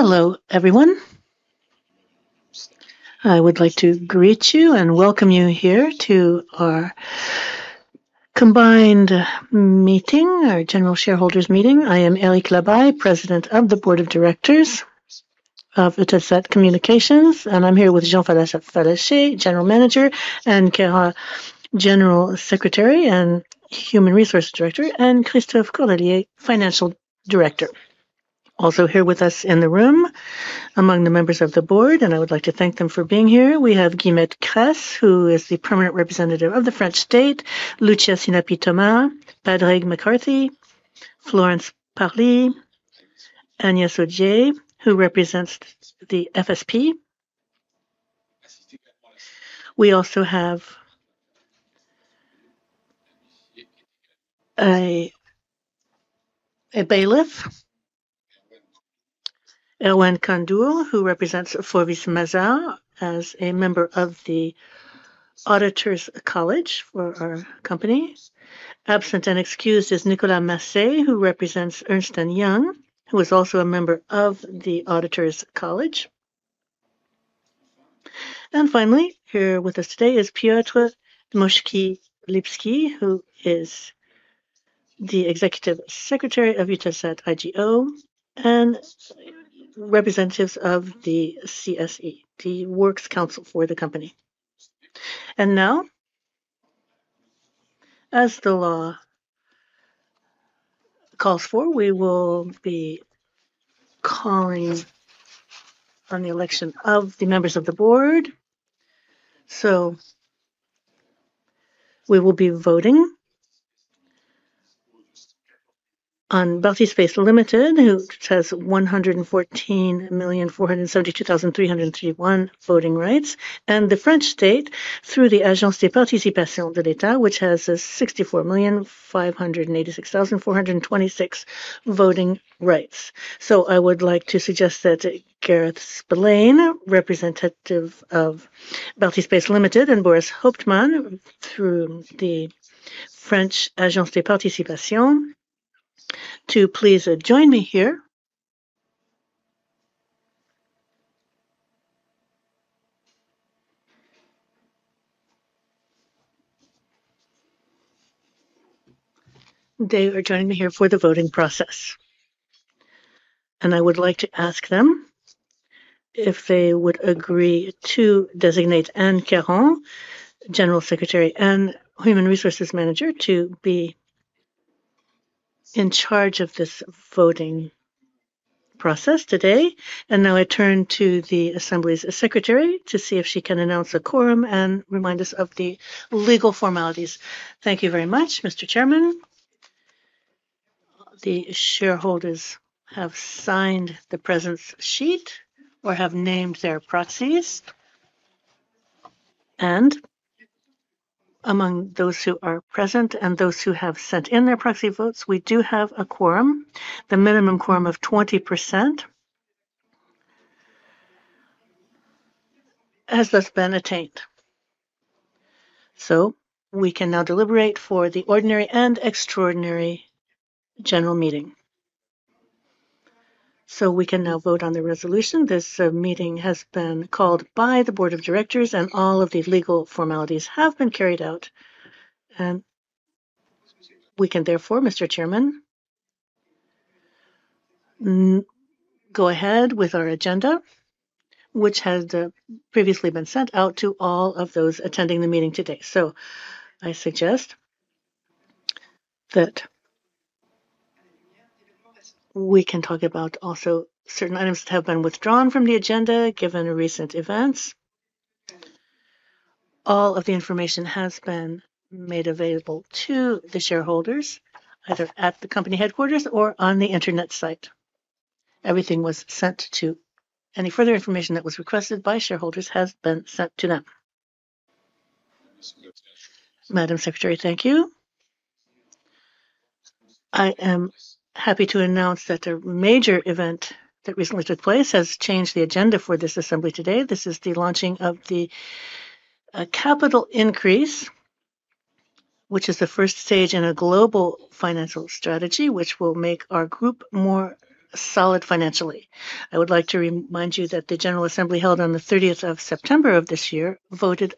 Hello, everyone. I would like to greet you and welcome you here to our combined meeting, our general shareholders' meeting. I am Éric Labaye, President of the Board of Directors of Eutelsat Communications, and I'm here with Jean-François Fallacher, General Manager, and Kara, General Secretary and Human Resources Director, and Christophe Caudrelier, Financial Director. Also here with us in the room, among the members of the board, and I would like to thank them for being here. We have Guillemette Crasse, who is the Permanent Representative of the French State; Lucia Sinapi-Thoma; Patrick McCarthy; Florence Parly; Agnès Ogier, who represents the FSP. We also have Erwan Kandour, who represents Forvis Mazars as a member of the Auditors College for our company. Absent and excused is Nicolas Masset, who represents Ernst & Young, who is also a member of the Auditors College. Finally, here with us today is Piotr Moszkilewski, who is the Executive Secretary of Eutelsat IGO and representatives of the CSE, the Works Council for the company. As the law calls for, we will be calling on the election of the members of the board. We will be voting on Baltyspace Limited, who has 114,472,331 voting rights, and the French State through the Agence des Participations de l'État, which has 64,586,426 voting rights. I would like to suggest that Gareth Spillane, Representative of Baltyspace Limited, and Boris Hauptmann through the French Agence des Participations please join me here. They are joining me here for the voting process. I would like to ask them if they would agree to designate Anne Caron, General Secretary and Human Resources Manager, to be in charge of this voting process today. I turn to the Assembly's Secretary to see if she can announce a quorum and remind us of the legal formalities. Thank you very much, Mr. Chairman. The shareholders have signed the presence sheet or have named their proxies. Among those who are present and those who have sent in their proxy votes, we do have a quorum, the minimum quorum of 20%, as has been attained. We can now deliberate for the ordinary and extraordinary general meeting. We can now vote on the resolution. This meeting has been called by the Board of Directors, and all of the legal formalities have been carried out. We can therefore, Mr. Chairman, go ahead with our agenda, which had previously been sent out to all of those attending the meeting today. I suggest that we can talk about also certain items that have been withdrawn from the agenda given recent events. All of the information has been made available to the shareholders, either at the company headquarters or on the internet site. Everything was sent to any further information that was requested by shareholders has been sent to them. Madam Secretary, thank you. I am happy to announce that a major event that recently took place has changed the agenda for this assembly today. This is the launching of the capital increase, which is the first stage in a global financial strategy which will make our group more solid financially. I would like to remind you that the General Assembly held on the 30th of September of this year voted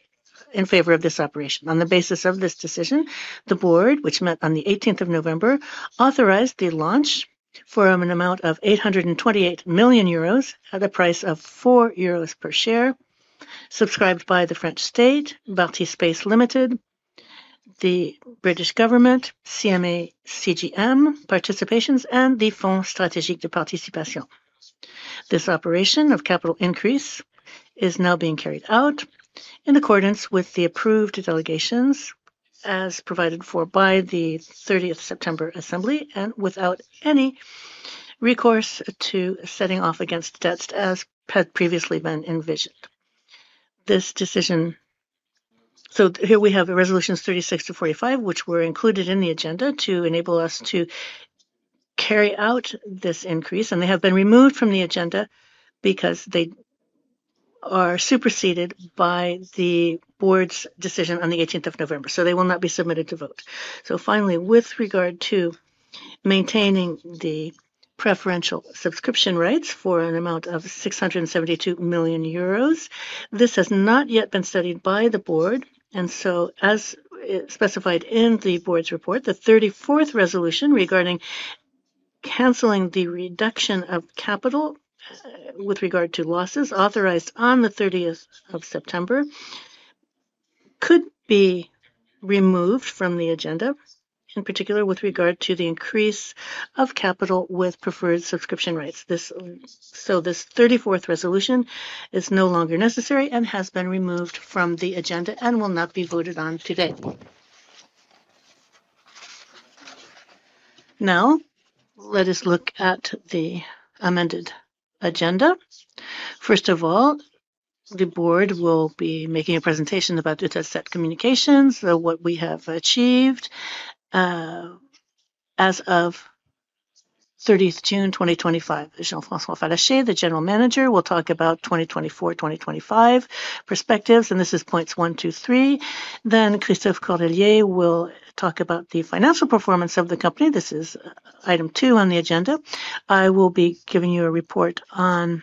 in favor of this operation. On the basis of this decision, the board, which met on the 18th of November, authorized the launch for an amount of 828 million euros, at a price of 4 euros per share, subscribed by the French State, Baltyspace Limited, the British Government, CMA CGM Participations, and the Fonds Stratégiques de Participation. This operation of capital increase is now being carried out in accordance with the approved delegations as provided for by the 30th September Assembly and without any recourse to setting off against debts as had previously been envisioned. This decision. Here we have resolutions 36-45, which were included in the agenda to enable us to carry out this increase, and they have been removed from the agenda because they are superseded by the board's decision on the 18th of November. They will not be submitted to vote. Finally, with regard to maintaining the preferential subscription rights for an amount of 672 million euros, this has not yet been studied by the board. As specified in the board's report, the 34th resolution regarding canceling the reduction of capital with regard to losses authorized on the 30th of September could be removed from the agenda, in particular with regard to the increase of capital with preferred subscription rights. This 34th resolution is no longer necessary and has been removed from the agenda and will not be voted on today. Now, let us look at the amended agenda. First of all, the board will be making a presentation about Eutelsat Communications, what we have achieved as of 30th June 2025. Jean-François Fallacher, the General Manager, will talk about 2024-2025 perspectives, and this is points one, two, three. Christophe Caudrelier will talk about the financial performance of the company. This is item two on the agenda. I will be giving you a report on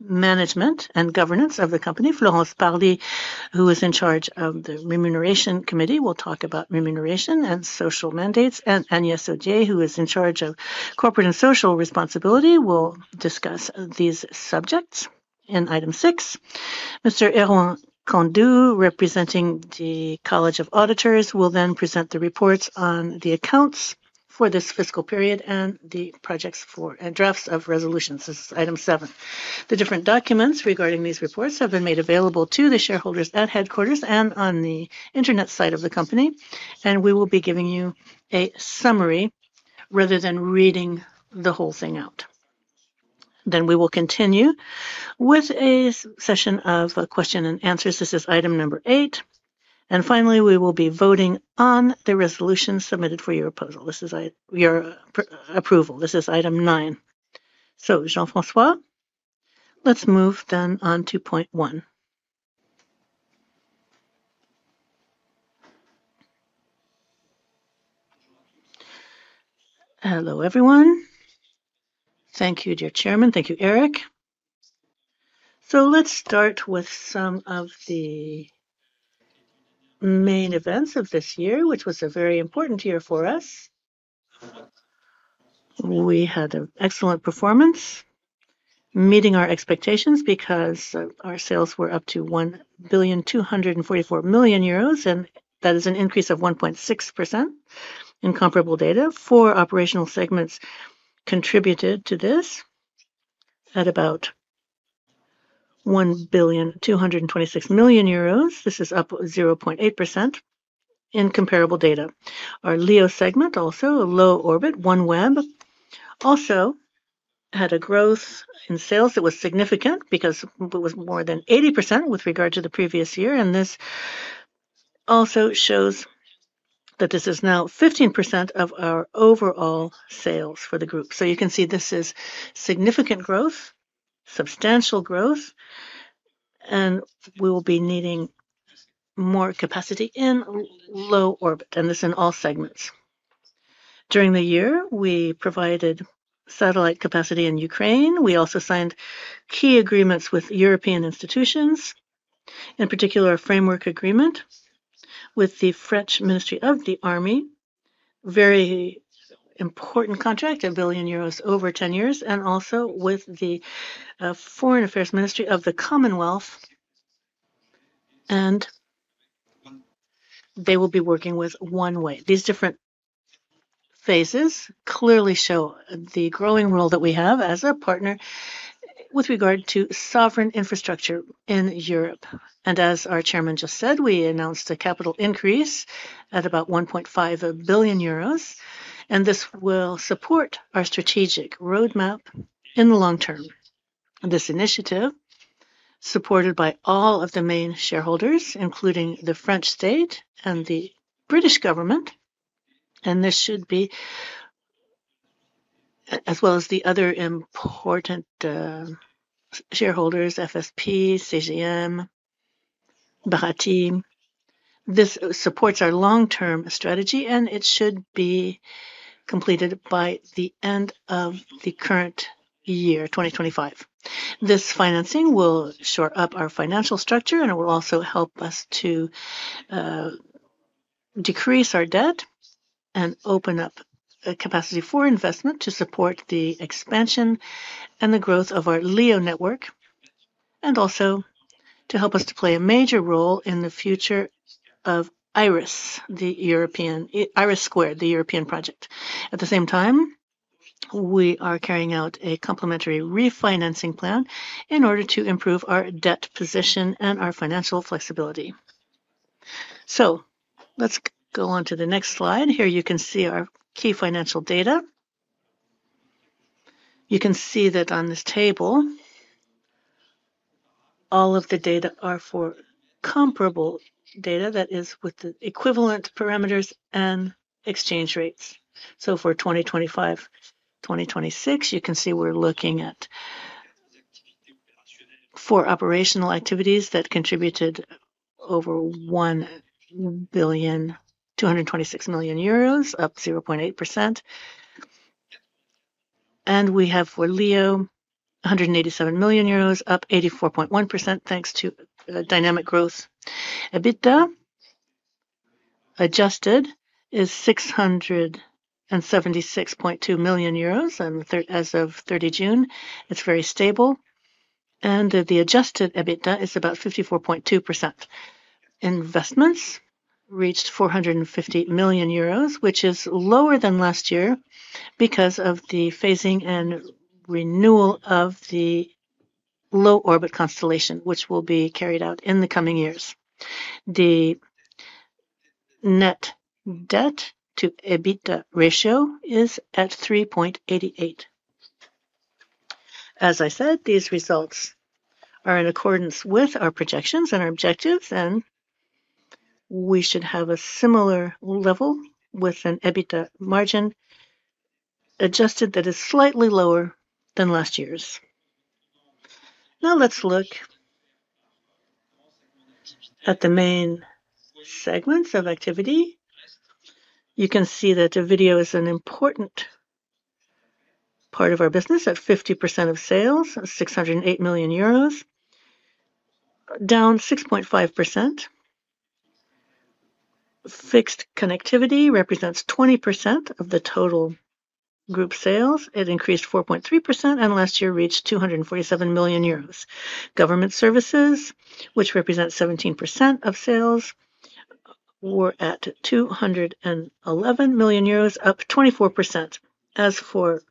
management and governance of the company. Florence Parly, who is in charge of the remuneration committee, will talk about remuneration and social mandates. Agnès Ogier, who is in charge of corporate and social responsibility, will discuss these subjects in item six. Mr. Erwan Kandour, representing the College of Auditors, will then present the reports on the accounts for this fiscal period and the projects for drafts of resolutions. This is item seven. The different documents regarding these reports have been made available to the shareholders at headquarters and on the internet site of the company. We will be giving you a summary rather than reading the whole thing out. We will continue with a session of questions and answers. This is item number eight. Finally, we will be voting on the resolution submitted for your approval. This is your approval. This is item nine. Jean-François, let's move then on to point one. Hello everyone. Thank you, dear Chairman. Thank you, Eric. Let's start with some of the main events of this year, which was a very important year for us. We had an excellent performance, meeting our expectations because our sales were up to 1,244 million euros, and that is an increase of 1.6% in comparable data. Four operational segments contributed to this at about 1,226 million euros. This is up 0.8% in comparable data. Our LEO segment, also Low Orbit, OneWeb, also had a growth in sales that was significant because it was more than 80% with regard to the previous year. This also shows that this is now 15% of our overall sales for the group. You can see this is significant growth, substantial growth, and we will be needing more capacity in Low Orbit, and this is in all segments. During the year, we provided satellite capacity in Ukraine. We also signed key agreements with European institutions, in particular a framework agreement with the French Ministry of the Army, a very important contract, 1 billion euros over 10 years, and also with the Foreign Affairs Ministry of the Commonwealth. They will be working with OneWeb. These different phases clearly show the growing role that we have as a partner with regard to sovereign infrastructure in Europe. As our Chairman just said, we announced a capital increase at about 1.5 billion euros, and this will support our strategic roadmap in the long term. This initiative, supported by all of the main shareholders, including the French State and the British Government, and this should be, as well as the other important shareholders, FSP, CMA CGM, Baltyspace, this supports our long-term strategy, and it should be completed by the end of the current year, 2025. This financing will shore up our financial structure, and it will also help us to decrease our debt and open up capacity for investment to support the expansion and the growth of our LEO network, and also to help us to play a major role in the future of IRIS², the European IRIS², the European project. At the same time, we are carrying out a complementary refinancing plan in order to improve our debt position and our financial flexibility. Let's go on to the next slide. Here you can see our key financial data. You can see that on this table, all of the data are for comparable data that is with the equivalent parameters and exchange rates. For 2025-2026, you can see we're looking at four operational activities that contributed over 1,226 million euros, up 0.8%. We have for LEO 187 million euros, up 84.1%, thanks to dynamic growth. EBITDA adjusted is 676.2 million euros, and as of 30 June, it's very stable. The adjusted EBITDA is about 54.2%. Investments reached 450 million euros, which is lower than last year because of the phasing and renewal of the low Earth orbit constellation, which will be carried out in the coming years. The net debt to EBITDA ratio is at 3.88. As I said, these results are in accordance with our projections and our objectives, and we should have a similar level with an EBITDA margin adjusted that is slightly lower than last year's. Now let's look at the main segments of activity. You can see that video is an important part of our business at 50% of sales, 608 million euros, down 6.5%. Fixed connectivity represents 20% of the total group sales. It increased 4.3% and last year reached 247 million euros. Government services, which represent 17% of sales, were at 211 million euros, up 24%. As for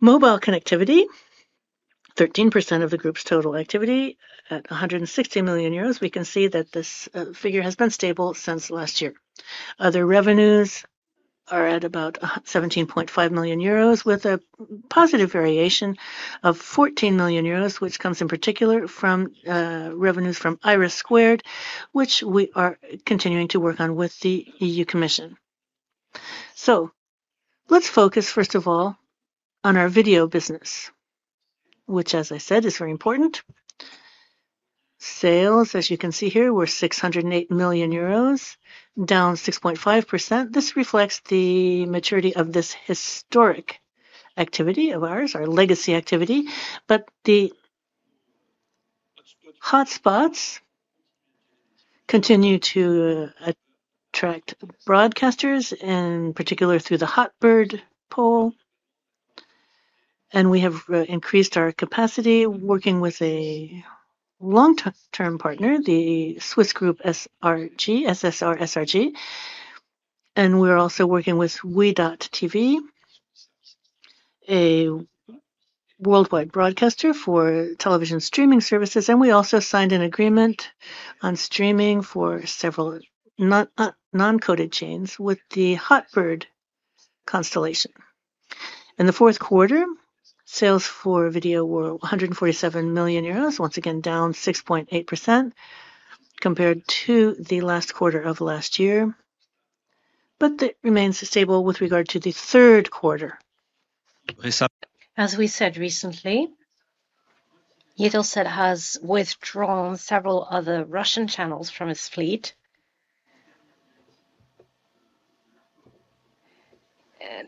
mobile connectivity, 13% of the group's total activity at 160 million euros, we can see that this figure has been stable since last year. Other revenues are at about 17.5 million euros, with a positive variation of 14 million euros, which comes in particular from revenues from IRIS², which we are continuing to work on with the EU Commission. Let's focus first of all on our video business, which, as I said, is very important. Sales, as you can see here, were 608 million euros, down 6.5%. This reflects the maturity of this historic activity of ours, our legacy activity. The hotspots continue to attract broadcasters, in particular through the Hotbird pool. We have increased our capacity working with a long-term partner, the Swiss group SRG SSR. We are also working with wedotv, a worldwide broadcaster for television streaming services. We also signed an agreement on streaming for several non-coded channels with the Hotbird constellation. In the fourth quarter, sales for video were 147 million euros, once again down 6.8% compared to the last quarter of last year. It remains stable with regard to the third quarter. As we said recently, Eutelsat has withdrawn several other Russian channels from its fleet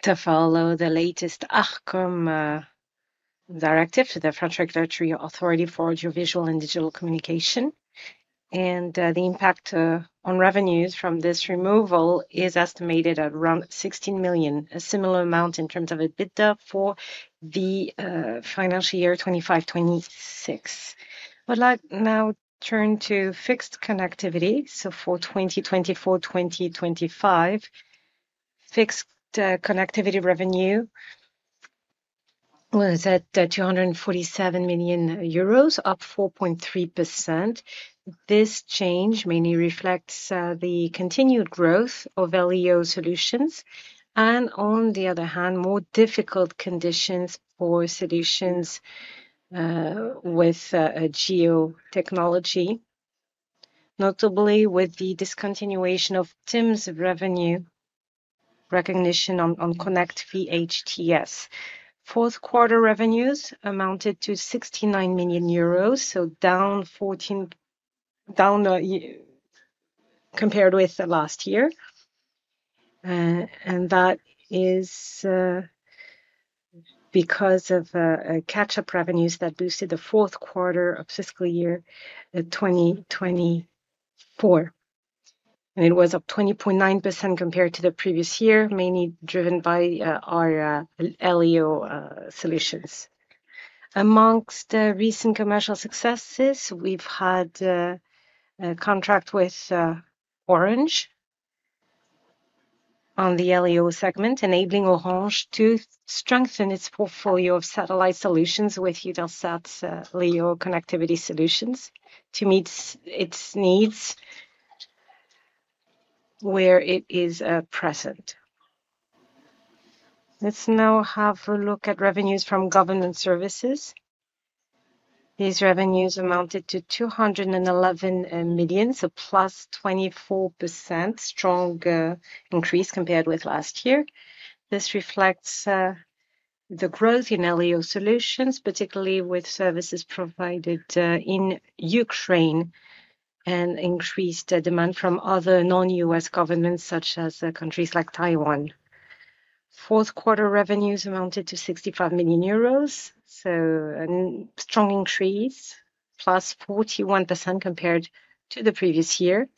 to follow the latest ARCOM directive to the French Regulatory Authority for Audiovisual and Digital Communication. The impact on revenues from this removal is estimated at around 16 million, a similar amount in terms of EBITDA for the financial year 2025-2026. Let's now turn to fixed connectivity. For 2024-2025, fixed connectivity revenue was at 247 million euros, up 4.3%. This change mainly reflects the continued growth of LEO solutions and, on the other hand, more difficult conditions for solutions with geotechnology, notably with the discontinuation of TIMSS revenue recognition on Connect VHTS. Fourth quarter revenues amounted to 69 million euros, down compared with last year. That is because of catch-up revenues that boosted the fourth quarter of fiscal year 2024. It was up 20.9% compared to the previous year, mainly driven by our LEO solutions. Amongst recent commercial successes, we've had a contract with Orange on the LEO segment, enabling Orange to strengthen its portfolio of satellite solutions with Eutelsat's LEO connectivity solutions to meet its needs where it is present. Let's now have a look at revenues from government services. These revenues amounted to 211 million, +24%, strong increase compared with last year. This reflects the growth in LEO solutions, particularly with services provided in Ukraine and increased demand from other non-U.S. governments such as countries like Taiwan. Fourth quarter revenues amounted to 65 million euros, a strong increase, plus 41% compared to the previous year.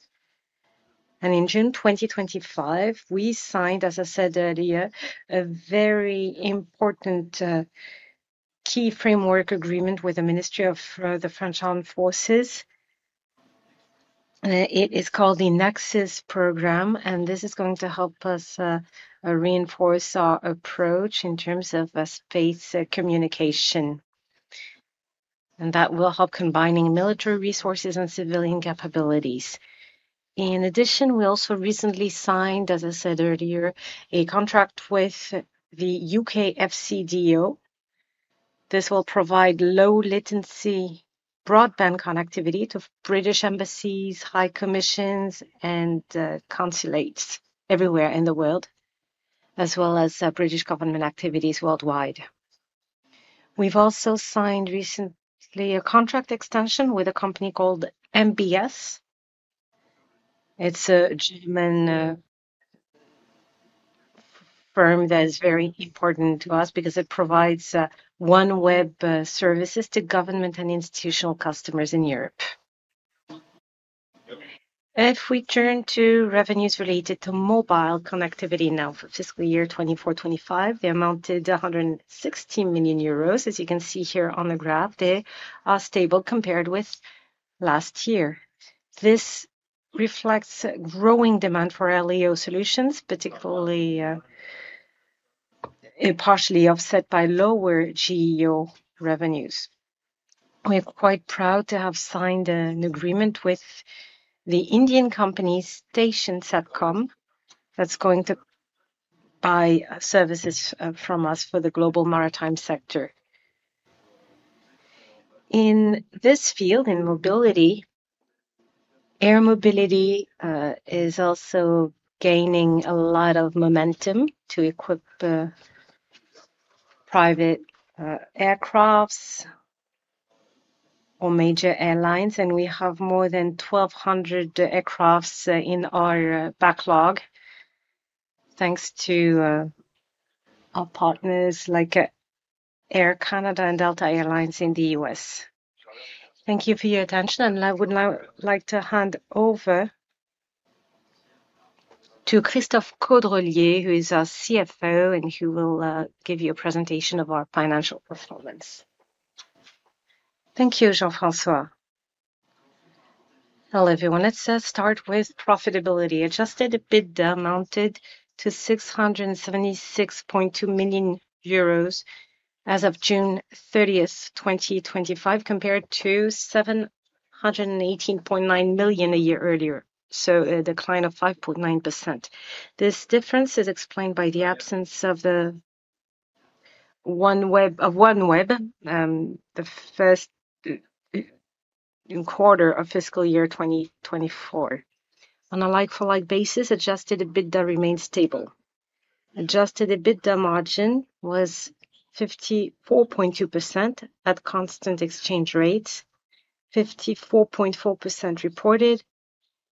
In June 2025, we signed, as I said earlier, a very important key framework agreement with the Ministry of the French Armed Forces. It is called the Nexus Program, and this is going to help us reinforce our approach in terms of space communication. That will help combining military resources and civilian capabilities. In addition, we also recently signed, as I said earlier, a contract with the U.K. FCDO. This will provide low-latency broadband connectivity to British embassies, high commissions, and consulates everywhere in the world, as well as British government activities worldwide. We've also signed recently a contract extension with a company called MBS. It's a German firm that is very important to us because it provides OneWeb services to government and institutional customers in Europe. If we turn to revenues related to mobile connectivity now for fiscal year 2024-2025, they amounted to 160 million euros, as you can see here on the graph. They are stable compared with last year. This reflects growing demand for LEO solutions, particularly partially offset by lower GEO revenues. We're quite proud to have signed an agreement with the Indian company Station Satcom that's going to buy services from us for the global maritime sector. In this field, in mobility, air mobility is also gaining a lot of momentum to equip private aircraft or major airlines. We have more than 1,200 aircraft in our backlog, thanks to our partners like Air Canada and Delta Airlines in the US.Thank you for your attention, and I would now like to hand over to Christophe Caudrelier, who is our CFO and who will give you a presentation of our financial performance. Thank you, Jean-François. Hello, everyone. Let's start with profitability. Adjusted EBITDA amounted to 676.2 million euros as of June 30, 2025, compared to 718.9 million a year earlier, a decline of 5.9%. This difference is explained by the absence of OneWeb the first quarter of fiscal year 2024. On a like-for-like basis, adjusted EBITDA remains stable. Adjusted EBITDA margin was 54.2% at constant exchange rates, 54.4% reported,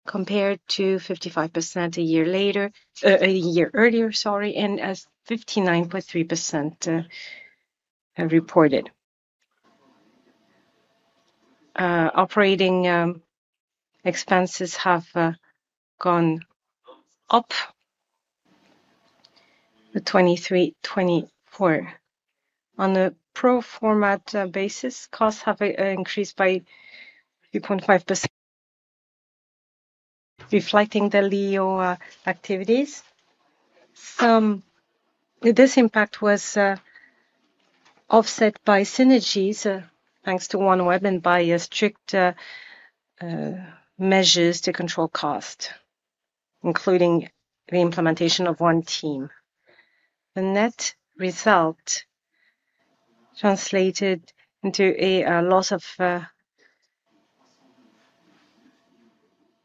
compared to 55% a year earlier, sorry, and 59.3% reported. Operating expenses have gone up the 2023-2024. On a pro forma basis, costs have increased by 2.5%, reflecting the LEO activities. This impact was offset by synergies, thanks to OneWeb, and by strict measures to control cost, including the implementation of one team. The net result translated into a loss of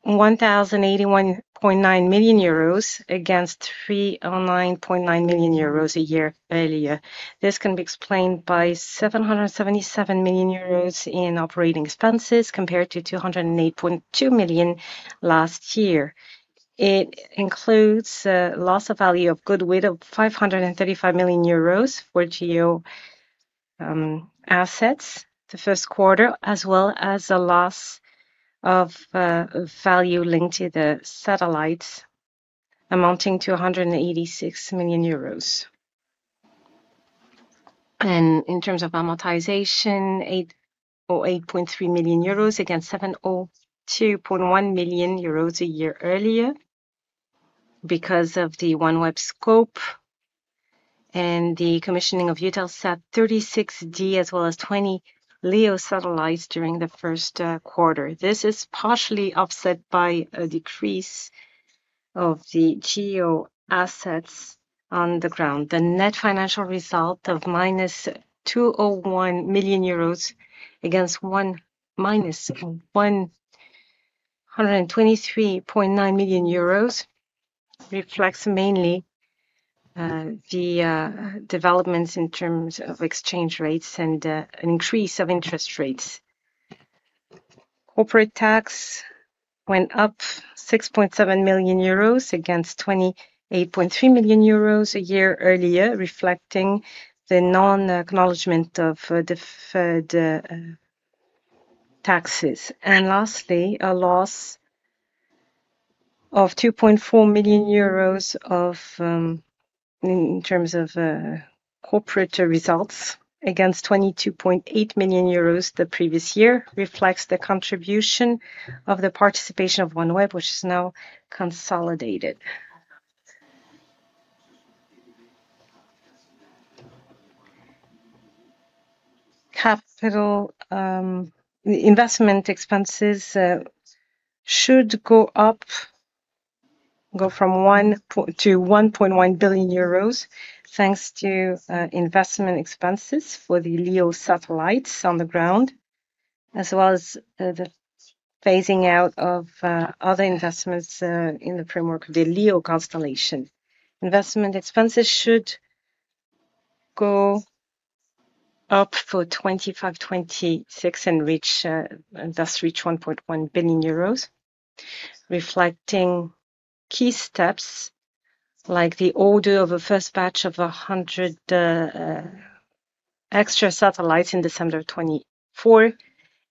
1,081.9 million euros against 309.9 million euros a year earlier. This can be explained by 777 million euros in operating expenses compared to 208.2 million last year. It includes a loss of value of goodwill of 535 million euros for GEO assets the first quarter, as well as a loss of value linked to the satellites, amounting to 186 million euros. In terms of amortization, 8.3 million euros against 702.1 million euros a year earlier because of the OneWeb scope and the commissioning of Eutelsat 36D, as well as 20 LEO satellites during the first quarter. This is partially offset by a decrease of the GEO assets on the ground. The net financial result of minus 201 million euros against minus 123.9 million euros reflects mainly the developments in terms of exchange rates and an increase of interest rates. Corporate tax went up 6.7 million euros against 28.3 million euros a year earlier, reflecting the non-acknowledgement of the Fed taxes. Lastly, a loss of 2.4 million euros in terms of corporate results against 22.8 million euros the previous year reflects the contribution of the participation of OneWeb, which is now consolidated. Capital investment expenses should go up, go from 1 billion to 1.1 billion euros, thanks to investment expenses for the LEO satellites on the ground, as well as the phasing out of other investments in the framework of the LEO constellation. Investment expenses should go up for 2025-2026 and thus reach 1.1 billion euros, reflecting key steps like the order of a first batch of 100 extra satellites in December 2024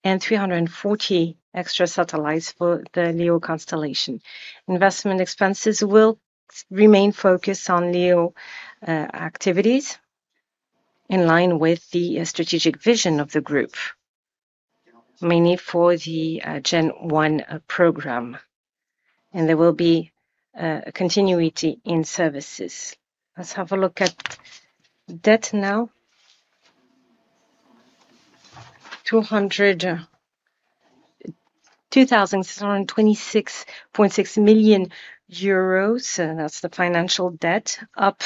and 340 extra satellites for the LEO constellation. Investment expenses will remain focused on LEO activities in line with the strategic vision of the group, mainly for the Gen1 program. There will be a continuity in services. Let's have a look at debt now. 2,626.6 million euros, that's the financial debt, up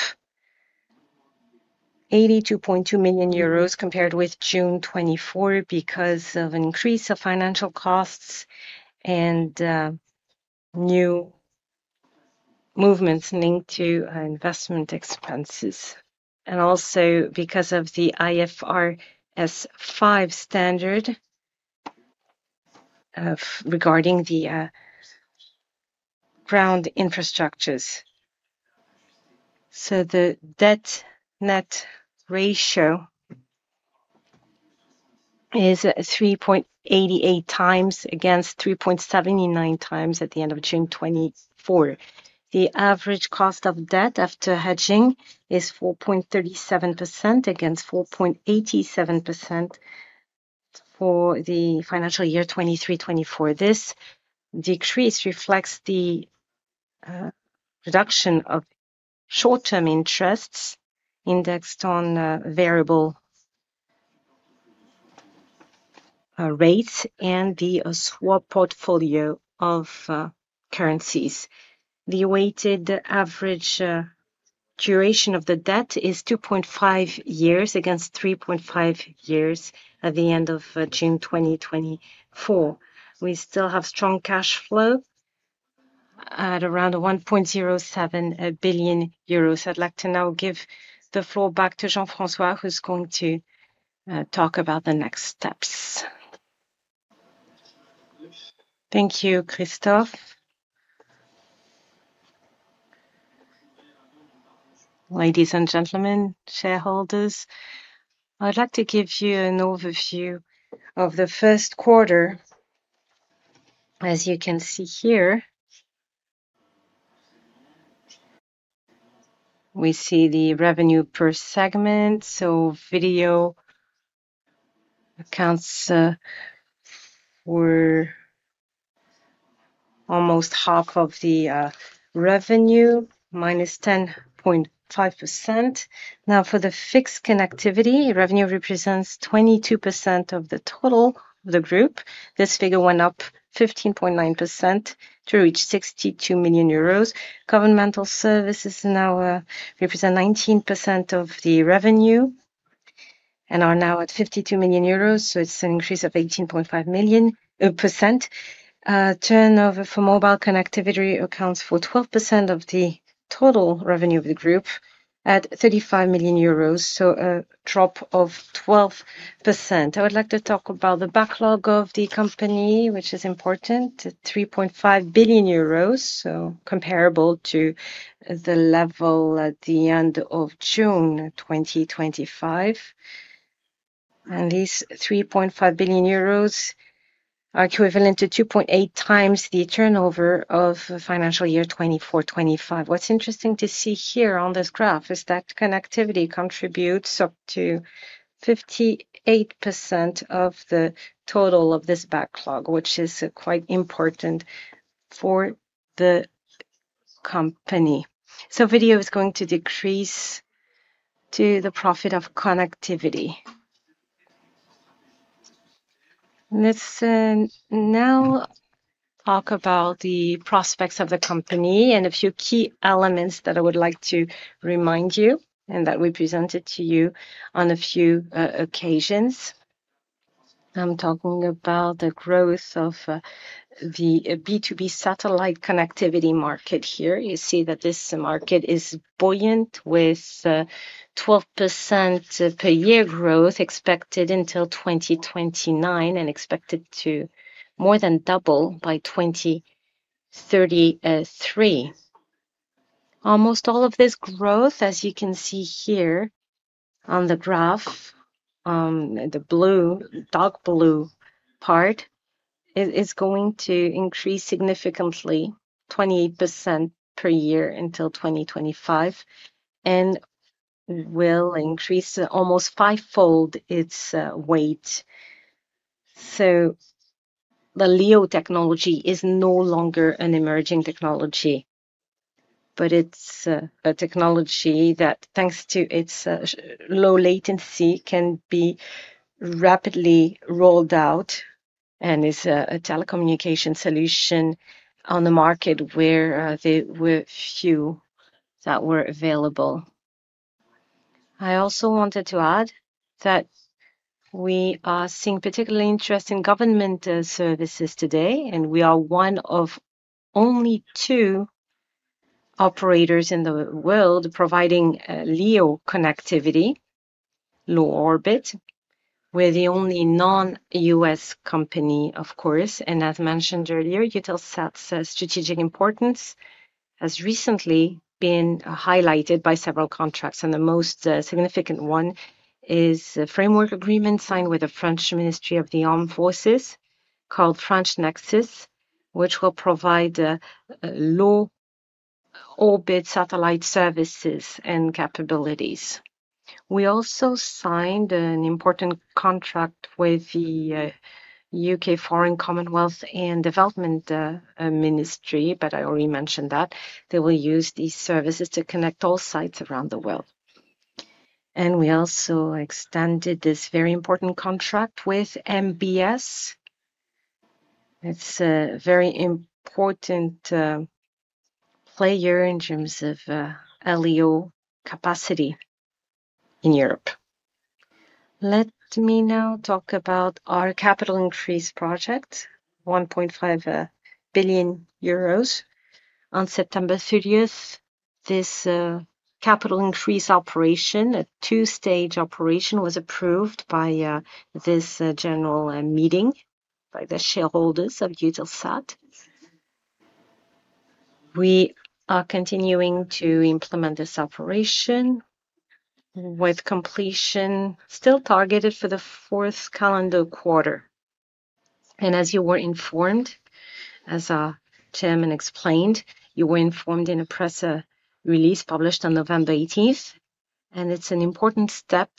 82.2 million euros compared with June 2024 because of an increase of financial costs and new movements linked to investment expenses. Also because of the IFRS 5 standard regarding the ground infrastructures. The debt-net ratio is 3.88 times against 3.79 times at the end of June 2024. The average cost of debt after hedging is 4.37% against 4.87% for the financial year 2023-2024. This decrease reflects the reduction of short-term interests indexed on variable rates and the swap portfolio of currencies. The awaited average duration of the debt is 2.5 years against 3.5 years at the end of June 2024. We still have strong cash flow at around 1.07 billion euros. I'd like to now give the floor back to Jean-François, who's going to talk about the next steps. Thank you, Christophe. Ladies and gentlemen, shareholders, I'd like to give you an overview of the first quarter. As you can see here, we see the revenue per segment. Video accounts were almost half of the revenue, minus 10.5%. Now, for the fixed connectivity, revenue represents 22% of the total of the group. This figure went up 15.9% to reach 62 million euros. Governmental services now represent 19% of the revenue and are now at 52 million euros, so it's an increase of 18.5%. Turnover for mobile connectivity accounts for 12% of the total revenue of the group at 35 million euros, so a drop of 12%. I would like to talk about the backlog of the company, which is important, 3.5 billion euros, so comparable to the level at the end of June 2025. These 3.5 billion euros are equivalent to 2.8 times the turnover of financial year 2024-2025. What's interesting to see here on this graph is that connectivity contributes up to 58% of the total of this backlog, which is quite important for the company. Video is going to decrease to the profit of connectivity. Let's now talk about the prospects of the company and a few key elements that I would like to remind you and that we presented to you on a few occasions. I'm talking about the growth of the B2B satellite connectivity market here. You see that this market is buoyant with 12% per year growth expected until 2029 and expected to more than double by 2033. Almost all of this growth, as you can see here on the graph, the blue, dark blue part, is going to increase significantly, 28% per year until 2025, and will increase almost fivefold its weight. The LEO technology is no longer an emerging technology, but it's a technology that, thanks to its low latency, can be rapidly rolled out and is a telecommunication solution on the market where there were few that were available. I also wanted to add that we are seeing particular interest in government services today, and we are one of only two operators in the world providing LEO connectivity, Low Orbit. We're the only non-U.S. company, of course. As mentioned earlier, Eutelsat's strategic importance has recently been highlighted by several contracts. The most significant one is a framework agreement signed with the French Ministry of the Armed Forces called French Nexus, which will provide low orbit satellite services and capabilities. We also signed an important contract with the U.K. Foreign Commonwealth and Development Ministry, but I already mentioned that they will use these services to connect all sites around the world. We also extended this very important contract with MBS. It's a very important player in terms of LEO capacity in Europe. Let me now talk about our capital increase project, 1.5 billion euros. On September 30, this capital increase operation, a two-stage operation, was approved by this general meeting by the shareholders of Eutelsat. We are continuing to implement this operation with completion still targeted for the fourth calendar quarter. As you were informed, as Chairman explained, you were informed in a press release published on November 18, and it's an important step,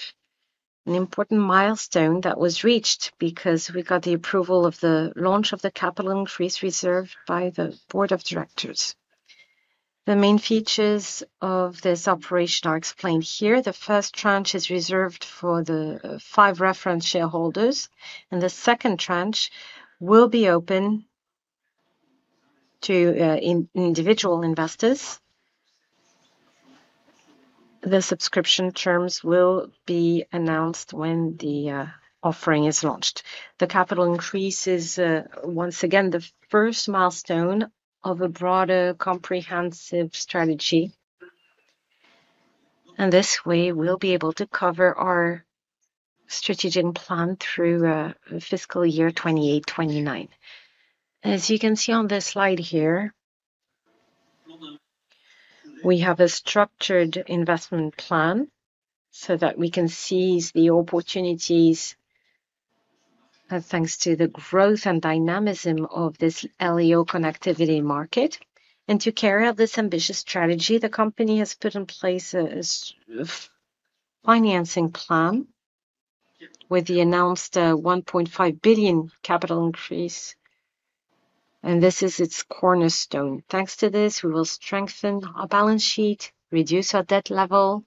an important milestone that was reached because we got the approval of the launch of the capital increase reserved by the Board of Directors. The main features of this operation are explained here. The first tranche is reserved for the five reference shareholders, and the second tranche will be open to individual investors. The subscription terms will be announced when the offering is launched. The capital increase is, once again, the first milestone of a broader comprehensive strategy. In this way, we'll be able to cover our strategic plan through fiscal year 2028-2029. As you can see on this slide here, we have a structured investment plan so that we can seize the opportunities thanks to the growth and dynamism of this LEO connectivity market. To carry out this ambitious strategy, the company has put in place a financing plan with the announced 1.5 billion capital increase, and this is its cornerstone. Thanks to this, we will strengthen our balance sheet, reduce our debt level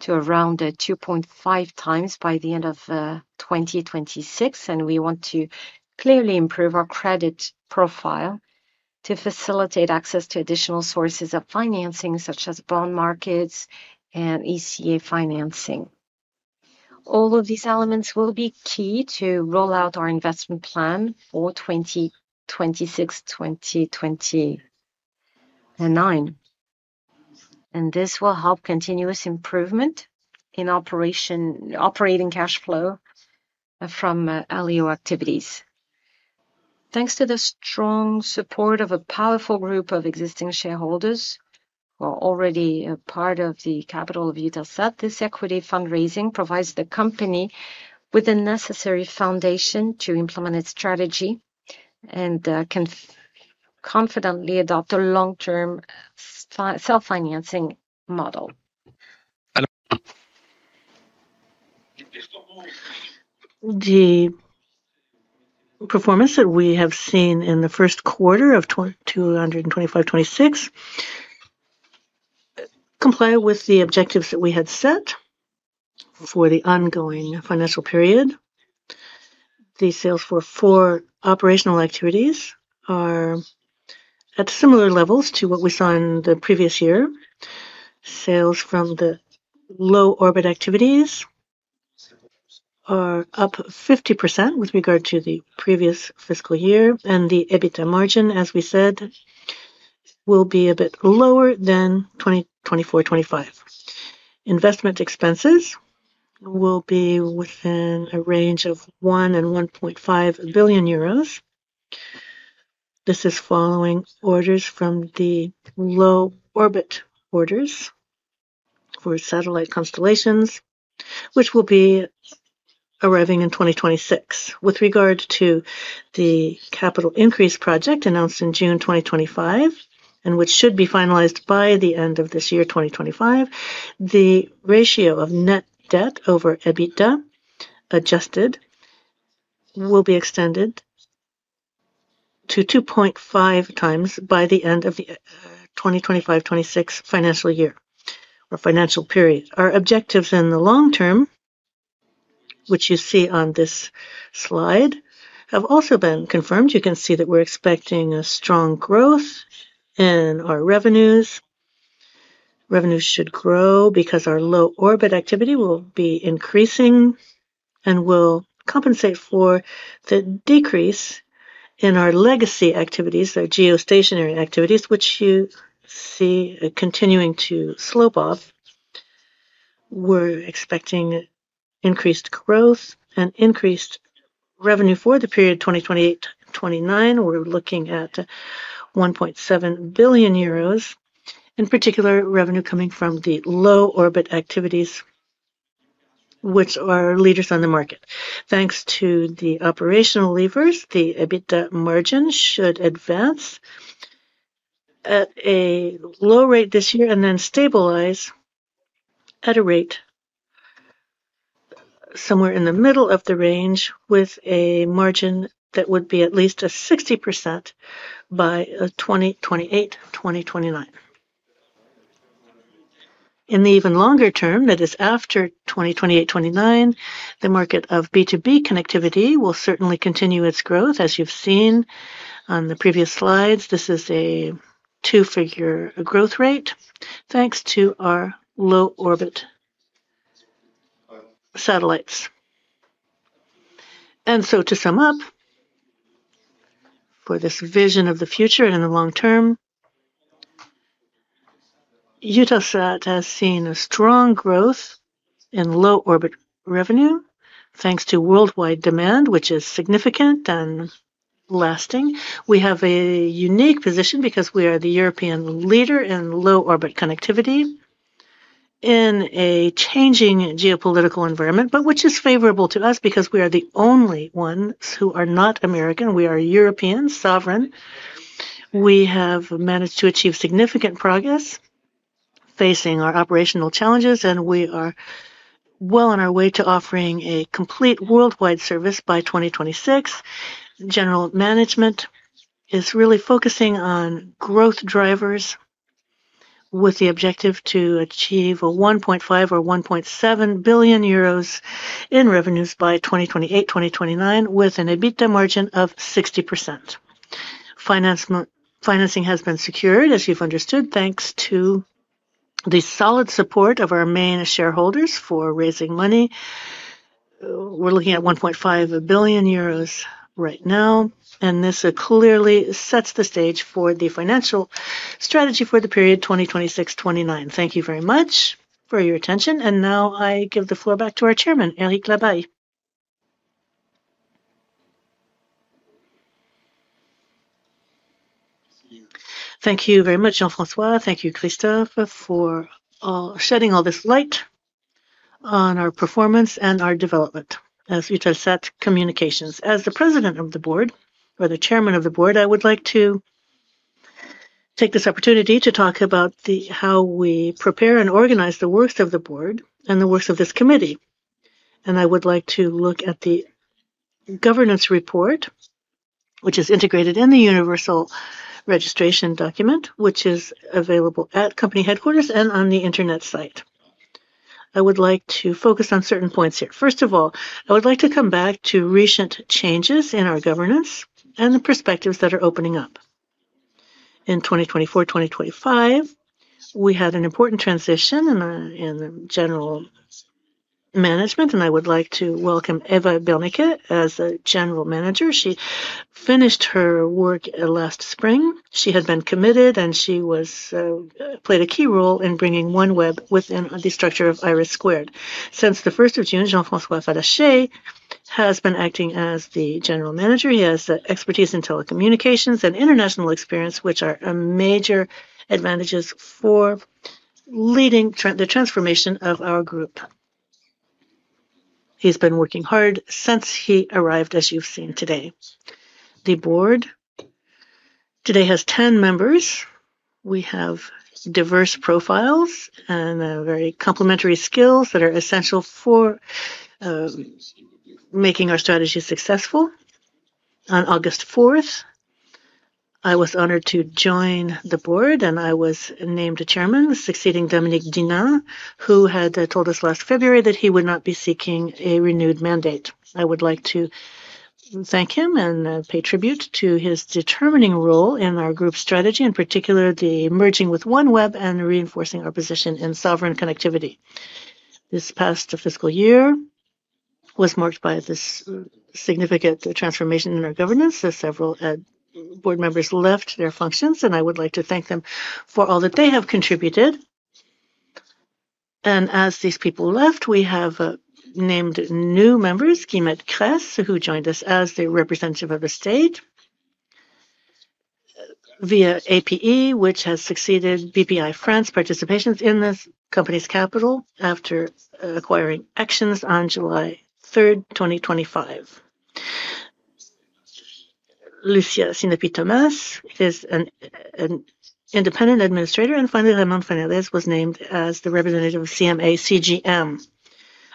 to around 2.5 times by the end of 2026, and we want to clearly improve our credit profile to facilitate access to additional sources of financing, such as bond markets and ECA financing. All of these elements will be key to roll out our investment plan for 2026-2029. This will help continuous improvement in operating cash flow from LEO activities. Thanks to the strong support of a powerful group of existing shareholders who are already part of the capital of Eutelsat, this equity fundraising provides the company with the necessary foundation to implement its strategy and can confidently adopt a long-term self-financing model. The performance that we have seen in the first quarter of 2025-2026 complies with the objectives that we had set for the ongoing financial period. The sales for four operational activities are at similar levels to what we saw in the previous year. Sales from the low orbit activities are up 50% with regard to the previous fiscal year. The EBITDA margin, as we said, will be a bit lower than 2024-2025. Investment expenses will be within a range of 1 billion-1.5 billion euros. This is following orders from the low orbit orders for satellite constellations, which will be arriving in 2026. With regard to the capital increase project announced in June 2025, and which should be finalized by the end of this year, 2025, the ratio of net debt over EBITDA adjusted will be extended to 2.5 times by the end of the 2025-2026 financial year or financial period. Our objectives in the long term, which you see on this slide, have also been confirmed. You can see that we're expecting a strong growth in our revenues. Revenues should grow because our low orbit activity will be increasing and will compensate for the decrease in our legacy activities, our geostationary activities, which you see continuing to slope off. We're expecting increased growth and increased revenue for the period 2028-2029. We're looking at 1.7 billion euros, in particular revenue coming from the low orbit activities, which are leaders on the market. Thanks to the operational levers, the EBITDA margin should advance at a low rate this year and then stabilize at a rate somewhere in the middle of the range with a margin that would be at least 60% by 2028-2029. In the even longer term, that is after 2028-2029, the market of B2B connectivity will certainly continue its growth. As you've seen on the previous slides, this is a two-figure growth rate thanks to our low orbit satellites. To sum up for this vision of the future and in the long term, Eutelsat has seen a strong growth in low orbit revenue thanks to worldwide demand, which is significant and lasting. We have a unique position because we are the European leader in low orbit connectivity in a changing geopolitical environment, which is favorable to us because we are the only ones who are not American. We are European sovereign. We have managed to achieve significant progress facing our operational challenges, and we are well on our way to offering a complete worldwide service by 2026. General management is really focusing on growth drivers with the objective to achieve 1.5 billion or 1.7 billion euros in revenues by 2028-2029 with an EBITDA margin of 60%. Financing has been secured, as you have understood, thanks to the solid support of our main shareholders for raising money. We are looking at 1.5 billion euros right now, and this clearly sets the stage for the financial strategy for the period 2026-29. Thank you very much for your attention. I give the floor back to our Chairman, Éric Labaye. Thank you very much, Jean-François. Thank you, Christophe, for shedding all this light on our performance and our development as Eutelsat Communications. As the President of the Board or the Chairman of the Board, I would like to take this opportunity to talk about how we prepare and organize the works of the Board and the works of this committee. I would like to look at the governance report, which is integrated in the universal registration document, which is available at company headquarters and on the internet site. I would like to focus on certain points here. First of all, I would like to come back to recent changes in our governance and the perspectives that are opening up. In 2024-2025, we had an important transition in general management, and I would like to welcome Eva Berneke as a general manager. She finished her work last spring. She had been committed, and she played a key role in bringing OneWeb within the structure of IRIS². Since the 1st of June, Jean-François Fallacher has been acting as the General Manager. He has expertise in telecommunications and international experience, which are major advantages for leading the transformation of our group. He's been working hard since he arrived, as you've seen today. The board today has 10 members. We have diverse profiles and very complementary skills that are essential for making our strategy successful. On August 4, I was honored to join the board, and I was named Chairman, succeeding Dominique Dénan, who had told us last February that he would not be seeking a renewed mandate. I would like to thank him and pay tribute to his determining role in our group strategy, in particular the merging with OneWeb and reinforcing our position in sovereign connectivity. This past fiscal year was marked by this significant transformation in our governance. Several board members left their functions, and I would like to thank them for all that they have contributed. As these people left, we have named new members, Guillemette Crasse, who joined us as the representative of the state via APE, which has succeeded BPI France Participations in this company's capital after acquiring actions on July 3, 2025. Lucia Sinapi-Thoma is an independent administrator. Finally, Raymond Fanales was named as the representative of CMA CGM.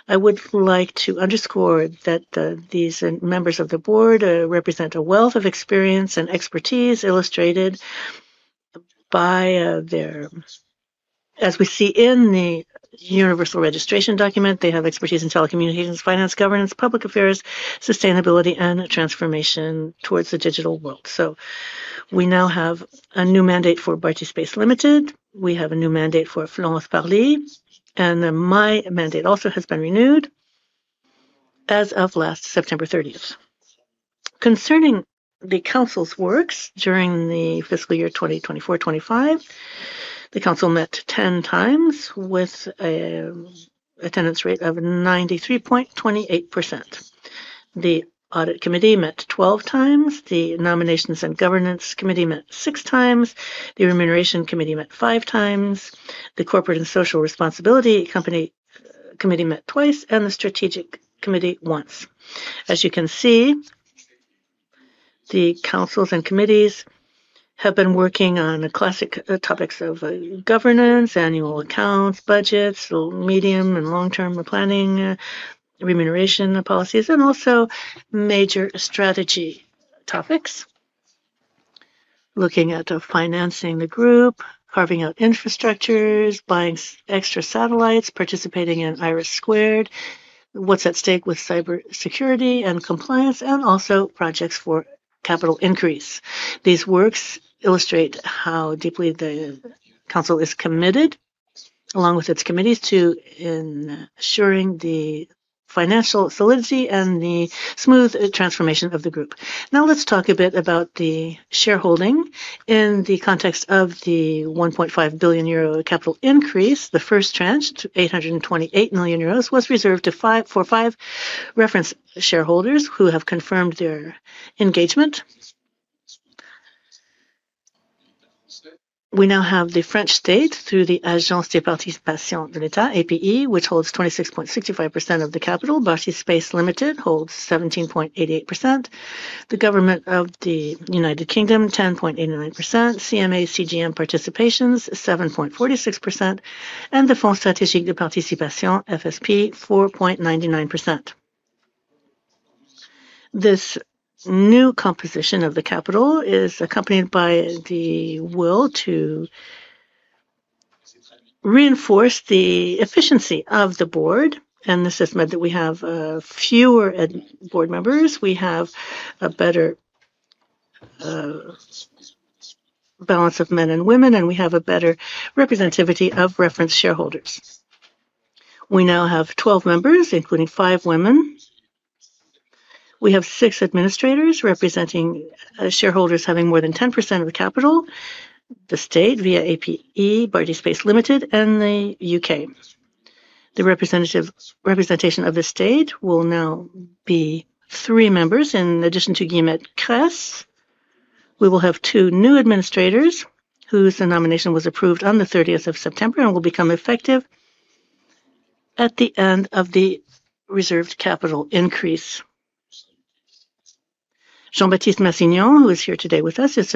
I would like to underscore that these members of the board represent a wealth of experience and expertise illustrated by their, as we see in the universal registration document, they have expertise in telecommunications, finance, governance, public affairs, sustainability, and transformation towards the digital world. We now have a new mandate for Baltyspace Limited. We have a new mandate for Florence Parly, and my mandate also has been renewed as of last September 30. Concerning the council's works during the fiscal year 2024-2025, the council met 10 times with an attendance rate of 93.28%. The audit committee met 12 times. The nominations and governance committee met six times. The remuneration committee met five times. The corporate and social responsibility company committee met twice, and the strategic committee once. As you can see, the councils and committees have been working on classic topics of governance, annual accounts, budgets, medium and long-term planning, remuneration policies, and also major strategy topics, looking at financing the group, carving out infrastructures, buying extra satellites, participating in IRIS², what's at stake with cybersecurity and compliance, and also projects for capital increase. These works illustrate how deeply the council is committed, along with its committees, to ensuring the financial solidity and the smooth transformation of the group. Now, let's talk a bit about the shareholding. In the context of the 1.5 billion euro capital increase, the first tranche to 828 million euros was reserved for five reference shareholders who have confirmed their engagement. We now have the French state through the Agence des Participations de l'État, APE, which holds 26.65% of the capital. Baltyspace Limited holds 17.88%. The government of the U.K., 10.89%. CMA CGM Participations, 7.46%. And the Fonds Stratégiques de Participation, FSP, 4.99%. This new composition of the capital is accompanied by the will to reinforce the efficiency of the board. This has meant that we have fewer board members. We have a better balance of men and women, and we have a better representativity of reference shareholders. We now have 12 members, including five women. We have six administrators representing shareholders having more than 10% of the capital, the state via APE, Baltyspace Limited, and the U.K. The representation of the state will now be three members in addition to Guillemette Crasse. We will have two new administrators whose nomination was approved on the 30th of September and will become effective at the end of the reserved capital increase. Jean-Baptiste Massignon, who is here today with us, is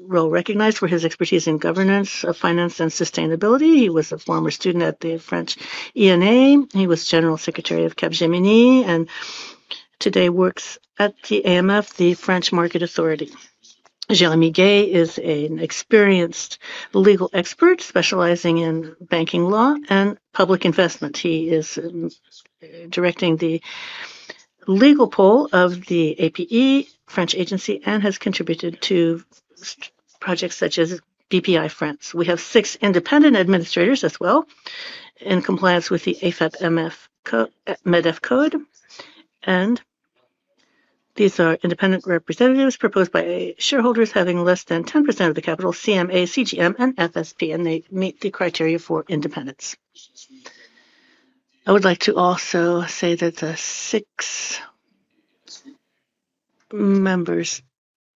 well recognized for his expertise in governance, finance, and sustainability. He was a former student at the French ENA. He was General Secretary of Capgemini and today works at the AMF, the French Market Authority. Jean-Michel is an experienced legal expert specializing in banking law and public investment. He is directing the legal pole of the APE, French agency, and has contributed to projects such as BPI France. We have six independent administrators as well in compliance with the AFAP MF Medef code. These are independent representatives proposed by shareholders having less than 10% of the capital, CMA CGM, and FSP, and they meet the criteria for independence. I would like to also say that the six members,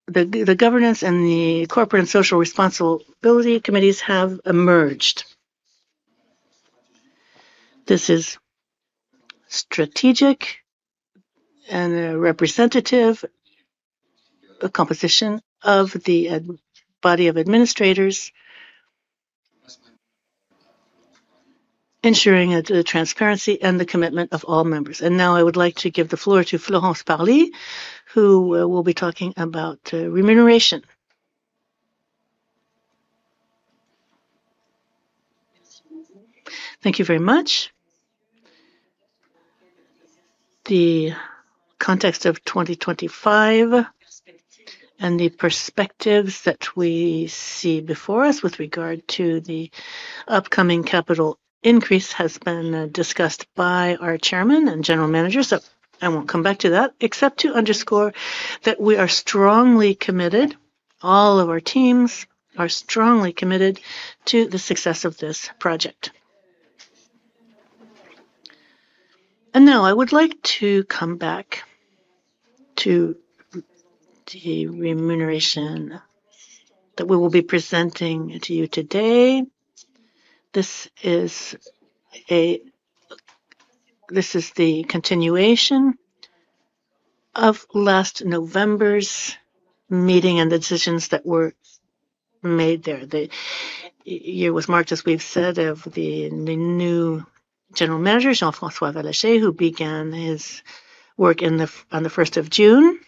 the governance and the corporate and social responsibility committees have emerged. This is strategic and a representative composition of the body of administrators, ensuring the transparency and the commitment of all members. I would like to give the floor to Florence Parly, who will be talking about remuneration. Thank you very much. The context of 2025 and the perspectives that we see before us with regard to the upcoming capital increase has been discussed by our Chairman and General Managers. I will not come back to that, except to underscore that we are strongly committed. All of our teams are strongly committed to the success of this project. Now I would like to come back to the remuneration that we will be presenting to you today. This is the continuation of last November's meeting and the decisions that were made there. The year was marked, as we have said, by the new General Manager, Jean-François Fallacher, who began his work on the 1st of June.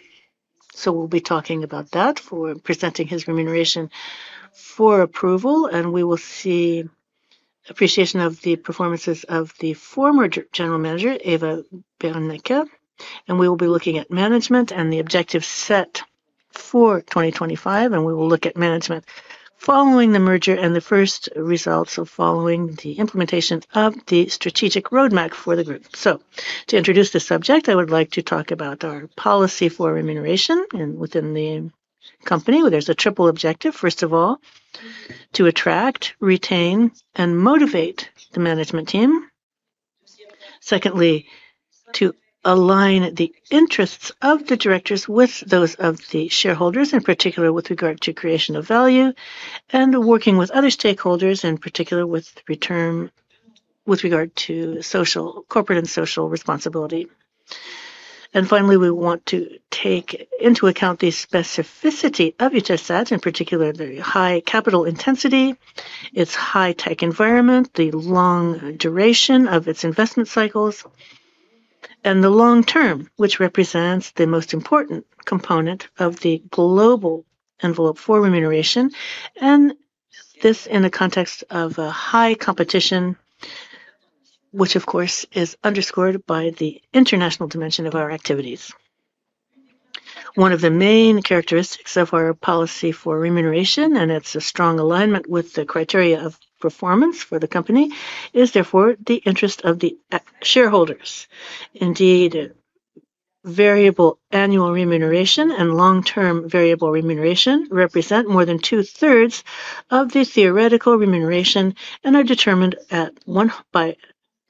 We will be talking about that for presenting his remuneration for approval. We will see appreciation of the performances of the former General Manager, Eva Berneke. We will be looking at management and the objectives set for 2025. We will look at management following the merger and the first results of following the implementation of the strategic roadmap for the group. To introduce the subject, I would like to talk about our policy for remuneration within the company. There is a triple objective. First of all, to attract, retain, and motivate the management team. Secondly, to align the interests of the directors with those of the shareholders, in particular with regard to creation of value and working with other stakeholders, in particular with regard to corporate and social responsibility. Finally, we want to take into account the specificity of Eutelsat, in particular the high capital intensity, its high-tech environment, the long duration of its investment cycles, and the long term, which represents the most important component of the global envelope for remuneration. This in the context of high competition, which, of course, is underscored by the international dimension of our activities. One of the main characteristics of our policy for remuneration, and it is a strong alignment with the criteria of performance for the company, is therefore the interest of the shareholders. Indeed, variable annual remuneration and long-term variable remuneration represent more than two-thirds of the theoretical remuneration and are determined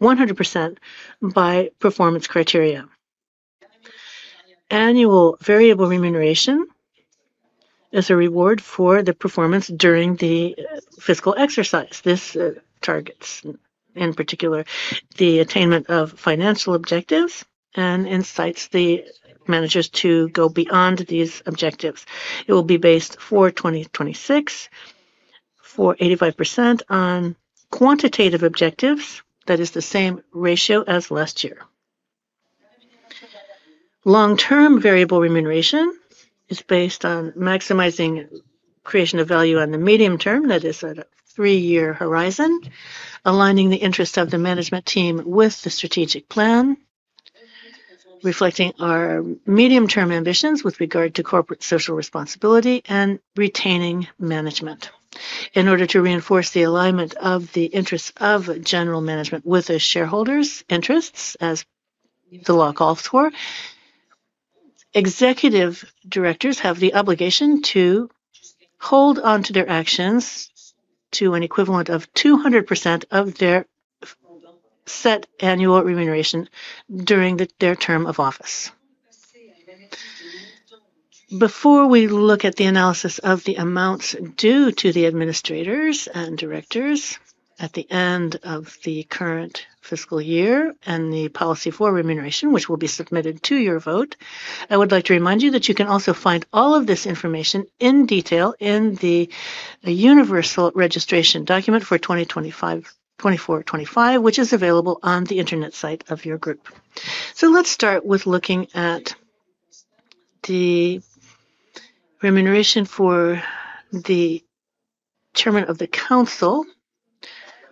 100% by performance criteria. Annual variable remuneration is a reward for the performance during the fiscal exercise. This targets, in particular, the attainment of financial objectives and incites the managers to go beyond these objectives. It will be based for 2026 for 85% on quantitative objectives. That is the same ratio as last year. Long-term variable remuneration is based on maximizing creation of value on the medium term. That is a three-year horizon, aligning the interests of the management team with the strategic plan, reflecting our medium-term ambitions with regard to corporate social responsibility and retaining management. In order to reinforce the alignment of the interests of general management with shareholders' interests, as the law calls for, executive directors have the obligation to hold on to their actions to an equivalent of 200% of their set annual remuneration during their term of office. Before we look at the analysis of the amounts due to the administrators and directors at the end of the current fiscal year and the policy for remuneration, which will be submitted to your vote, I would like to remind you that you can also find all of this information in detail in the universal registration document for 2024-2025, which is available on the internet site of your group. Let's start with looking at the remuneration for the Chairman of the Council,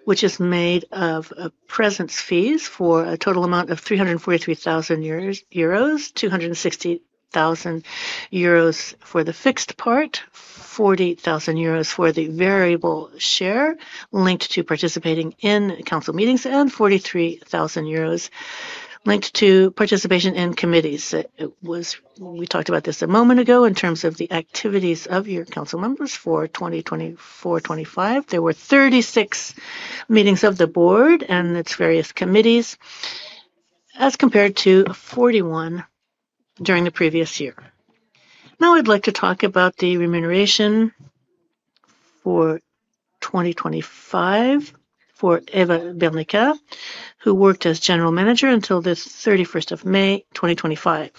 which is made of presence fees for a total amount of 343,000 euros, 260,000 euros for the fixed part, 48,000 euros for the variable share linked to participating in council meetings, and 43,000 euros linked to participation in committees. We talked about this a moment ago in terms of the activities of your council members for 2024-2025. There were 36 meetings of the board and its various committees as compared to 41 during the previous year. Now, I'd like to talk about the remuneration for 2025 for Eva Berneke, who worked as General Manager until the 31st of May 2025.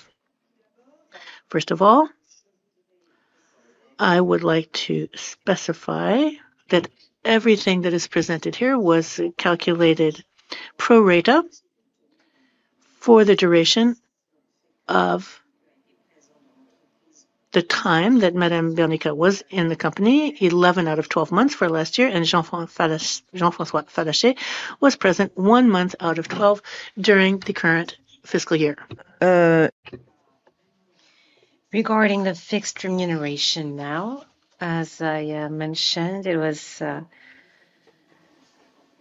First of all, I would like to specify that everything that is presented here was calculated pro rata for the duration of the time that Madame Berneke was in the company, 11 out of 12 months for last year, and Jean-François Fallacher was present one month out of 12 during the current fiscal year. Regarding the fixed remuneration now, as I mentioned, it was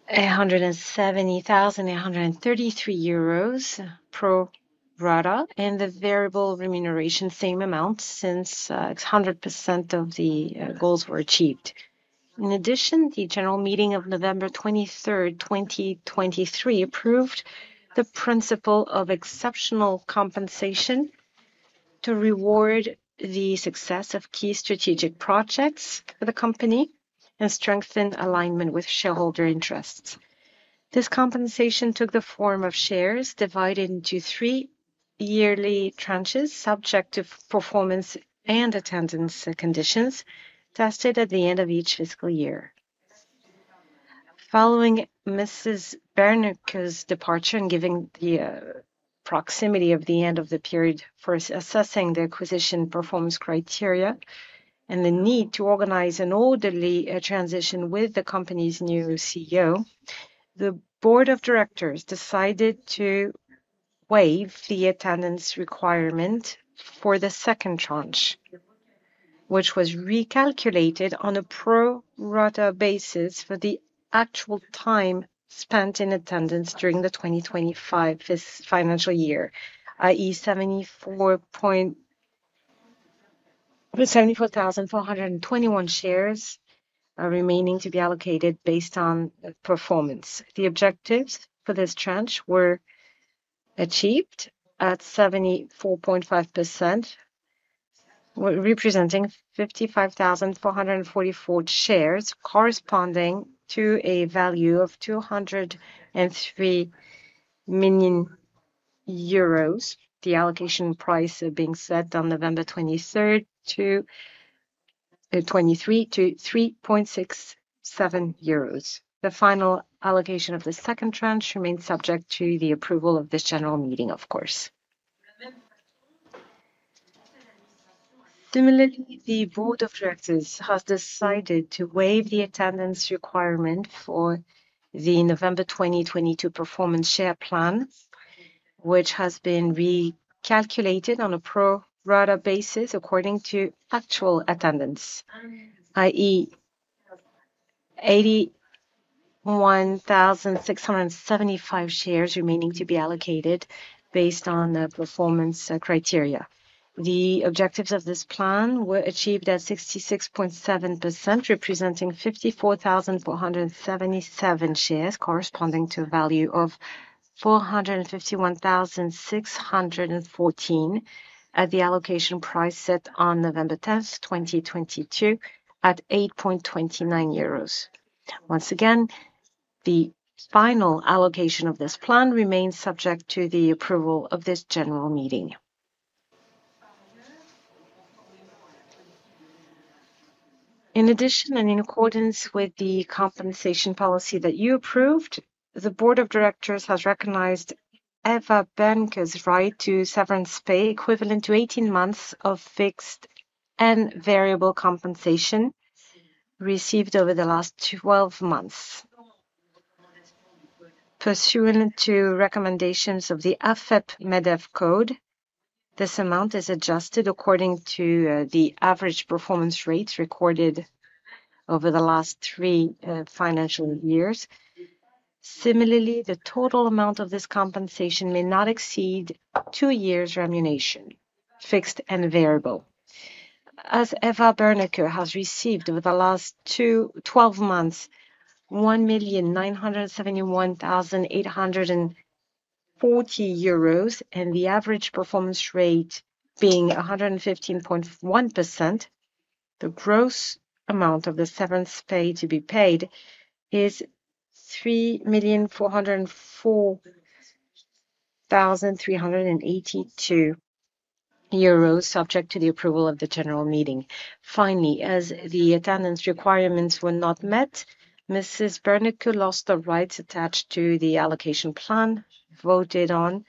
170,833 euros pro rata, and the variable remuneration, same amount since 100% of the goals were achieved. In addition, the general meeting of November 23, 2023, approved the principle of exceptional compensation to reward the success of key strategic projects for the company and strengthen alignment with shareholder interests. This compensation took the form of shares divided into three yearly tranches, subject to performance and attendance conditions tested at the end of each fiscal year. Following Mrs. Berneke's departure and giving the proximity of the end of the period for assessing the acquisition performance criteria and the need to organize an orderly transition with the company's new CEO, the board of directors decided to waive the attendance requirement for the second tranche, which was recalculated on a pro rata basis for the actual time spent in attendance during the 2025 financial year, i.e., 74,421 shares remaining to be allocated based on performance. The objectives for this tranche were achieved at 74.5%, representing 55,444 shares corresponding to a value of 203 million euros. The allocation price being set on November 23 to 3.67 euros. The final allocation of the second tranche remains subject to the approval of this general meeting, of course. Similarly, the board of directors has decided to waive the attendance requirement for the November 2022 performance share plan, which has been recalculated on a pro rata basis according to actual attendance, i.e., 81,675 shares remaining to be allocated based on performance criteria. The objectives of this plan were achieved at 66.7%, representing 54,477 shares corresponding to a value of 451,614 at the allocation price set on November 10, 2022, at 8.29 euros. Once again, the final allocation of this plan remains subject to the approval of this general meeting. In addition, and in accordance with the compensation policy that you approved, the board of directors has recognized Eva Berneke's right to severance pay, equivalent to 18 months of fixed and variable compensation received over the last 12 months. Pursuant to recommendations of the AFAP MEDEF code, this amount is adjusted according to the average performance rates recorded over the last three financial years. Similarly, the total amount of this compensation may not exceed two years' remuneration, fixed and variable. As Eva Berneke has received over the last 12 months, 1,971,840 euros, and the average performance rate being 115.1%, the gross amount of the severance pay to be paid is 3,404,382 euros, subject to the approval of the general meeting. Finally, as the attendance requirements were not met, Mrs. Berneke lost the rights attached to the allocation plan voted on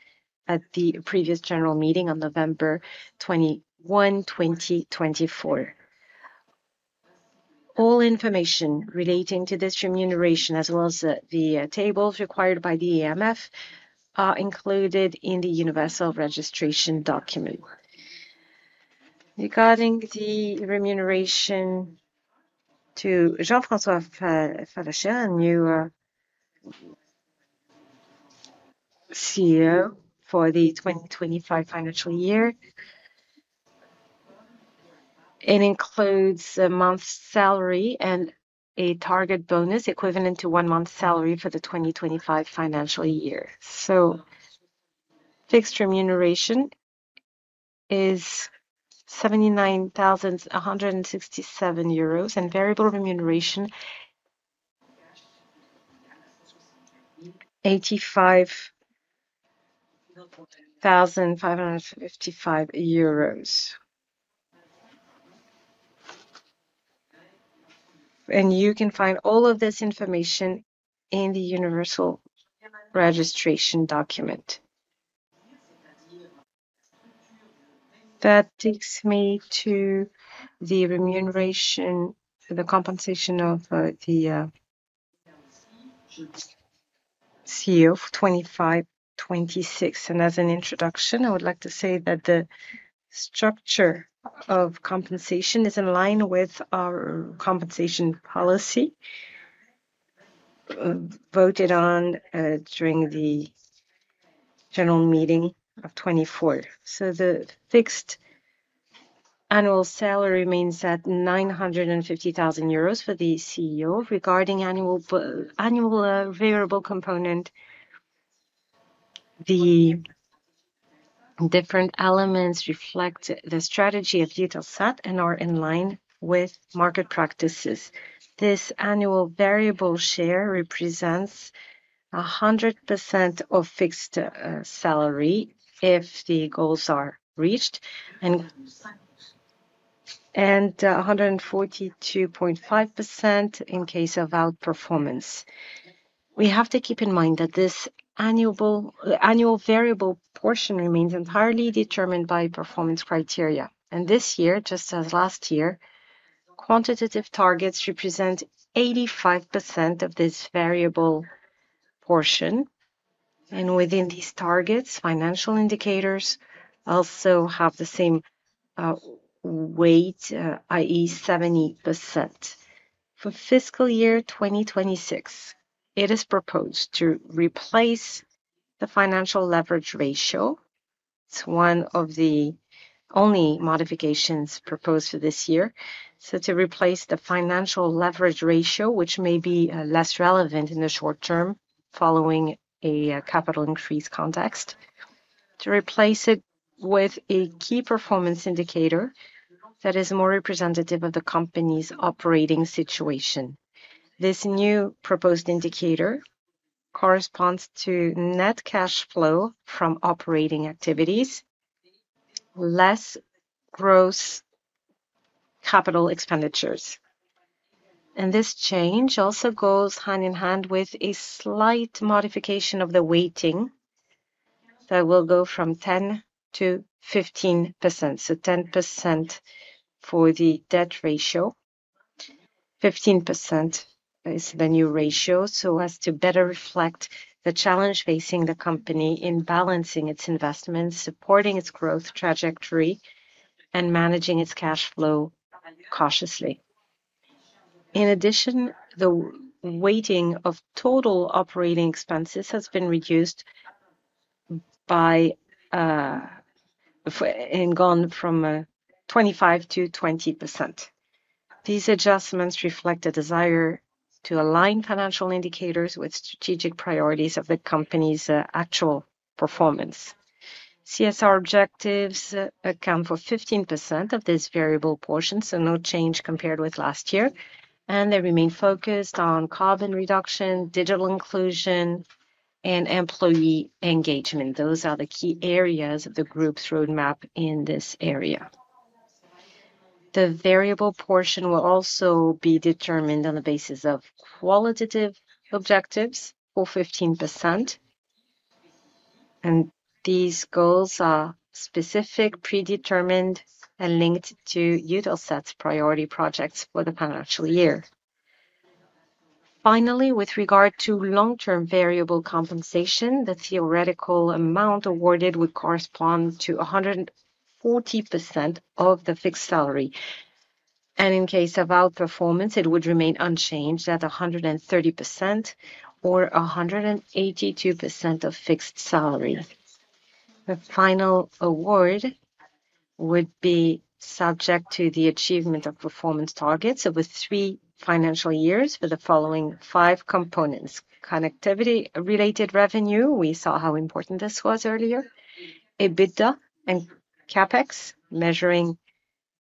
at the previous general meeting on November 21, 2024. All information relating to this remuneration, as well as the tables required by the EMF, are included in the universal registration document. Regarding the remuneration to Jean-François Fallacher, a new CEO for the 2025 financial year, it includes a month's salary and a target bonus equivalent to one month's salary for the 2025 financial year. Fixed remuneration is 79,167 euros and variable remuneration EUR 85,555. You can find all of this information in the universal registration document. That takes me to the remuneration, the compensation of the CEO for 2025-2026. As an introduction, I would like to say that the structure of compensation is in line with our compensation policy voted on during the general meeting of 2024. The fixed annual salary remains at 950,000 euros for the CEO. Regarding the annual variable component, the different elements reflect the strategy of Eutelsat and are in line with market practices. This annual variable share represents 100% of fixed salary if the goals are reached and 142.5% in case of outperformance. We have to keep in mind that this annual variable portion remains entirely determined by performance criteria. This year, just as last year, quantitative targets represent 85% of this variable portion. Within these targets, financial indicators also have the same weight, i.e., 70%. For fiscal year 2026, it is proposed to replace the financial leverage ratio. It is one of the only modifications proposed for this year. To replace the financial leverage ratio, which may be less relevant in the short term following a capital increase context, it is proposed to replace it with a key performance indicator that is more representative of the company's operating situation. This new proposed indicator corresponds to net cash flow from operating activities, less gross capital expenditures. This change also goes hand in hand with a slight modification of the weighting that will go from 10%-15%. So 10% for the debt ratio, 15% is the new ratio, so as to better reflect the challenge facing the company in balancing its investments, supporting its growth trajectory, and managing its cash flow cautiously. In addition, the weighting of total operating expenses has been reduced and gone from 25%-20%. These adjustments reflect a desire to align financial indicators with strategic priorities of the company's actual performance. CSR objectives account for 15% of this variable portion, so no change compared with last year. They remain focused on carbon reduction, digital inclusion, and employee engagement. Those are the key areas of the group's roadmap in this area. The variable portion will also be determined on the basis of qualitative objectives for 15%. These goals are specific, predetermined, and linked to Eutelsat's priority projects for the financial year. Finally, with regard to long-term variable compensation, the theoretical amount awarded would correspond to 140% of the fixed salary. In case of outperformance, it would remain unchanged at 130% or 182% of fixed salary. The final award would be subject to the achievement of performance targets over three financial years for the following five components: connectivity-related revenue, we saw how important this was earlier, EBITDA and CapEx, measuring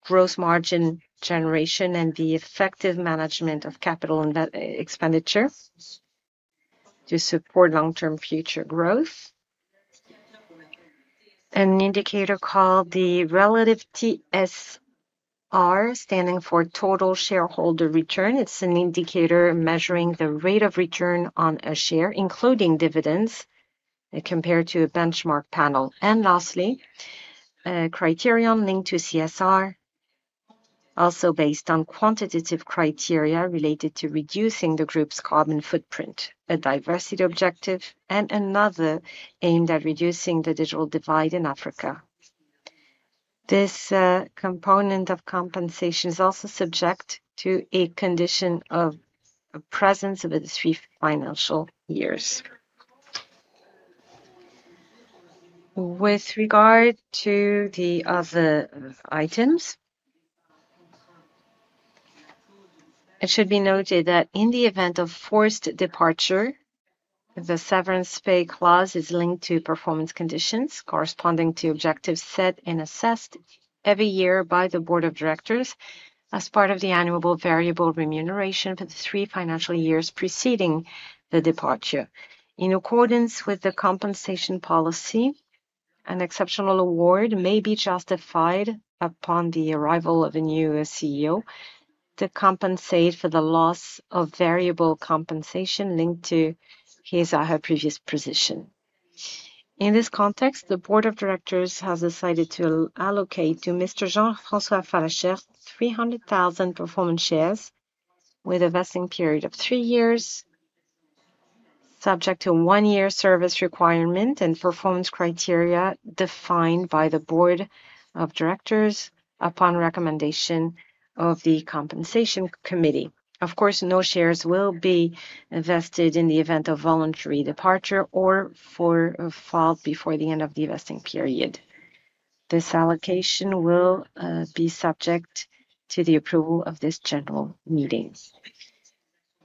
gross margin generation and the effective management of capital expenditure to support long-term future growth. An indicator called the relative TSR, standing for total shareholder return. It is an indicator measuring the rate of return on a share, including dividends, compared to a benchmark panel. Lastly, criterion linked to CSR, also based on quantitative criteria related to reducing the group's carbon footprint, a diversity objective, and another aimed at reducing the digital divide in Africa. This component of compensation is also subject to a condition of presence over the three financial years. With regard to the other items, it should be noted that in the event of forced departure, the severance pay clause is linked to performance conditions corresponding to objectives set and assessed every year by the board of directors as part of the annual variable remuneration for the three financial years preceding the departure. In accordance with the compensation policy, an exceptional award may be justified upon the arrival of a new CEO to compensate for the loss of variable compensation linked to his or her previous position. In this context, the board of directors has decided to allocate to Mr. Jean-François Fallacher 300,000 performance shares with a vesting period of three years, subject to one-year service requirement and performance criteria defined by the board of directors upon recommendation of the compensation committee. Of course, no shares will be vested in the event of voluntary departure or for fault before the end of the vesting period. This allocation will be subject to the approval of this general meeting.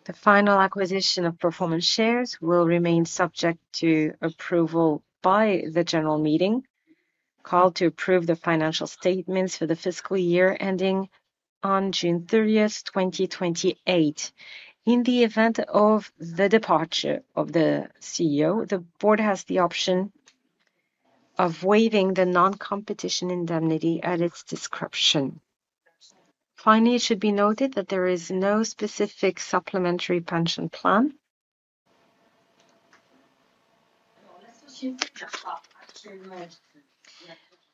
The final acquisition of performance shares will remain subject to approval by the general meeting called to approve the financial statements for the fiscal year ending on June 30, 2028. In the event of the departure of the CEO, the board has the option of waiving the non-competition indemnity at its discretion. Finally, it should be noted that there is no specific supplementary pension plan.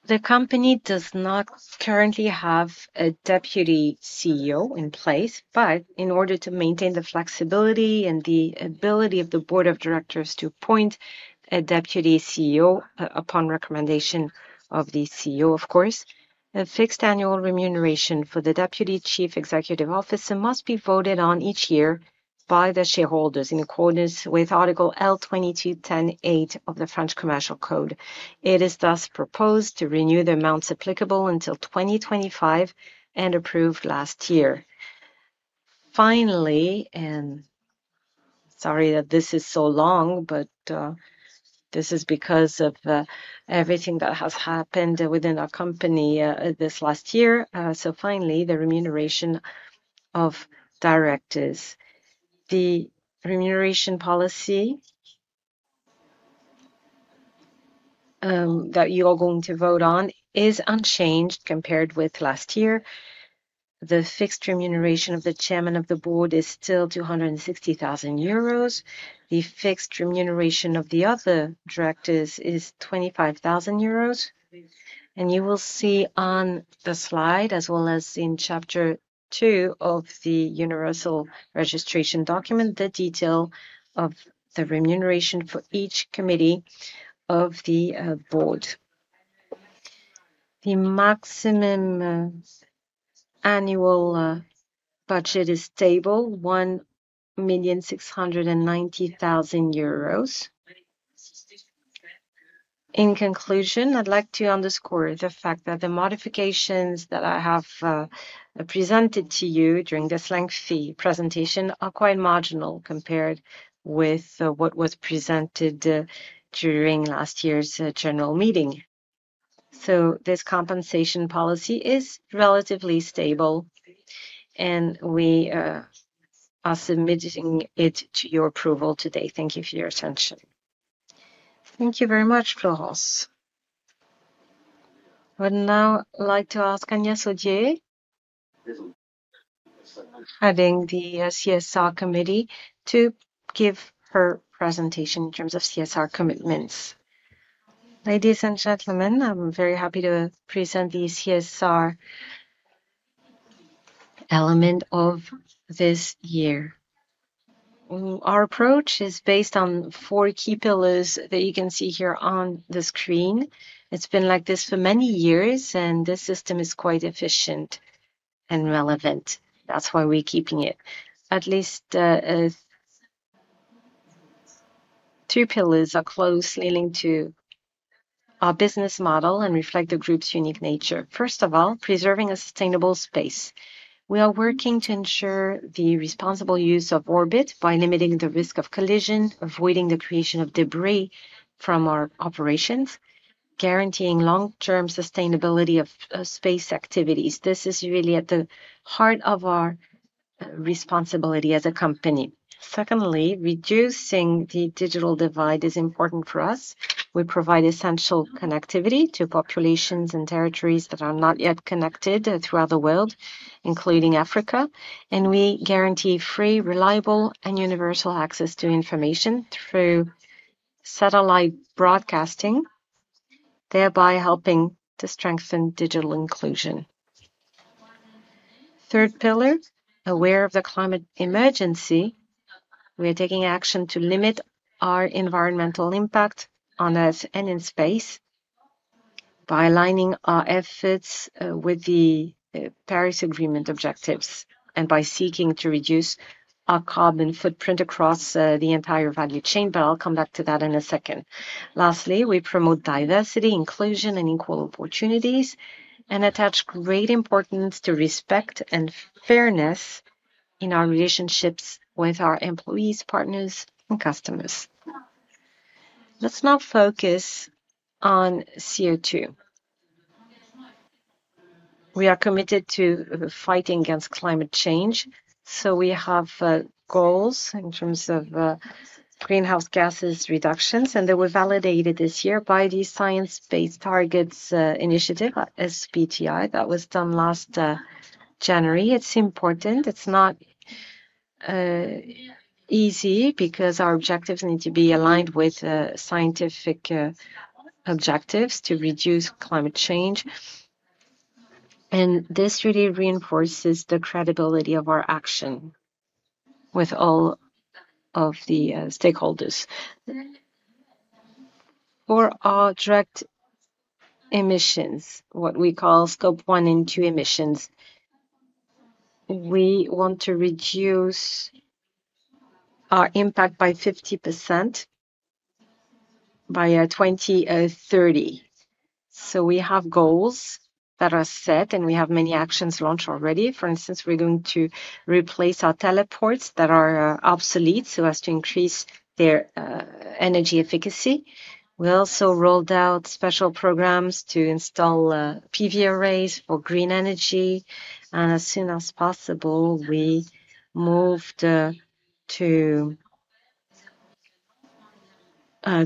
The company does not currently have a Deputy CEO in place, but in order to maintain the flexibility and the ability of the Board of Directors to appoint a Deputy CEO upon recommendation of the CEO, of course, a fixed annual remuneration for the Deputy Chief Executive Officer must be voted on each year by the shareholders in accordance with Article L2210(8) of the French Commercial Code. It is thus proposed to renew the amounts applicable until 2025 and approved last year. Finally, and sorry that this is so long, but this is because of everything that has happened within our company this last year. So finally, the remuneration of directors. The remuneration policy that you are going to vote on is unchanged compared with last year. The fixed remuneration of the Chairman of the Board is still 260,000 euros. The fixed remuneration of the other directors is 25,000 euros. You will see on the slide, as well as in Chapter 2 of the universal registration document, the detail of the remuneration for each committee of the board. The maximum annual budget is stable, 1,690,000 euros. In conclusion, I'd like to underscore the fact that the modifications that I have presented to you during this lengthy presentation are quite marginal compared with what was presented during last year's general meeting. This compensation policy is relatively stable, and we are submitting it to your approval today. Thank you for your attention. Thank you very much, Florence. I would now like to ask Agnès Ogier, adding the CSR committee, to give her presentation in terms of CSR commitments. Ladies and gentlemen, I'm very happy to present the CSR element of this year. Our approach is based on four key pillars that you can see here on the screen. It's been like this for many years, and this system is quite efficient and relevant. That's why we're keeping it. At least two pillars are closely linked to our business model and reflect the group's unique nature. First of all, preserving a sustainable space. We are working to ensure the responsible use of orbit by limiting the risk of collision, avoiding the creation of debris from our operations, guaranteeing long-term sustainability of space activities. This is really at the heart of our responsibility as a company. Secondly, reducing the digital divide is important for us. We provide essential connectivity to populations and territories that are not yet connected throughout the world, including Africa. We guarantee free, reliable, and universal access to information through satellite broadcasting, thereby helping to strengthen digital inclusion. Third pillar, aware of the climate emergency, we are taking action to limit our environmental impact on Earth and in space by aligning our efforts with the Paris Agreement objectives and by seeking to reduce our carbon footprint across the entire value chain, but I'll come back to that in a second. Lastly, we promote diversity, inclusion, and equal opportunities and attach great importance to respect and fairness in our relationships with our employees, partners, and customers. Let's now focus on CO2. We are committed to fighting against climate change, so we have goals in terms of greenhouse gases reductions, and they were validated this year by the Science Based Targets initiative, SBTI, that was done last January. It's important. It's not easy because our objectives need to be aligned with scientific objectives to reduce climate change. This really reinforces the credibility of our action with all of the stakeholders. For our direct emissions, what we call scope one and two emissions, we want to reduce our impact by 50% by 2030. We have goals that are set, and we have many actions launched already. For instance, we're going to replace our teleports that are obsolete to increase their energy efficacy. We also rolled out special programs to install PV arrays for green energy. As soon as possible, we moved to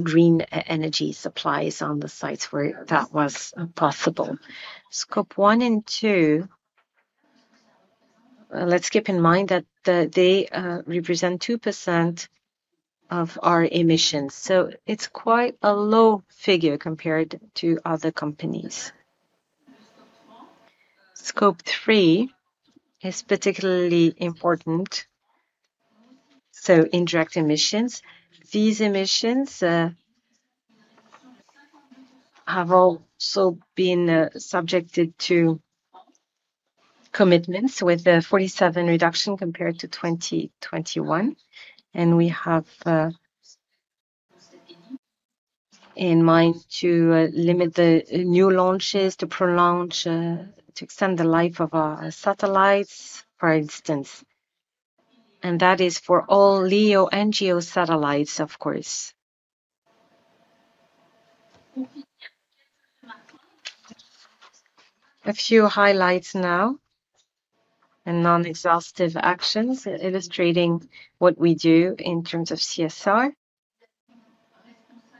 green energy supplies on the sites where that was possible. Scope one and two, let's keep in mind that they represent 2% of our emissions. It's quite a low figure compared to other companies. Scope three is particularly important. Indirect emissions. These emissions have also been subjected to commitments with a 47% reduction compared to 2021. We have in mind to limit the new launches, to pronounce, to extend the life of our satellites, for instance. That is for all LEO and GEO satellites, of course. A few highlights now and non-exhaustive actions illustrating what we do in terms of CSR.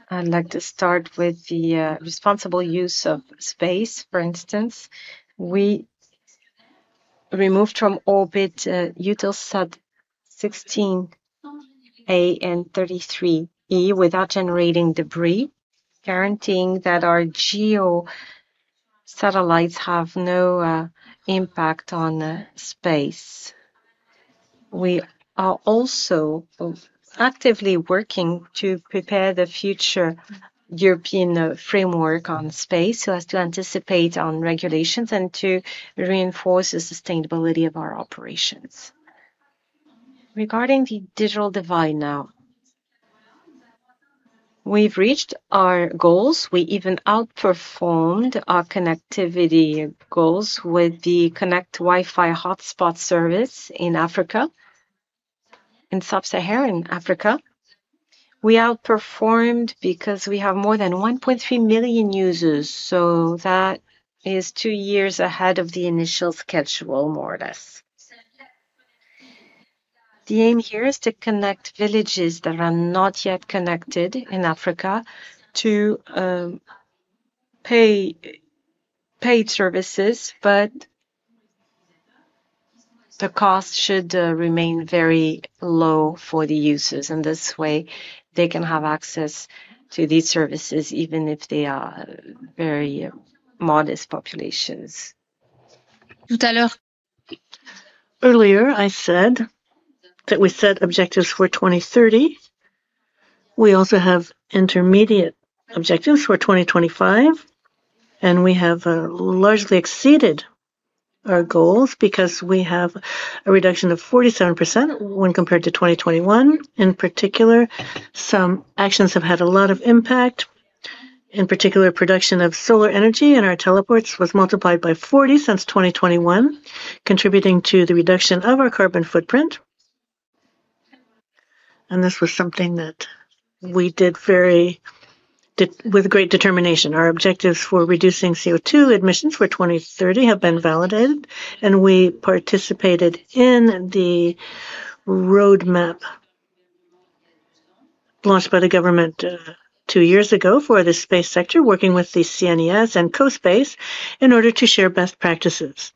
I'd like to start with the responsible use of space. For instance, we removed from orbit Eutelsat 16A and 33E without generating debris, guaranteeing that our GEO satellites have no impact on space. We are also actively working to prepare the future European framework on space so as to anticipate regulations and to reinforce the sustainability of our operations. Regarding the digital divide now, we've reached our goals. We even outperformed our connectivity goals with the Connect Wi-Fi hotspot service in Africa, in Sub-Saharan Africa. We outperformed because we have more than 1.3 million users, so that is two years ahead of the initial schedule, more or less. The aim here is to connect villages that are not yet connected in Africa to paid services, but the cost should remain very low for the users. In this way, they can have access to these services even if they are very modest populations. Earlier, I said that we set objectives for 2030. We also have intermediate objectives for 2025, and we have largely exceeded our goals because we have a reduction of 47% when compared to 2021. In particular, some actions have had a lot of impact. In particular, production of solar energy and our teleports was multiplied by 40 since 2021, contributing to the reduction of our carbon footprint. This was something that we did with great determination. Our objectives for reducing CO2 emissions for 2030 have been validated, and we participated in the roadmap launched by the government two years ago for the space sector, working with the CNES and CoSpace in order to share best practices.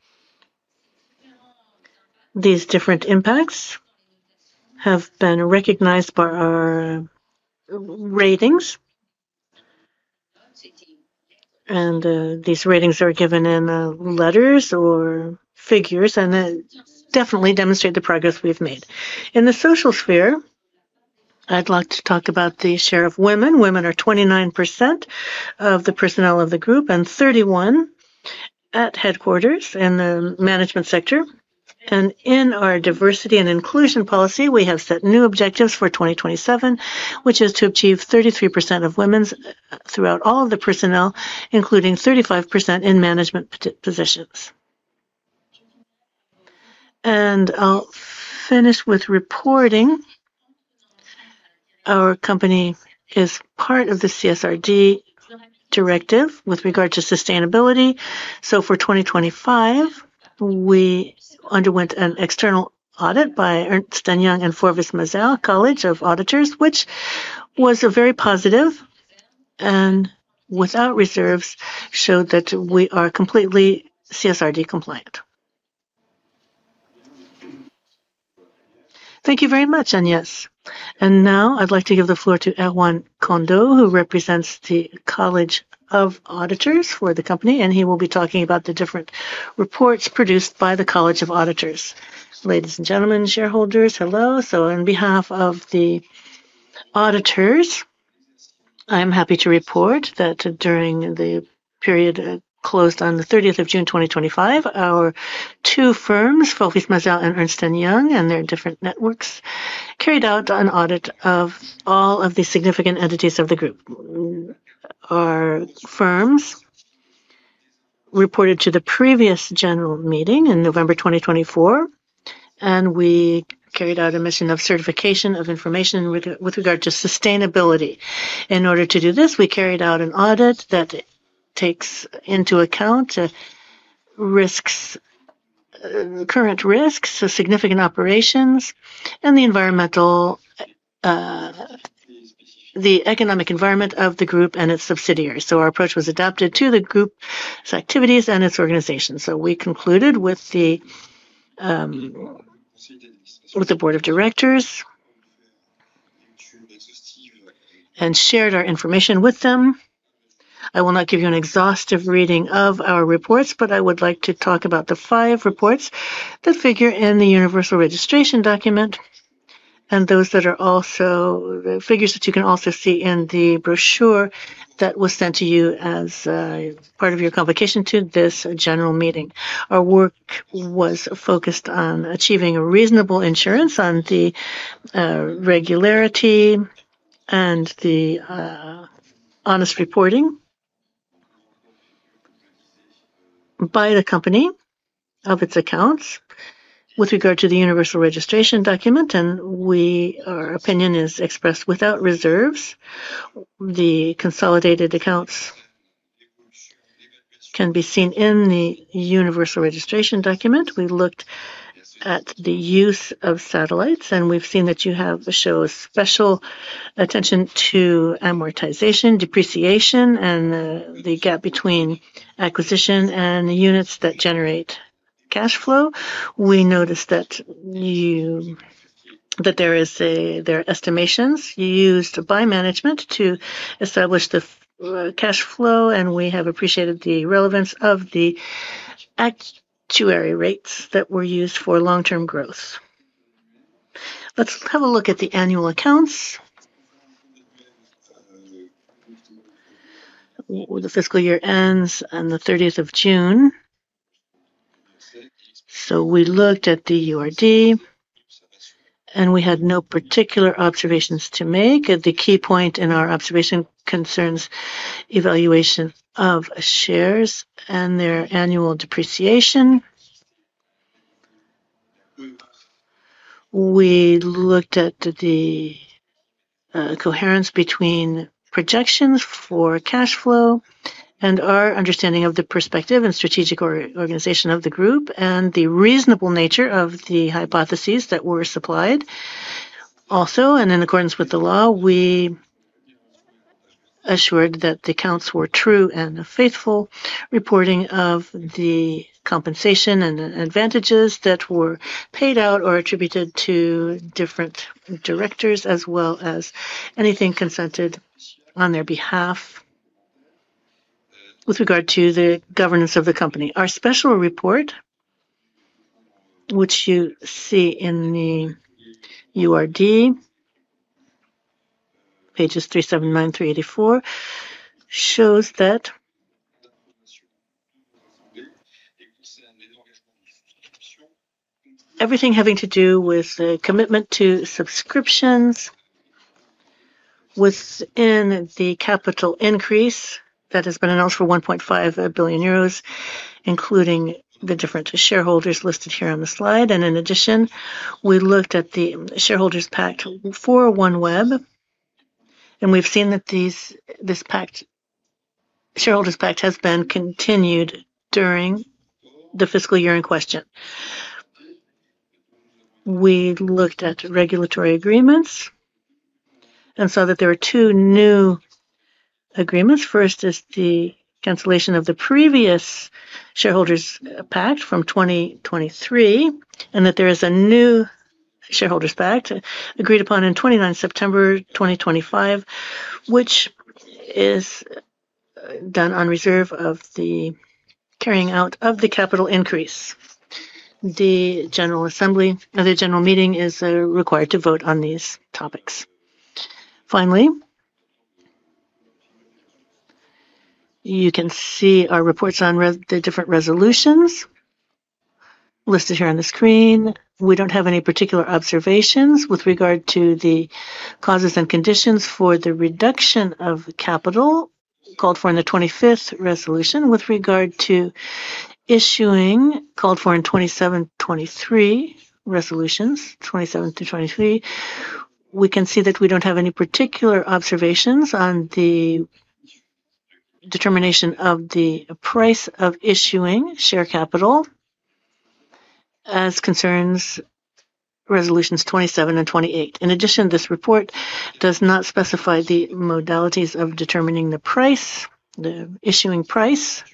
These different impacts have been recognized by our ratings. These ratings are given in letters or figures, and they definitely demonstrate the progress we've made. In the social sphere, I'd like to talk about the share of women. Women are 29% of the personnel of the group and 31% at headquarters in the management sector. In our diversity and inclusion policy, we have set new objectives for 2027, which is to achieve 33% of women throughout all of the personnel, including 35% in management positions. I'll finish with reporting. Our company is part of the CSRD directive with regard to sustainability. For 2025, we underwent an external audit by Ernst & Young and Forvis Mazars College of Auditors, which was very positive and without reserves showed that we are completely CSRD compliant. Thank you very much, Agnès. Now I'd like to give the floor to Erwan Kandour, who represents the College of Auditors for the company, and he will be talking about the different reports produced by the College of Auditors. Ladies and gentlemen, shareholders, hello. On behalf of the auditors, I'm happy to report that during the period closed on the 30th of June 2025, our two firms, Forvis Mazars and Ernst & Young, and their different networks carried out an audit of all of the significant entities of the group. Our firms reported to the previous general meeting in November 2024, and we carried out a mission of certification of information with regard to sustainability. In order to do this, we carried out an audit that takes into account current risks, significant operations, and the economic environment of the group and its subsidiaries. Our approach was adapted to the group's activities and its organization. We concluded with the board of directors and shared our information with them. I will not give you an exhaustive reading of our reports, but I would like to talk about the five reports that figure in the universal registration document and those that are also figures that you can also see in the brochure that was sent to you as part of your convocation to this general meeting. Our work was focused on achieving reasonable assurance on the regularity and the honest reporting by the company of its accounts with regard to the universal registration document, and our opinion is expressed without reserves. The consolidated accounts can be seen in the universal registration document. We looked at the use of satellites, and we've seen that you have shown special attention to amortization, depreciation, and the gap between acquisition and the units that generate cash flow. We noticed that there are estimations used by management to establish the cash flow, and we have appreciated the relevance of the actuary rates that were used for long-term growth. Let's have a look at the annual accounts. The fiscal year ends on the 30th of June. We looked at the URD, and we had no particular observations to make. The key point in our observation concerns evaluation of shares and their annual depreciation. We looked at the coherence between projections for cash flow and our understanding of the perspective and strategic organization of the group and the reasonable nature of the hypotheses that were supplied. Also, and in accordance with the law, we assured that the accounts were true and faithful, reporting of the compensation and advantages that were paid out or attributed to different directors, as well as anything consented on their behalf with regard to the governance of the company. Our special report, which you see in the URD, pages 379 through 384, shows that everything having to do with the commitment to subscriptions within the capital increase that has been announced for 1.5 billion euros, including the different shareholders listed here on the slide. In addition, we looked at the shareholders' pact for OneWeb, and we've seen that this shareholders' pact has been continued during the fiscal year in question. We looked at regulatory agreements and saw that there were two new agreements. First is the cancellation of the previous shareholders' pact from 2023, and that there is a new shareholders' pact agreed upon on 29 September 2025, which is done on reserve of the carrying out of the capital increase. The general meeting is required to vote on these topics. Finally, you can see our reports on the different resolutions listed here on the screen. We don't have any particular observations with regard to the causes and conditions for the reduction of capital called for in the 25th resolution with regard to issuing called for in 27-23 resolutions. 27-23, we can see that we don't have any particular observations on the determination of the price of issuing share capital as concerns resolutions 27 and 28. In addition, this report does not specify the modalities of determining the issuing price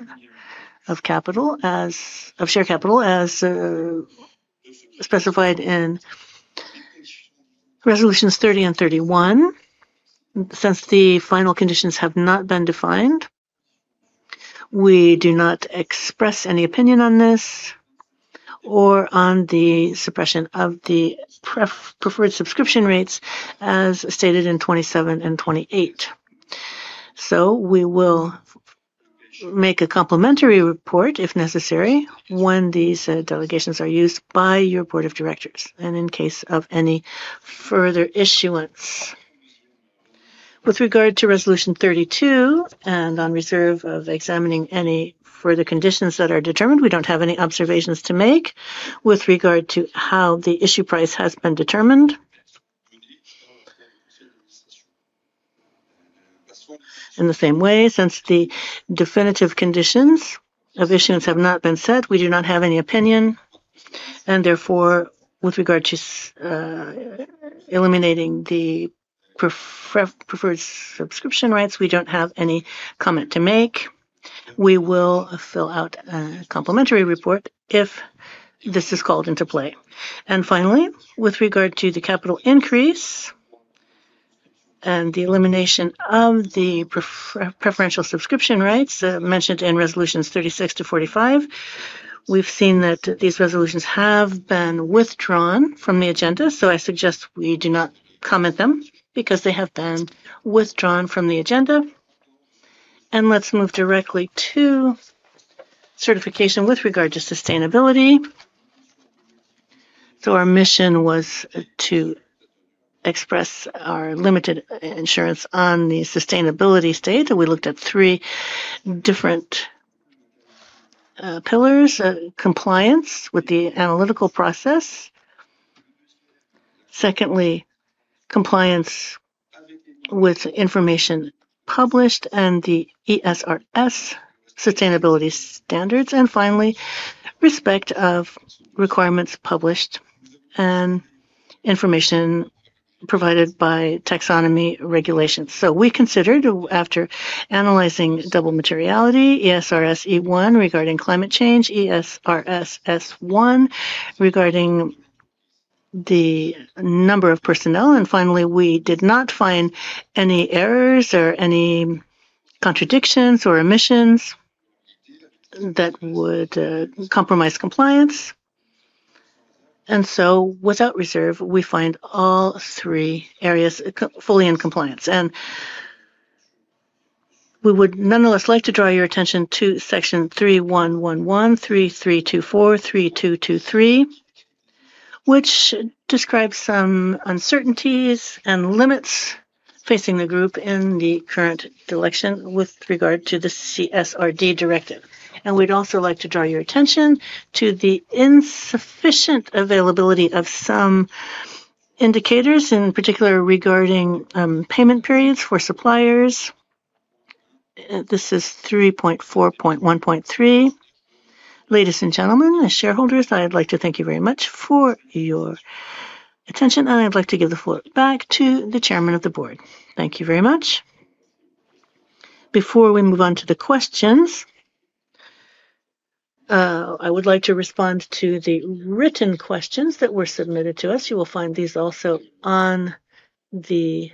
of share capital as specified in resolutions 30 and 31. Since the final conditions have not been defined, we do not express any opinion on this or on the suppression of the preferred subscription rates as stated in 27 and 28. We will make a complimentary report if necessary when these delegations are used by your Board of Directors and in case of any further issuance. With regard to resolution 32 and on reserve of examining any further conditions that are determined, we do not have any observations to make with regard to how the issue price has been determined. In the same way, since the definitive conditions of issuance have not been set, we do not have any opinion. Therefore, with regard to eliminating the preferred subscription rights, we do not have any comment to make. We will fill out a complimentary report if this is called into play. Finally, with regard to the capital increase and the elimination of the preferential subscription rights mentioned in resolutions 36 to 45, we've seen that these resolutions have been withdrawn from the agenda. I suggest we do not comment on them because they have been withdrawn from the agenda. Let's move directly to certification with regard to sustainability. Our mission was to express our limited assurance on the sustainability statement. We looked at three different pillars: compliance with the analytical process, secondly, compliance with information published and the ESRS sustainability standards, and finally, respect of requirements published and information provided by taxonomy regulations. We considered, after analyzing double materiality, ESRS E1 regarding climate change, ESRS S1 regarding the number of personnel, and finally, we did not find any errors or any contradictions or omissions that would compromise compliance. Without reserve, we find all three areas fully in compliance. We would nonetheless like to draw your attention to section 3111, 3324, 3223, which describes some uncertainties and limits facing the group in the current election with regard to the CSRD directive. We would also like to draw your attention to the insufficient availability of some indicators, in particular regarding payment periods for suppliers. This is 3.4.1.3. Ladies and gentlemen, shareholders, I would like to thank you very much for your attention, and I would like to give the floor back to the Chairman of the Board. Thank you very much. Before we move on to the questions, I would like to respond to the written questions that were submitted to us. You will find these also on the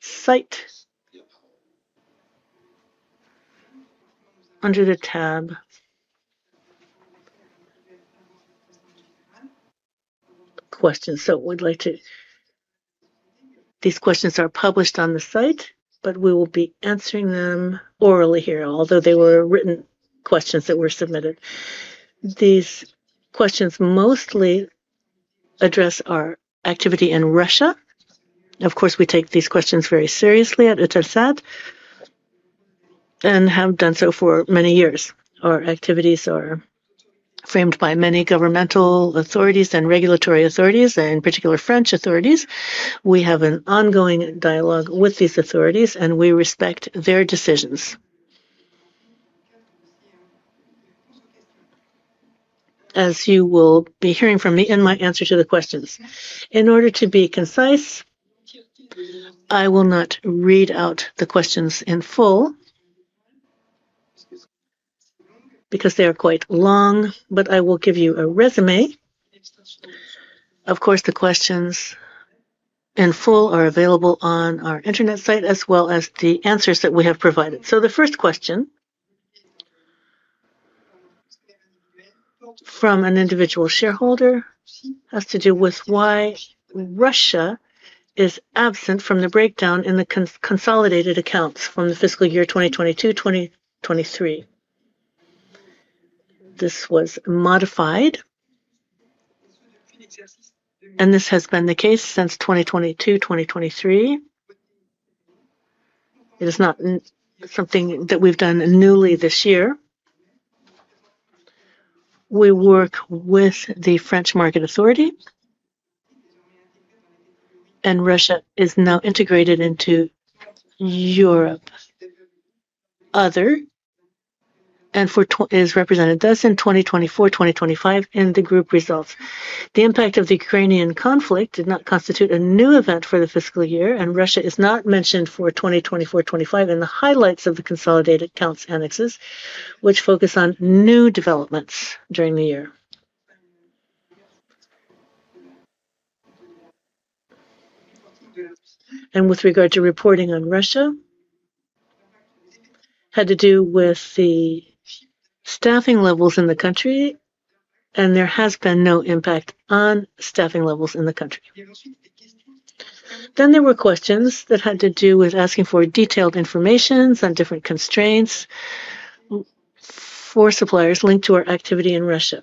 site under the tab questions. We would like to—these questions are published on the site, but we will be answering them orally here, although they were written questions that were submitted. These questions mostly address our activity in Russia. Of course, we take these questions very seriously at Eutelsat and have done so for many years. Our activities are framed by many governmental authorities and regulatory authorities, in particular French authorities. We have an ongoing dialogue with these authorities, and we respect their decisions. As you will be hearing from me in my answer to the questions, in order to be concise, I will not read out the questions in full because they are quite long, but I will give you a resume. Of course, the questions in full are available on our internet site as well as the answers that we have provided. The first question from an individual shareholder has to do with why Russia is absent from the breakdown in the consolidated accounts from the fiscal year 2022-2023. This was modified, and this has been the case since 2022-2023. It is not something that we've done newly this year. We work with the French market authority, and Russia is now integrated into Europe. Other and for is represented thus in 2024-2025 in the group results. The impact of the Ukrainian conflict did not constitute a new event for the fiscal year, and Russia is not mentioned for 2024-2025 in the highlights of the consolidated accounts annexes, which focus on new developments during the year. With regard to reporting on Russia, it had to do with the staffing levels in the country, and there has been no impact on staffing levels in the country. There were questions that had to do with asking for detailed information on different constraints for suppliers linked to our activity in Russia.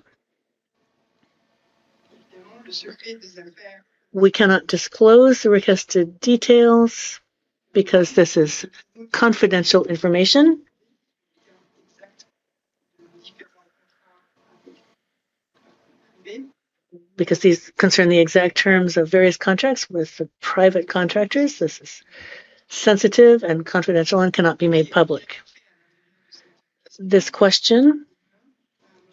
We cannot disclose the requested details because this is confidential information. Because these concern the exact terms of various contracts with private contractors, this is sensitive and confidential and cannot be made public. This question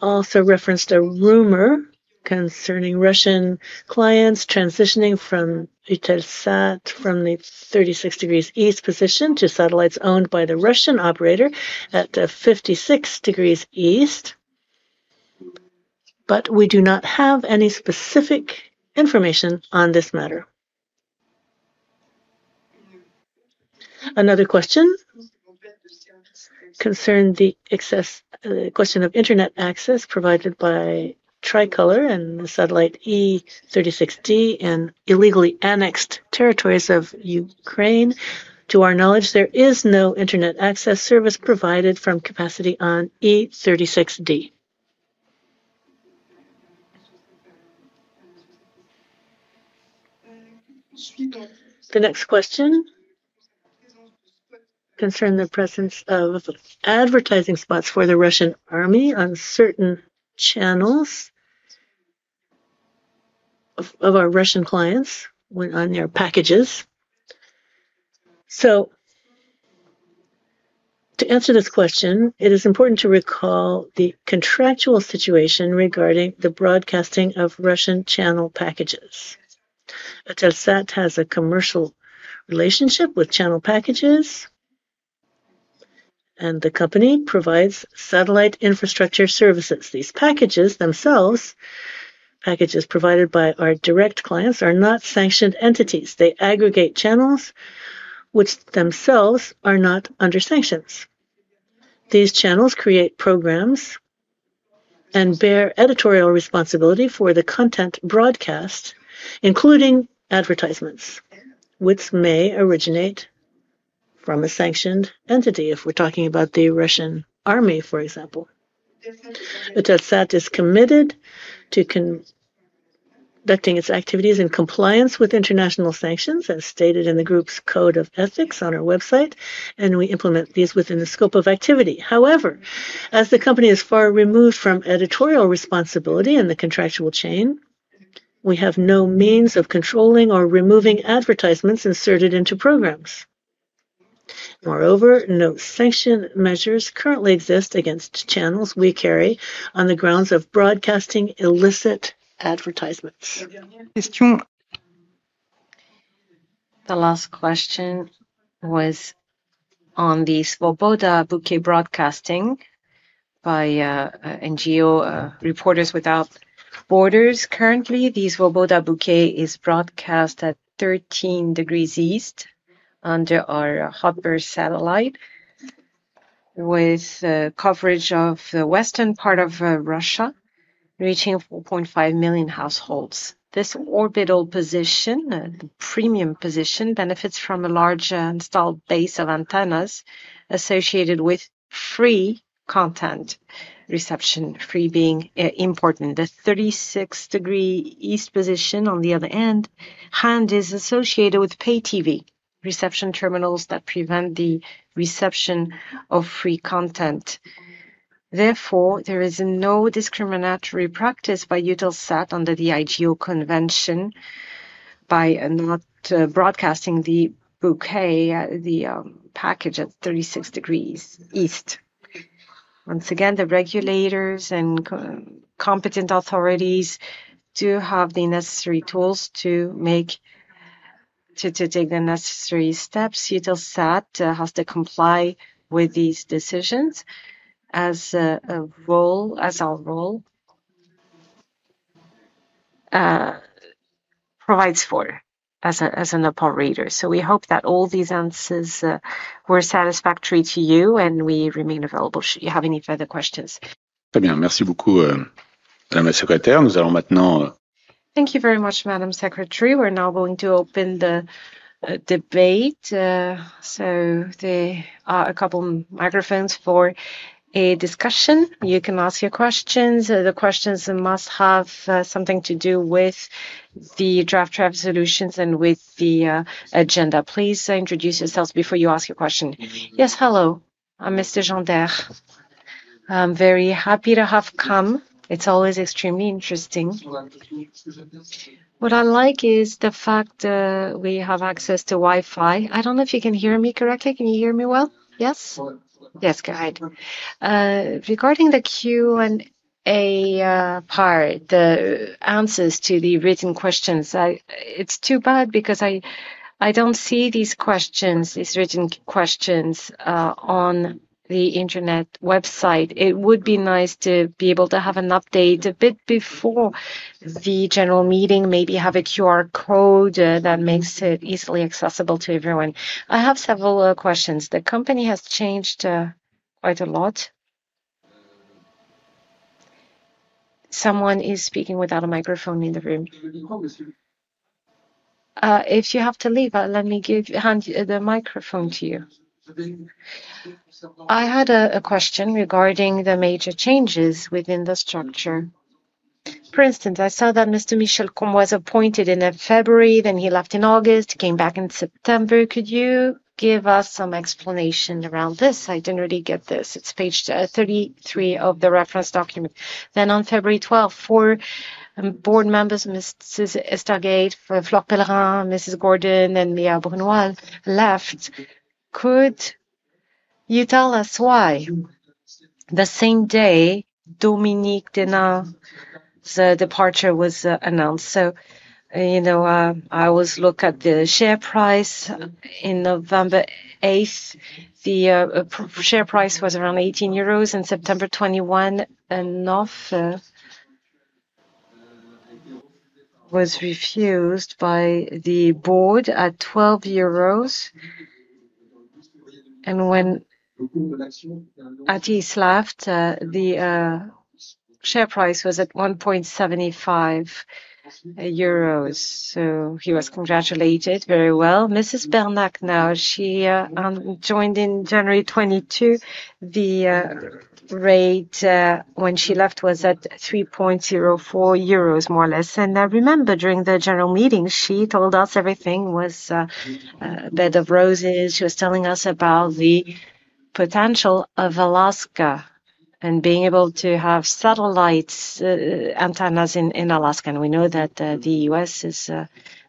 also referenced a rumor concerning Russian clients transitioning from Eutelsat from the 36 degrees east position to satellites owned by the Russian operator at 56 degrees east, but we do not have any specific information on this matter. Another question concerned the question of internet access provided by Tricolor and the satellite Eutelsat 36D in illegally annexed territories of Ukraine. To our knowledge, there is no internet access service provided from capacity on Eutelsat 36D. The next question concerned the presence of advertising spots for the Russian army on certain channels of our Russian clients on their packages. To answer this question, it is important to recall the contractual situation regarding the broadcasting of Russian channel packages. Eutelsat has a commercial relationship with channel packages, and the company provides satellite infrastructure services. These packages themselves, packages provided by our direct clients, are not sanctioned entities. They aggregate channels, which themselves are not under sanctions. These channels create programs and bear editorial responsibility for the content broadcast, including advertisements, which may originate from a sanctioned entity if we're talking about the Russian army, for example. Eutelsat is committed to conducting its activities in compliance with international sanctions, as stated in the group's code of ethics on our website, and we implement these within the scope of activity. However, as the company is far removed from editorial responsibility in the contractual chain, we have no means of controlling or removing advertisements inserted into programs. Moreover, no sanction measures currently exist against channels we carry on the grounds of broadcasting illicit advertisements. The last question was on the Svoboda Bouquet broadcasting by NGO Reporters Without Borders. Currently, the Svoboda Bouquet is broadcast at 13 degrees east under our Hopper satellite, with coverage of the western part of Russia, reaching 4.5 million households. This orbital position, a premium position, benefits from a large installed base of antennas associated with free content, reception free being important. The 36-degree east position, on the other end, is associated with pay TV reception terminals that prevent the reception of free content. Therefore, there is no discriminatory practice by Eutelsat under the IGO convention by not broadcasting the bouquet, the package at 36 degrees east. Once again, the regulators and competent authorities do have the necessary tools to take the necessary steps. Eutelsat has to comply with these decisions as our role provides for as an operator. We hope that all these answers were satisfactory to you, and we remain available should you have any further questions. Très bien, merci beaucoup, Madame la Secrétaire. Nous allons maintenant. Thank you very much, Madam Secretary. We're now going to open the debate. There are a couple of microphones for a discussion. You can ask your questions. The questions must have something to do with the draft resolutions and with the agenda. Please introduce yourselves before you ask your question. Yes, hello. I'm Mr. Jean-Dairle. I'm very happy to have come. It's always extremely interesting. What I like is the fact that we have access to Wi-Fi. I don't know if you can hear me correctly. Can you hear me well? Yes? Yes, go ahead. Regarding the Q&A part, the answers to the written questions, it's too bad because I don't see these questions, these written questions on the internet website. It would be nice to be able to have an update a bit before the general meeting, maybe have a QR code that makes it easily accessible to everyone. I have several questions. The company has changed quite a lot. Someone is speaking without a microphone in the room. If you have to leave, let me hand the microphone to you. I had a question regarding the major changes within the structure. For instance, I saw that Mr. Michel Combs was appointed in February, then he left in August, came back in September. Could you give us some explanation around this? I didn't really get this. It's page 33 of the reference document. On February 12, four board members, Mrs. Estaguette, Fleur Pellerin, Mrs. Gordon, and Mireille Brunoise left. Could you tell us why the same day Dominique Dénan's departure was announced? I was looking at the share price on November 8. The share price was around 18 euros, and September 21 enough was refused by the board at 12 euros. When Atis left, the share price was at 1.75 euros. He was congratulated very well. Mrs. Berneke, now she joined in January 2022. The rate when she left was at 3.04 euros, more or less. I remember during the general meeting, she told us everything was a bed of roses. She was telling us about the potential of Alaska and being able to have satellite antennas in Alaska. We know that the U.S. is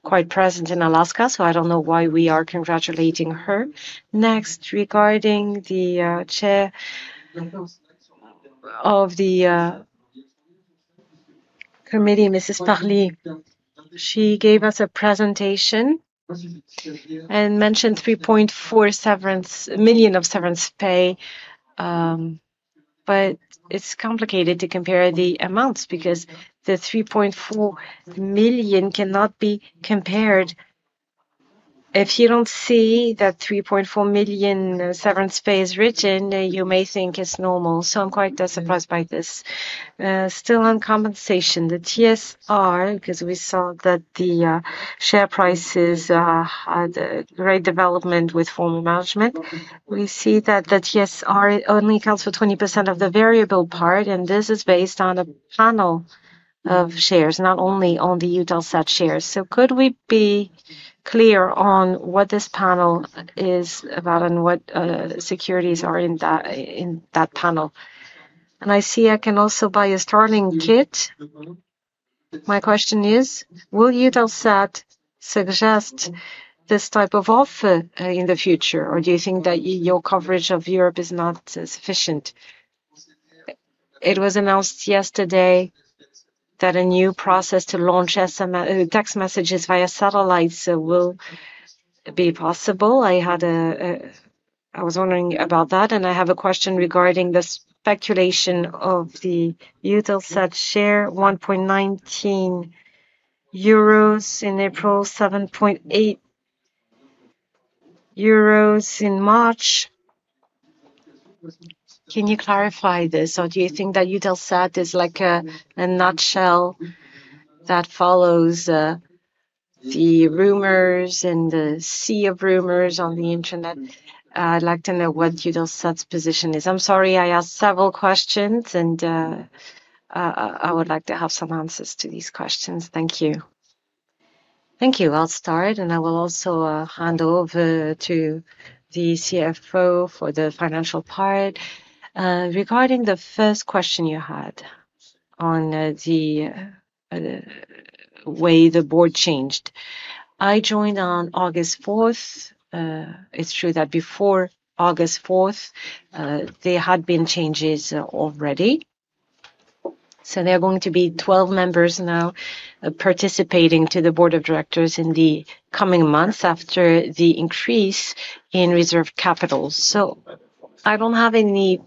quite present in Alaska, so I do not know why we are congratulating her. Next, regarding the Chair of the Committee, Mrs. Parly, she gave us a presentation and mentioned 3.4 million of severance pay, but it's complicated to compare the amounts because the 3.4 million cannot be compared. If you don't see that 3.4 million severance pay is written, you may think it's normal. I'm quite surprised by this. Still, on compensation, the TSR, because we saw that the share prices had great development with former management, we see that the TSR only accounts for 20% of the variable part, and this is based on a panel of shares, not only on the Eutelsat shares. Could we be clear on what this panel is about and what securities are in that panel? I see I can also buy a Starlink kit. My question is, will Eutelsat suggest this type of offer in the future, or do you think that your coverage of Europe is not sufficient? It was announced yesterday that a new process to launch text messages via satellites will be possible. I was wondering about that, and I have a question regarding the speculation of the Eutelsat share, EUR 1.19 in April, 7.8 euros in March. Can you clarify this, or do you think that Eutelsat is like a nutshell that follows the rumors and the sea of rumors on the internet? I'd like to know what Eutelsat's position is. I'm sorry, I asked several questions, and I would like to have some answers to these questions. Thank you. Thank you. I'll start, and I will also hand over to the CFO for the financial part. Regarding the first question you had on the way the board changed, I joined on August fourth. It's true that before August fourth, there had been changes already. There are going to be 12 members now participating in the board of directors in the coming months after the increase in reserve capital. I don't have any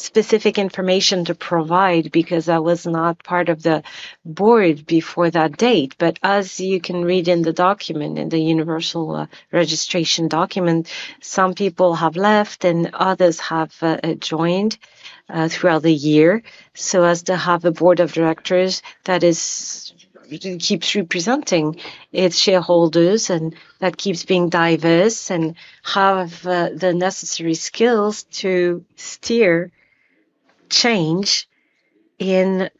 specific information to provide because I was not part of the board before that date. As you can read in the document, in the universal registration document, some people have left and others have joined throughout the year. As to have a board of directors that keeps representing its shareholders and that keeps being diverse and has the necessary skills to steer change in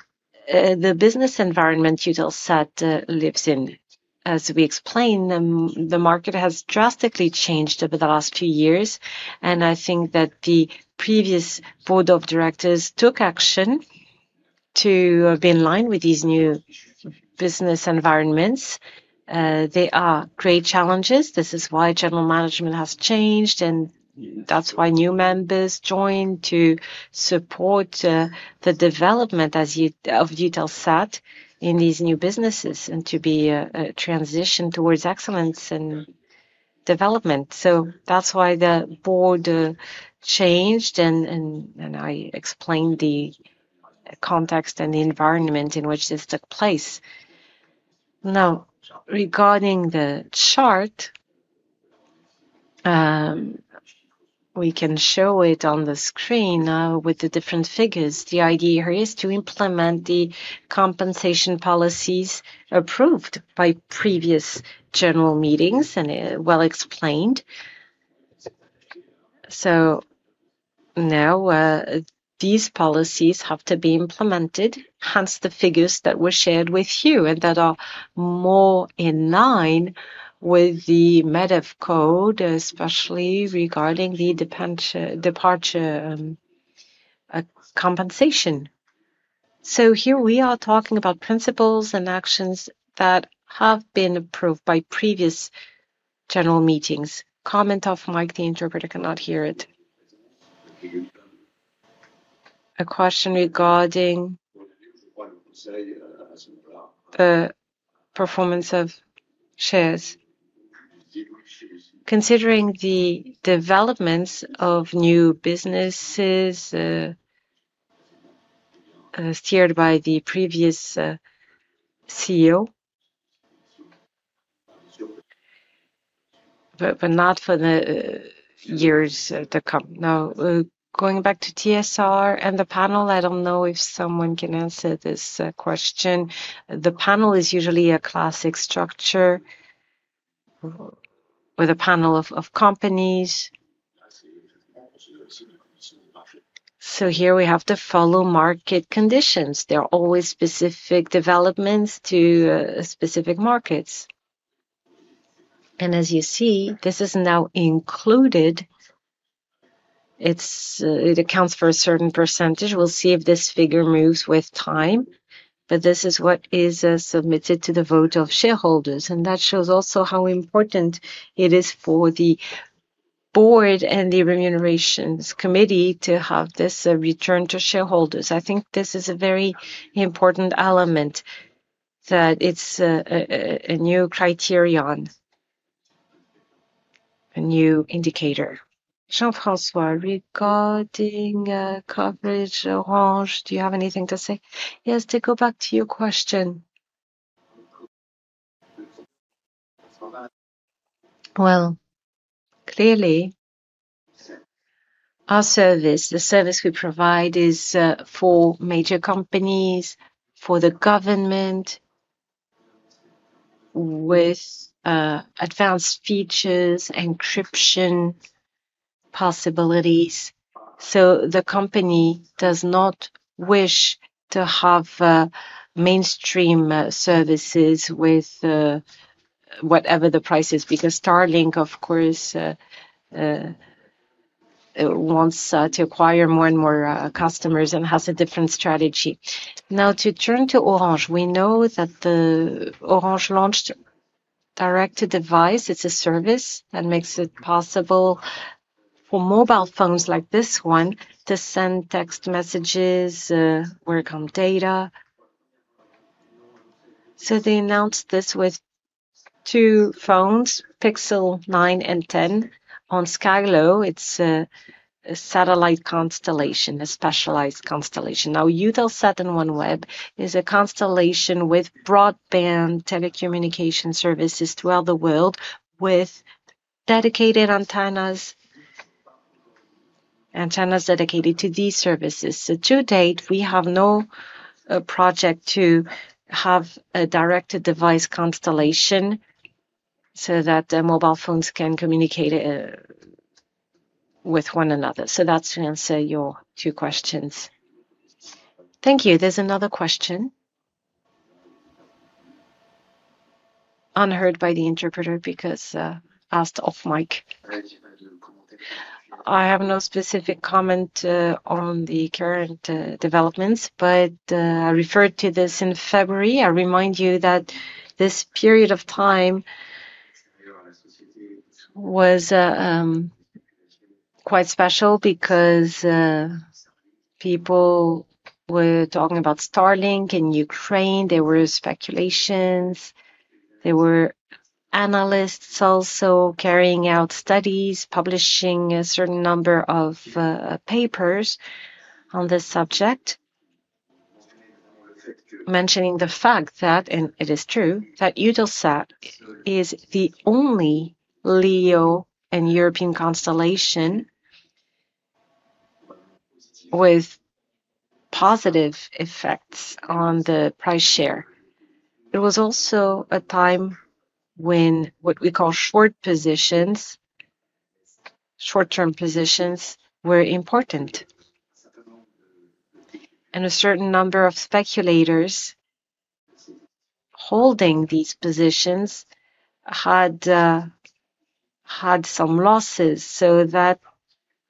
the business environment Eutelsat lives in. As we explained, the market has drastically changed over the last few years, and I think that the previous board of directors took action to be in line with these new business environments. There are great challenges. This is why general management has changed, and that is why new members joined to support the development of Eutelsat in these new businesses and to be a transition towards excellence and development. That is why the board changed, and I explained the context and the environment in which this took place. Now, regarding the chart, we can show it on the screen now with the different figures. The idea here is to implement the compensation policies approved by previous general meetings and well explained. Now these policies have to be implemented, hence the figures that were shared with you, and that are more in line with the MEDEV code, especially regarding the departure compensation. Here we are talking about principles and actions that have been approved by previous general meetings. Comment off mic, the interpreter cannot hear it. A question regarding the performance of shares. Considering the developments of new businesses steered by the previous CEO, but not for the years to come. Now, going back to TSR and the panel, I do not know if someone can answer this question. The panel is usually a classic structure with a panel of companies. Here we have to follow market conditions. There are always specific developments to specific markets. As you see, this is now included. It accounts for a certain %. We'll see if this figure moves with time, but this is what is submitted to the vote of shareholders. That shows also how important it is for the board and the remunerations committee to have this return to shareholders. I think this is a very important element that it's a new criterion, a new indicator. Jean-François, regarding coverage Orange, do you have anything to say? Yes, to go back to your question. Clearly, our service, the service we provide, is for major companies, for the government, with advanced features, encryption possibilities. The company does not wish to have mainstream services with whatever the price is because Starlink, of course, wants to acquire more and more customers and has a different strategy. Now, to turn to Orange, we know that Orange launched direct device. It's a service that makes it possible for mobile phones like this one to send text messages, work on data. They announced this with two phones, Pixel 9 and 10, on Skylo. It's a satellite constellation, a specialized constellation. Now, Eutelsat and OneWeb is a constellation with broadband telecommunication services throughout the world with dedicated antennas, antennas dedicated to these services. To date, we have no project to have a direct device constellation so that mobile phones can communicate with one another. That's to answer your two questions. Thank you. There's another question. Unheard by the interpreter because asked off mic. I have no specific comment on the current developments, but I referred to this in February. I remind you that this period of time was quite special because people were talking about Starlink in Ukraine. There were speculations. There were analysts also carrying out studies, publishing a certain number of papers on this subject, mentioning the fact that, and it is true, that Eutelsat is the only LEO and European constellation with positive effects on the share price. It was also a time when what we call short-term positions were important. A certain number of speculators holding these positions had some losses. That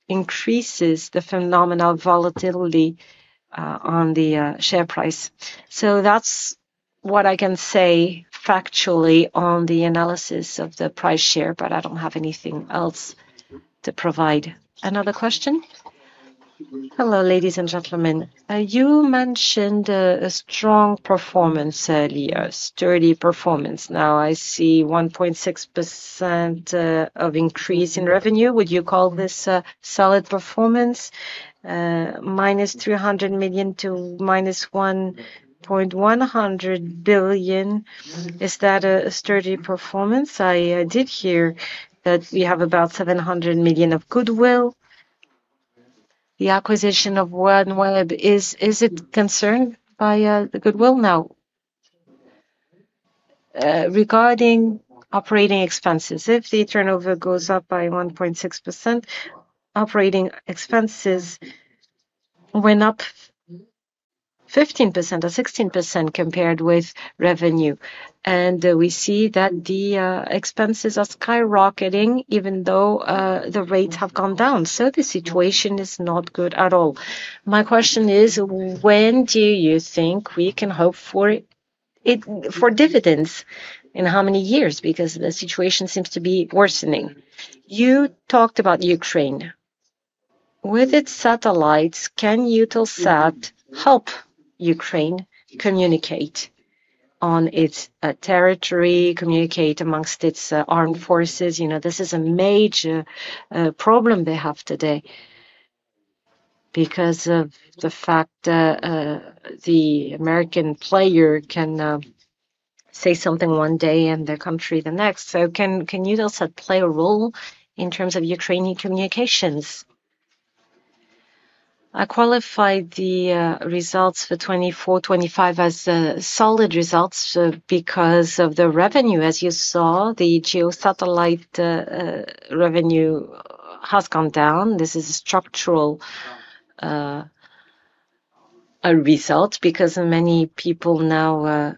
increases the phenomenon of volatility on the share price. That is what I can say factually on the analysis of the share price, but I do not have anything else to provide. Another question? Hello, ladies and gentlemen. You mentioned a strong performance earlier, sturdy performance. Now, I see 1.6% of increase in revenue. Would you call this solid performance? -300 million-1.100 billion, is that a sturdy performance? I did hear that we have about 700 million of goodwill. The acquisition of OneWeb, is it concerned by the goodwill now? Regarding operating expenses, if the turnover goes up by 1.6%, operating expenses went up 15% or 16% compared with revenue. We see that the expenses are skyrocketing even though the rates have gone down. The situation is not good at all. My question is, when do you think we can hope for dividends? In how many years? Because the situation seems to be worsening. You talked about Ukraine. With its satellites, can Eutelsat help Ukraine communicate on its territory, communicate amongst its armed forces? This is a major problem they have today because of the fact that the American player can say something one day and the country the next. Can Eutelsat play a role in terms of Ukrainian communications? I qualify the results for 2024, 2025 as solid results because of the revenue. As you saw, the geosatellite revenue has gone down. This is a structural result because many people now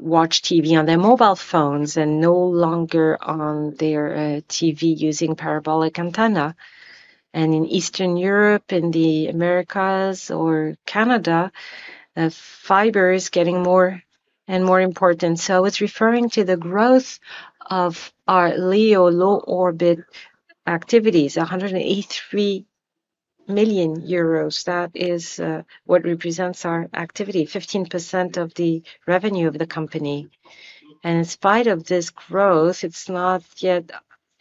watch TV on their mobile phones and no longer on their TV using parabolic antenna. In Eastern Europe, in the Americas or Canada, fiber is getting more and more important. It is referring to the growth of our LEO low orbit activities, 183 million euros. That is what represents our activity, 15% of the revenue of the company. In spite of this growth, it is not yet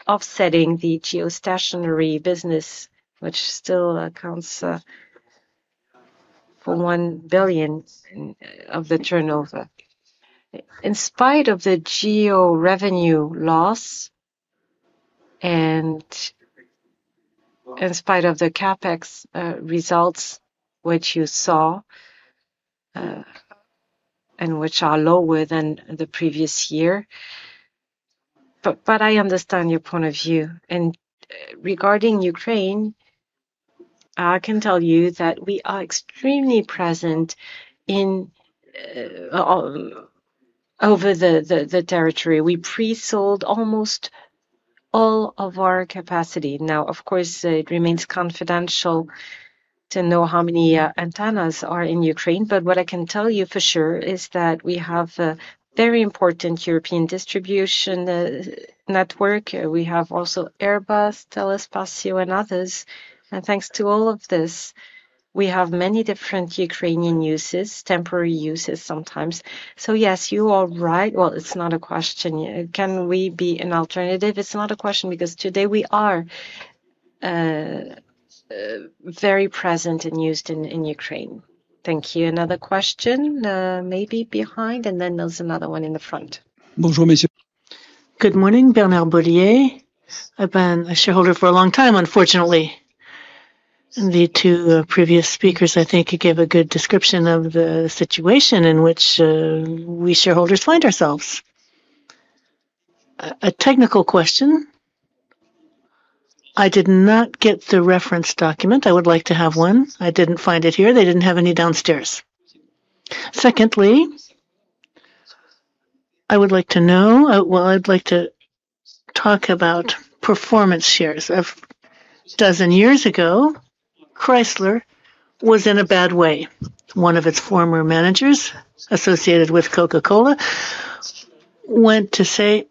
offsetting the geostationary business, which still accounts for 1 billion of the turnover. In spite of the GEO revenue loss and in spite of the CapEx results, which you saw and which are lower than the previous year. I understand your point of view. Regarding Ukraine, I can tell you that we are extremely present over the territory. We pre-sold almost all of our capacity. Now, of course, it remains confidential to know how many antennas are in Ukraine. What I can tell you for sure is that we have a very important European distribution network. We have also Airbus, Telespazio, and others. Thanks to all of this, we have many different Ukrainian uses, temporary uses sometimes. Yes, you are right. It's not a question. Can we be an alternative? It's not a question because today we are very present and used in Ukraine. Thank you. Another question maybe behind, and then there's another one in the front. Bonjour, messieurs. Good morning, Bernard Bollier. I've been a shareholder for a long time, unfortunately. The two previous speakers, I think, gave a good description of the situation in which we shareholders find ourselves. A technical question. I did not get the reference document. I would like to have one. I didn't find it here. They didn't have any downstairs. Secondly, I would like to know, I would like to talk about performance shares. A dozen years ago, Chrysler was in a bad way. One of its former managers associated with Coca-Cola went to say,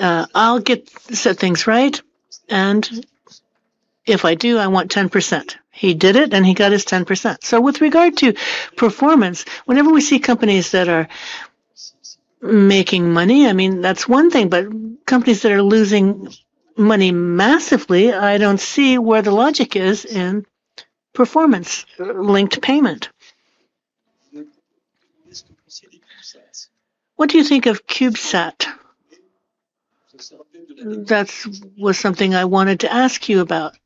"I'll get set things right, and if I do, I want 10%." He did it, and he got his 10%. With regard to performance, whenever we see companies that are making money, I mean, that's one thing, but companies that are losing money massively, I don't see where the logic is in performance linked to payment. What do you think of Cubesat? That was something I wanted to ask you about,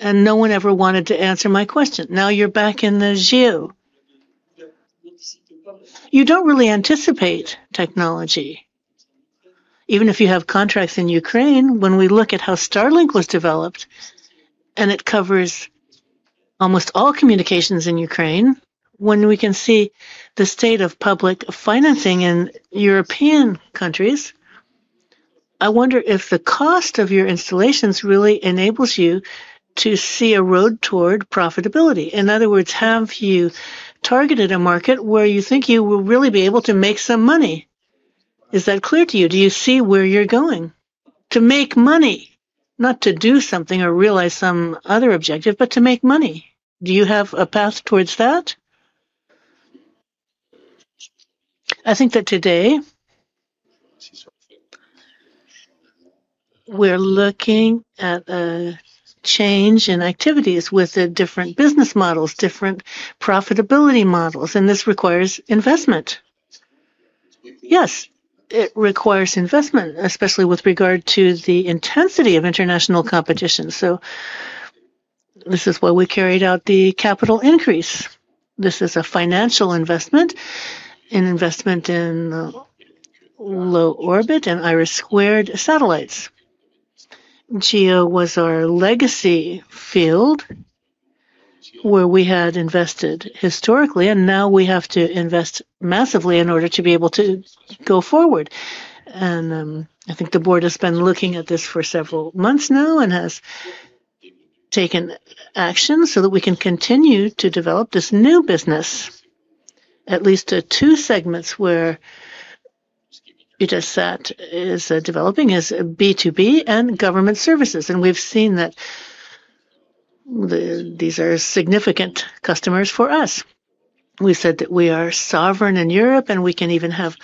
and no one ever wanted to answer my question. Now you're back in the geo. You don't really anticipate technology. Even if you have contracts in Ukraine, when we look at how Starlink was developed and it covers almost all communications in Ukraine, when we can see the state of public financing in European countries, I wonder if the cost of your installations really enables you to see a road toward profitability. In other words, have you targeted a market where you think you will really be able to make some money? Is that clear to you? Do you see where you're going? To make money, not to do something or realize some other objective, but to make money. Do you have a path towards that? I think that today we're looking at a change in activities with different business models, different profitability models, and this requires investment. Yes, it requires investment, especially with regard to the intensity of international competition. This is why we carried out the capital increase. This is a financial investment in investment in low orbit and IRIS² satellites. GEO was our legacy field where we had invested historically, and now we have to invest massively in order to be able to go forward. I think the board has been looking at this for several months now and has taken action so that we can continue to develop this new business, at least two segments where Eutelsat is developing as B2B and government services. We have seen that these are significant customers for us. We said that we are sovereign in Europe, and we can even have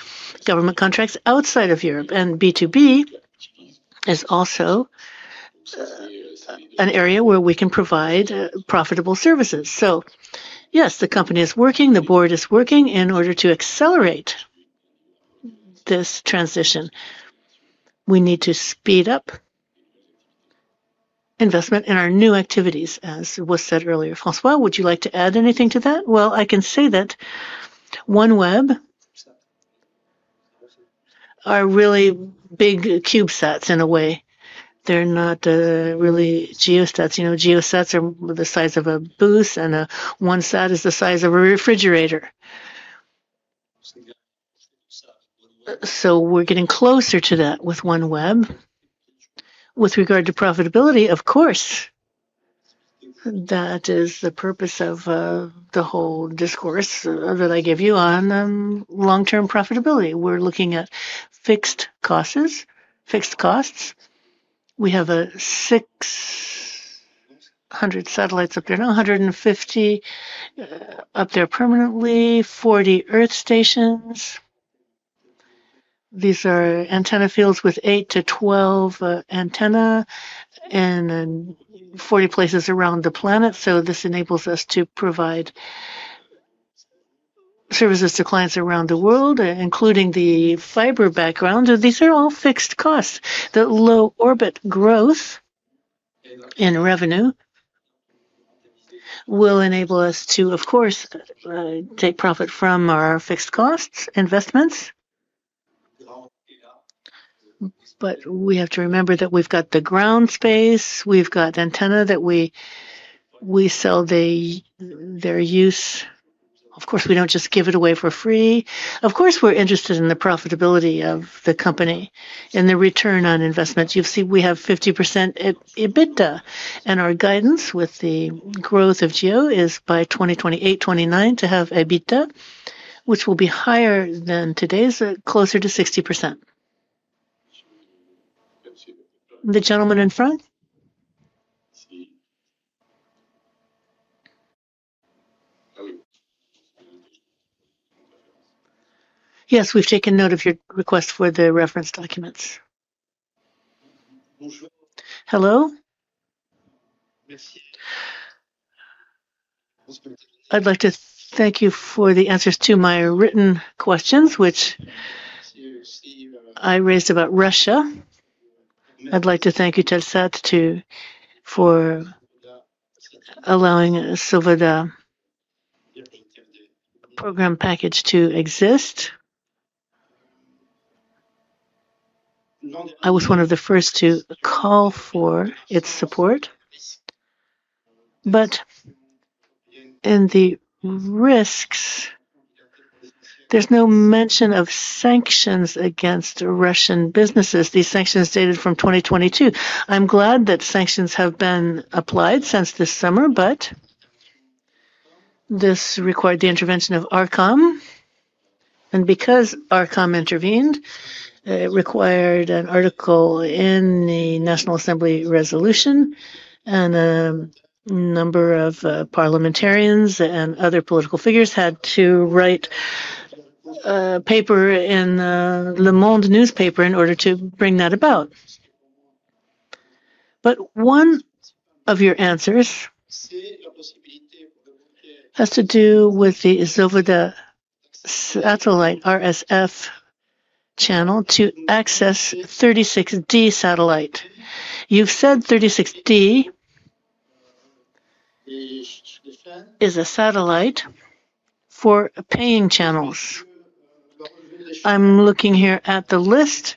government contracts outside of Europe. B2B is also an area where we can provide profitable services. Yes, the company is working, the board is working in order to accelerate this transition. We need to speed up investment in our new activities, as was said earlier. François, would you like to add anything to that? I can say that OneWeb are really big Cubesats in a way. They're not really GeoSats. GeoSats are the size of a booth, and OneSat is the size of a refrigerator. We are getting closer to that with OneWeb. With regard to profitability, of course. That is the purpose of the whole discourse that I gave you on long-term profitability. We are looking at fixed costs. We have 600 satellites up there, 150 up there permanently, 40 Earth stations. These are antenna fields with 8 to 12 antennae in 40 places around the planet. This enables us to provide services to clients around the world, including the fiber background. These are all fixed costs. The low orbit growth in revenue will enable us to, of course, take profit from our fixed cost investments. We have to remember that we've got the ground space. We've got the antenna that we sell their use. We don't just give it away for free. We are interested in the profitability of the company and the return on investment. You've seen we have 50% EBITDA, and our guidance with the growth of GEO is by 2028-2029 to have EBITDA, which will be higher than today's, closer to 60%. The gentleman in front? Yes, we've taken note of your request for the reference documents. Hello? I'd like to thank you for the answers to my written questions, which I raised about Russia. I'd like to thank Eutelsat for allowing Svoboda Bouquet to exist. I was one of the first to call for its support. In the risks, there's no mention of sanctions against Russian businesses. These sanctions dated from 2022. I'm glad that sanctions have been applied since this summer, but this required the intervention of ARCOM. Because ARCOM intervened, it required an article in the National Assembly resolution, and a number of parliamentarians and other political figures had to write a paper in Le Monde newspaper in order to bring that about. One of your answers has to do with the Silva satellite RSF channel to access 36D satellite. You've said 36D is a satellite for paying channels. I'm looking here at the list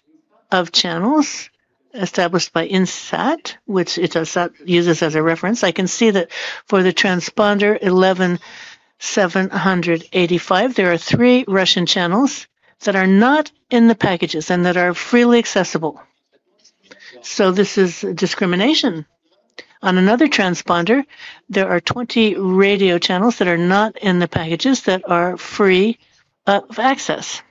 of channels established by Insat, which Eutelsat uses as a reference. I can see that for the transponder 11785, there are three Russian channels that are not in the packages and that are freely accessible. This is discrimination. On another transponder, there are 20 radio channels that are not in the packages that are free of access.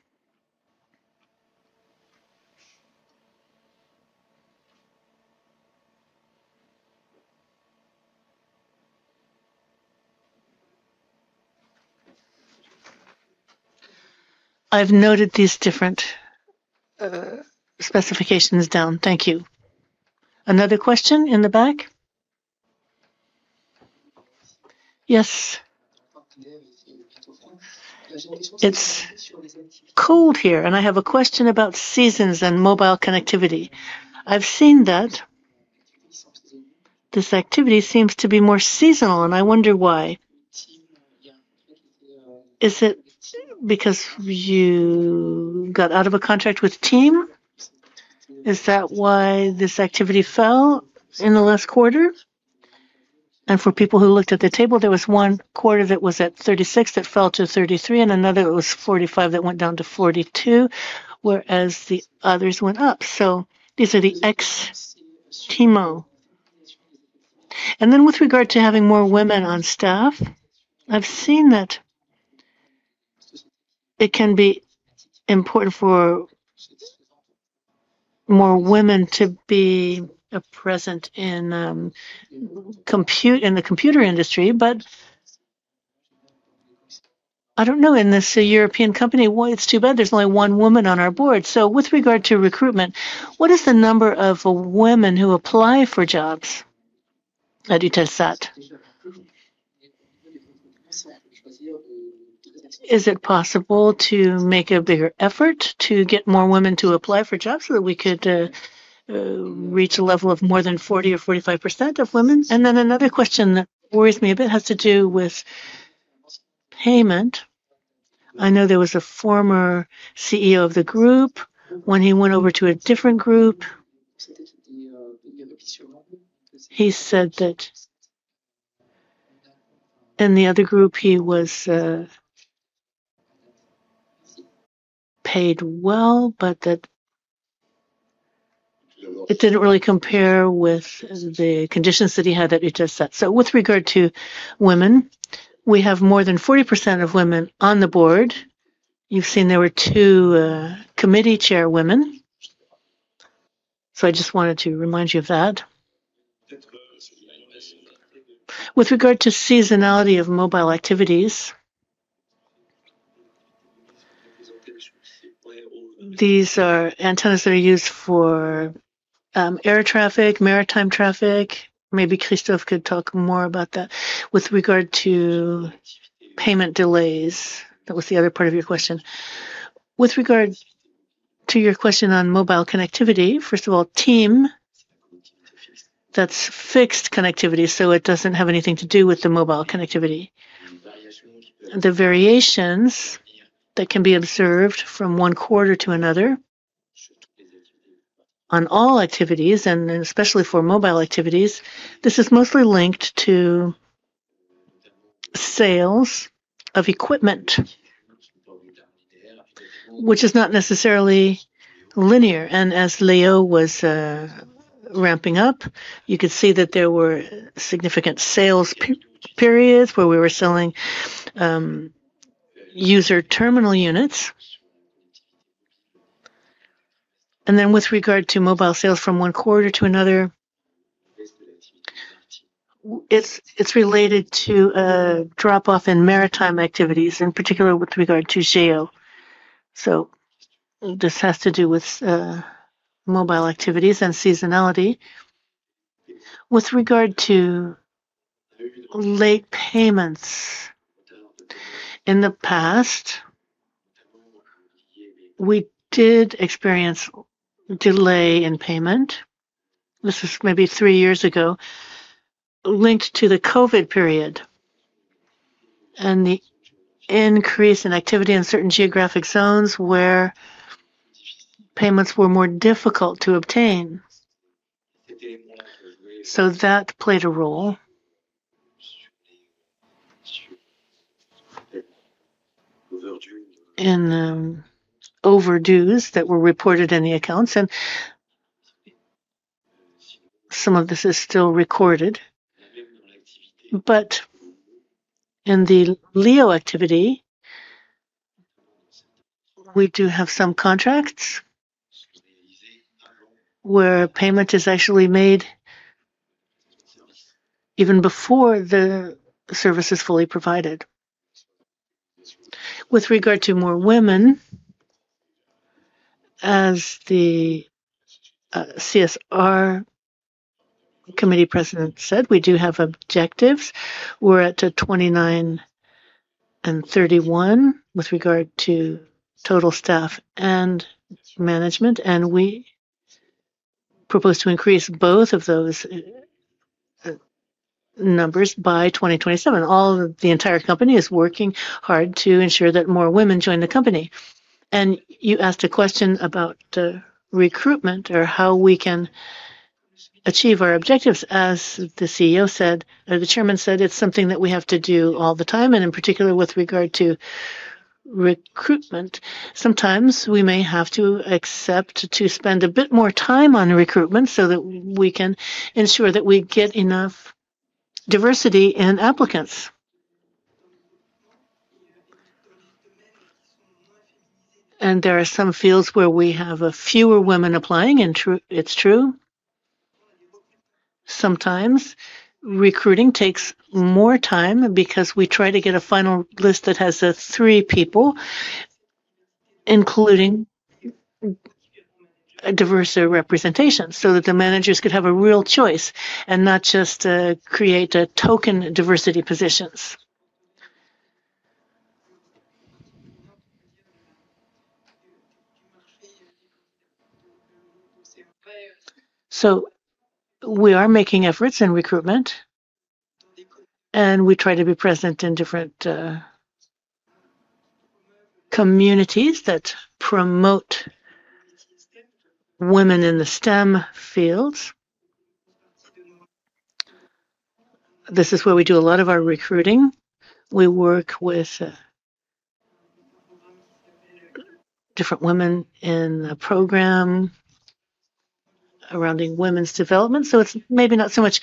I've noted these different specifications down. Thank you. Another question in the back? Yes. It's cold here, and I have a question about seasons and mobile connectivity. I've seen that this activity seems to be more seasonal, and I wonder why. Is it because you got out of a contract with TEAM? Is that why this activity fell in the last quarter? For people who looked at the table, there was one quarter that was at 36 that fell to 33, and another was 45 that went down to 42, whereas the others went up. These are the ex-TEAMO. With regard to having more women on staff, I've seen that it can be important for more women to be present in the computer industry. I don't know, in this European company, it's too bad. There's only one woman on our board. With regard to recruitment, what is the number of women who apply for jobs at Eutelsat? Is it possible to make a bigger effort to get more women to apply for jobs so that we could reach a level of more than 40% or 45% of women? Another question that worries me a bit has to do with payment. I know there was a former CEO of the group. When he went over to a different group, he said that in the other group, he was paid well, but that it did not really compare with the conditions that he had at Eutelsat. With regard to women, we have more than 40% of women on the board. You have seen there were two committee chairwomen. I just wanted to remind you of that. With regard to seasonality of mobile activities, these are antennas that are used for air traffic, maritime traffic. Maybe Christophe could talk more about that. With regard to payment delays, that was the other part of your question. With regard to your question on mobile connectivity, first of all, TEAM, that is fixed connectivity, so it does not have anything to do with the mobile connectivity. The variations that can be observed from one quarter to another on all activities, and especially for mobile activities, this is mostly linked to sales of equipment, which is not necessarily linear. As LEO was ramping up, you could see that there were significant sales periods where we were selling user terminal units. With regard to mobile sales from one quarter to another, it is related to drop-off in maritime activities, in particular with regard to GEO. This has to do with mobile activities and seasonality. With regard to late payments, in the past, we did experience delay in payment. This was maybe three years ago, linked to the COVID period and the increase in activity in certain geographic zones where payments were more difficult to obtain. That played a role in overdues that were reported in the accounts. Some of this is still recorded. In the LEO activity, we do have some contracts where payment is actually made even before the service is fully provided. With regard to more women, as the CSR Committee President said, we do have objectives. We're at 29 and 31 with regard to total staff and management, and we propose to increase both of those numbers by 2027. The entire company is working hard to ensure that more women join the company. You asked a question about recruitment or how we can achieve our objectives. As the CEO said, or the Chairman said, it's something that we have to do all the time, in particular with regard to recruitment. Sometimes we may have to accept to spend a bit more time on recruitment so that we can ensure that we get enough diversity in applicants. There are some fields where we have fewer women applying, and it is true. Sometimes recruiting takes more time because we try to get a final list that has three people, including diverse representation, so that the managers could have a real choice and not just create token diversity positions. We are making efforts in recruitment, and we try to be present in different communities that promote women in the STEM fields. This is where we do a lot of our recruiting. We work with different women in the program around women's development. It is maybe not so much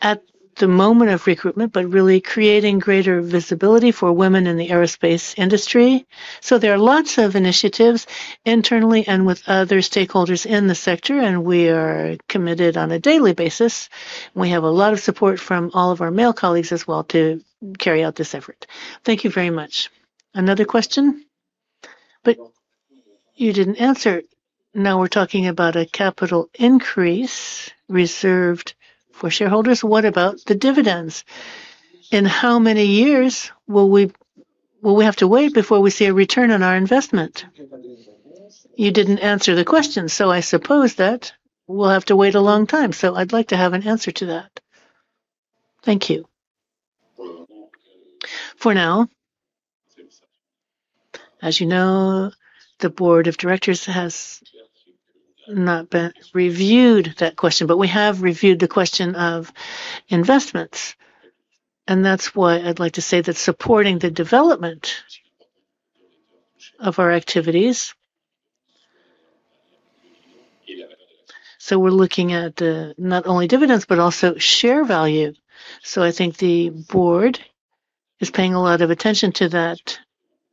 at the moment of recruitment, but really creating greater visibility for women in the aerospace industry. There are lots of initiatives internally and with other stakeholders in the sector, and we are committed on a daily basis. We have a lot of support from all of our male colleagues as well to carry out this effort. Thank you very much. Another question, but you did not answer. Now we are talking about a capital increase reserved for shareholders. What about the dividends? In how many years will we have to wait before we see a return on our investment? You did not answer the question, so I suppose that we will have to wait a long time. I would like to have an answer to that. Thank you. For now, as you know, the Board of Directors has not reviewed that question, but we have reviewed the question of investments. That is why I would like to say that supporting the development of our activities. We are looking at not only dividends, but also share value. I think the board is paying a lot of attention to that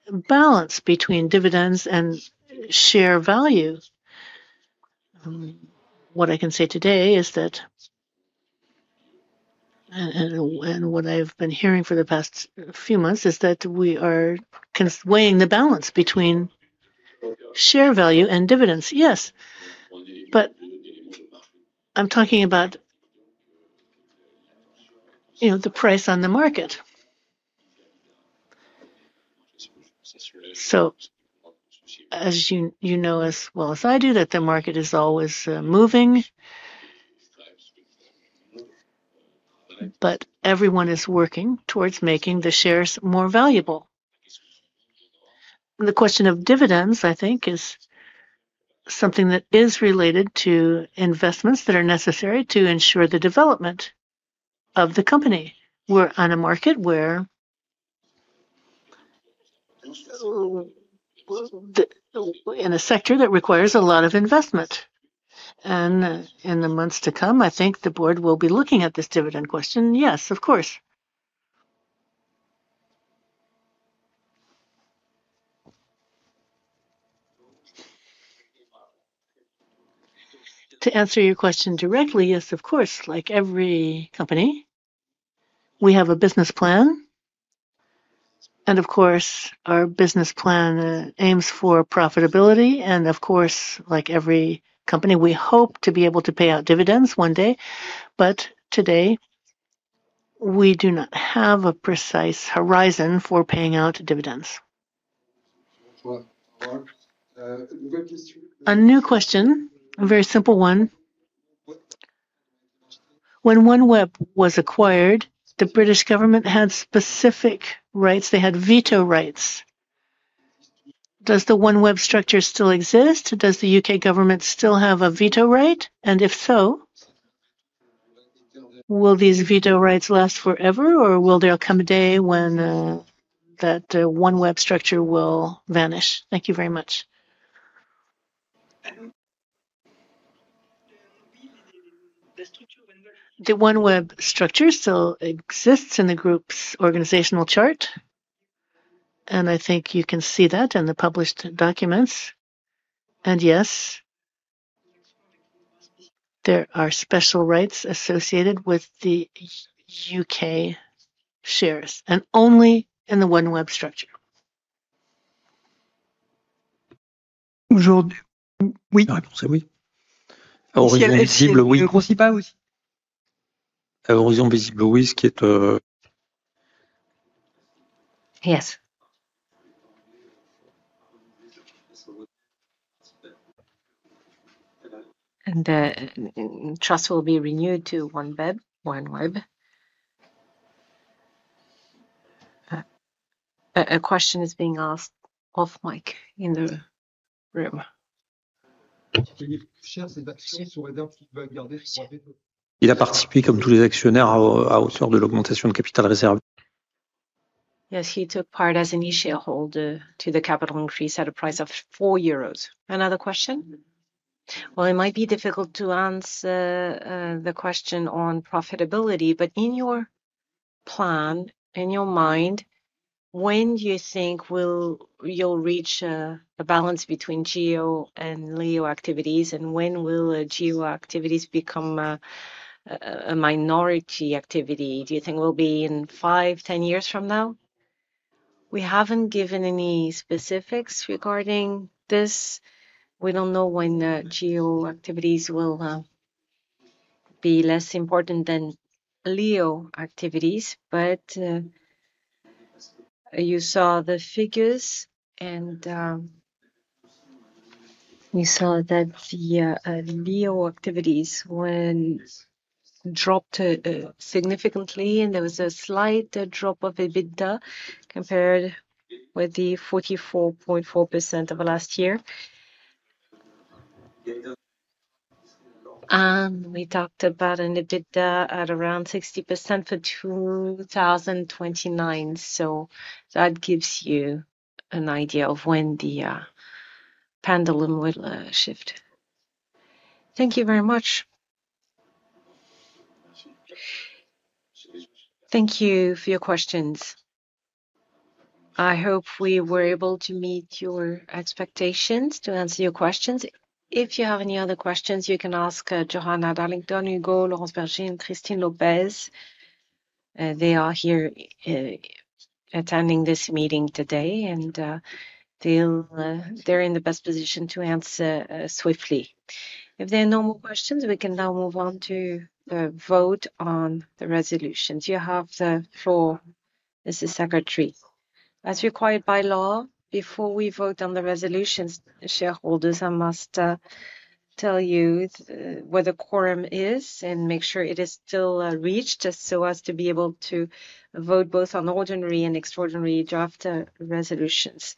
balance between dividends and share value. What I can say today is that, and what I've been hearing for the past few months, is that we are weighing the balance between share value and dividends. Yes, but I'm talking about the price on the market. As you know as well as I do, the market is always moving, but everyone is working towards making the shares more valuable. The question of dividends, I think, is something that is related to investments that are necessary to ensure the development of the company. We're on a market in a sector that requires a lot of investment. In the months to come, I think the board will be looking at this dividend question. Yes, of course. To answer your question directly, yes, of course. Like every company, we have a business plan. Of course, our business plan aims for profitability. Of course, like every company, we hope to be able to pay out dividends one day. Today, we do not have a precise horizon for paying out dividends. A new question, a very simple one. When OneWeb was acquired, the British government had specific rights. They had veto rights. Does the OneWeb structure still exist? Does the U.K. government still have a veto right? If so, will these veto rights last forever, or will there come a day when that OneWeb structure will vanish? Thank you very much. The OneWeb structure still exists in the group's organizational chart, and I think you can see that in the published documents. Yes, there are special rights associated with the U.K. shares, and only in the OneWeb structure. Yes. The trust will be renewed to OneWeb. OneWeb. A question is being asked off mic in the room. Il a participé, comme tous les actionnaires, à hauteur de l'augmentation de capital réservé. Yes, he took part as a new shareholder to the capital increase at a price of 4 euros. Another question? It might be difficult to answer the question on profitability, but in your plan, in your mind, when do you think you'll reach a balance between GEO and LEO activities, and when will GEO activities become a minority activity? Do you think we'll be in 5, 10 years from now? We haven't given any specifics regarding this. We don't know when GEO activities will be less important than LEO activities, but you saw the figures, and you saw that the LEO activities dropped significantly, and there was a slight drop of EBITDA compared with the 44.4% of the last year. We talked about an EBITDA at around 60% for 2029. That gives you an idea of when the pendulum will shift. Thank you very much. Thank you for your questions. I hope we were able to meet your expectations to answer your questions. If you have any other questions, you can ask Johanna Darlington, Hugo, Laurence Berger, and Christine Lopez. They are here attending this meeting today, and they're in the best position to answer swiftly. If there are no more questions, we can now move on to vote on the resolutions. You have the floor, Mr. Secretary. As required by law, before we vote on the resolutions, shareholders must tell you where the quorum is and make sure it is still reached so as to be able to vote both on ordinary and extraordinary draft resolutions.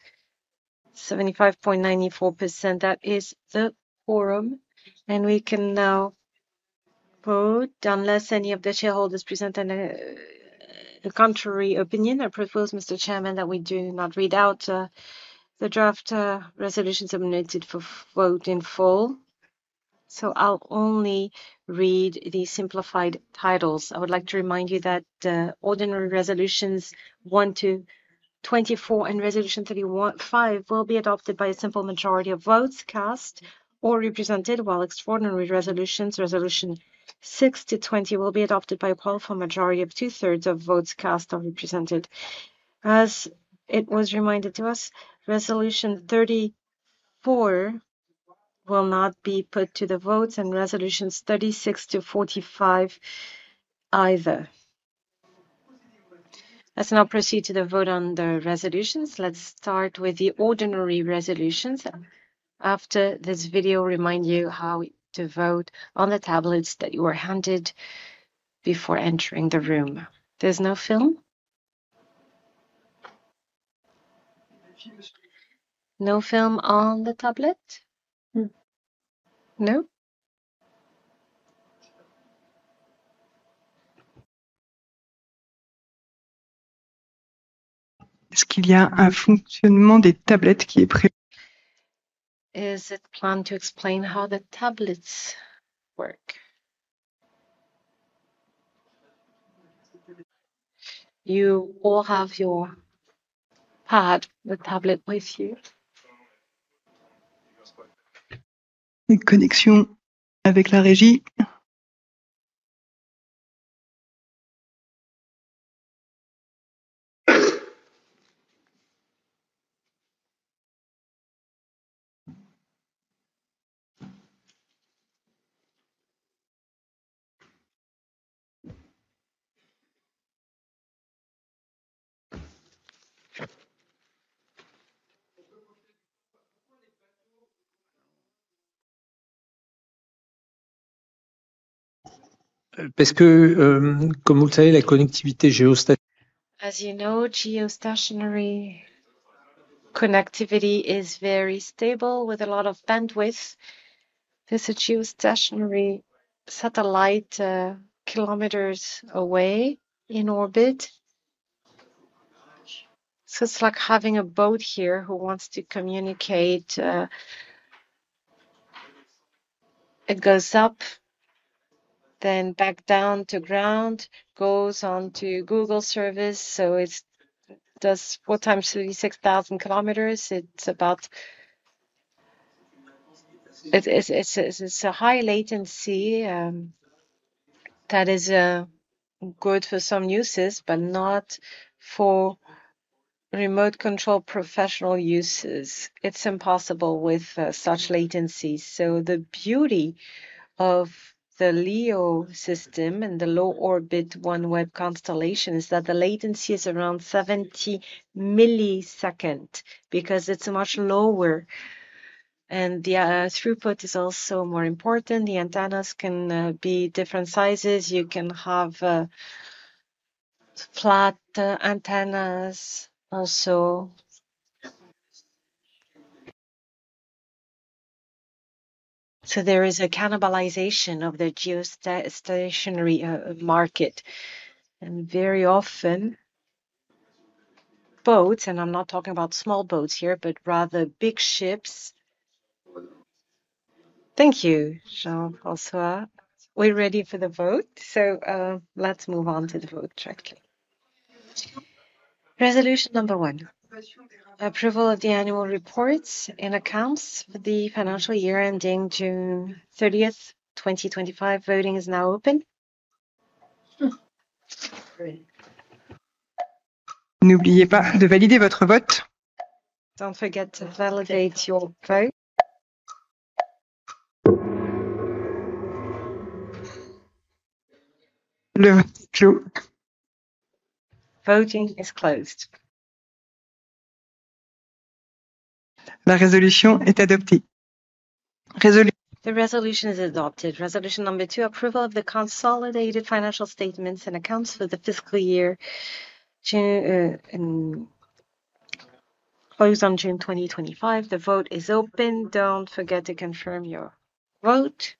75.94%, that is the quorum. We can now vote unless any of the shareholders present a contrary opinion. I propose, Mr. Chairman, that we do not read out the draft resolutions submitted for vote in full. I'll only read the simplified titles. I would like to remind you that the ordinary resolutions 1 to 24 and resolution 35 will be adopted by a simple majority of votes cast or represented, while extraordinary resolutions, resolution 6 to 20, will be adopted by a powerful majority of two-thirds of votes cast or represented. As it was reminded to us, resolution 34 will not be put to the votes and resolutions 36 to 45 either. Let's now proceed to the vote on the resolutions. Let's start with the ordinary resolutions. After this video, I'll remind you how to vote on the tablets that you were handed before entering the room. There's no film? No film on the tablet? No? Est-ce qu'il y a un fonctionnement des tablettes qui est prévu? Is it planned to explain how the tablets work? You all have your pad, the tablet, with you. Une connexion avec la régie? Parce que, comme vous le savez, la connectivité géostation... As you know, geostationary connectivity is very stable with a lot of bandwidth. There's a geostationary satellite kilometers away in orbit. It's like having a boat here who wants to communicate. It goes up, then back down to ground, goes on to Google service. It does 4,036,000 km. It's about... It's a high latency that is good for some uses, but not for remote control professional uses. It's impossible with such latencies. The beauty of the LEO system and the low orbit OneWeb constellation is that the latency is around 70 milliseconds because it's much lower. The throughput is also more important. The antennas can be different sizes. You can have flat antennas also. There is a cannibalization of the geostationary market. Very often, boats, and I'm not talking about small boats here, but rather big ships. Thank you. Jean-François, we're ready for the vote. Let's move on to the vote directly. Resolution number one, approval of the annual reports and accounts for the financial year ending June 30, 2025. Voting is now open. N'oubliez pas de valider votre vote. Don't forget to validate your vote. The vote is closed. The resolution is adopted. Resolution number two, approval of the consolidated financial statements and accounts for the fiscal year closed on June 2025. The vote is open. Don't forget to confirm your vote.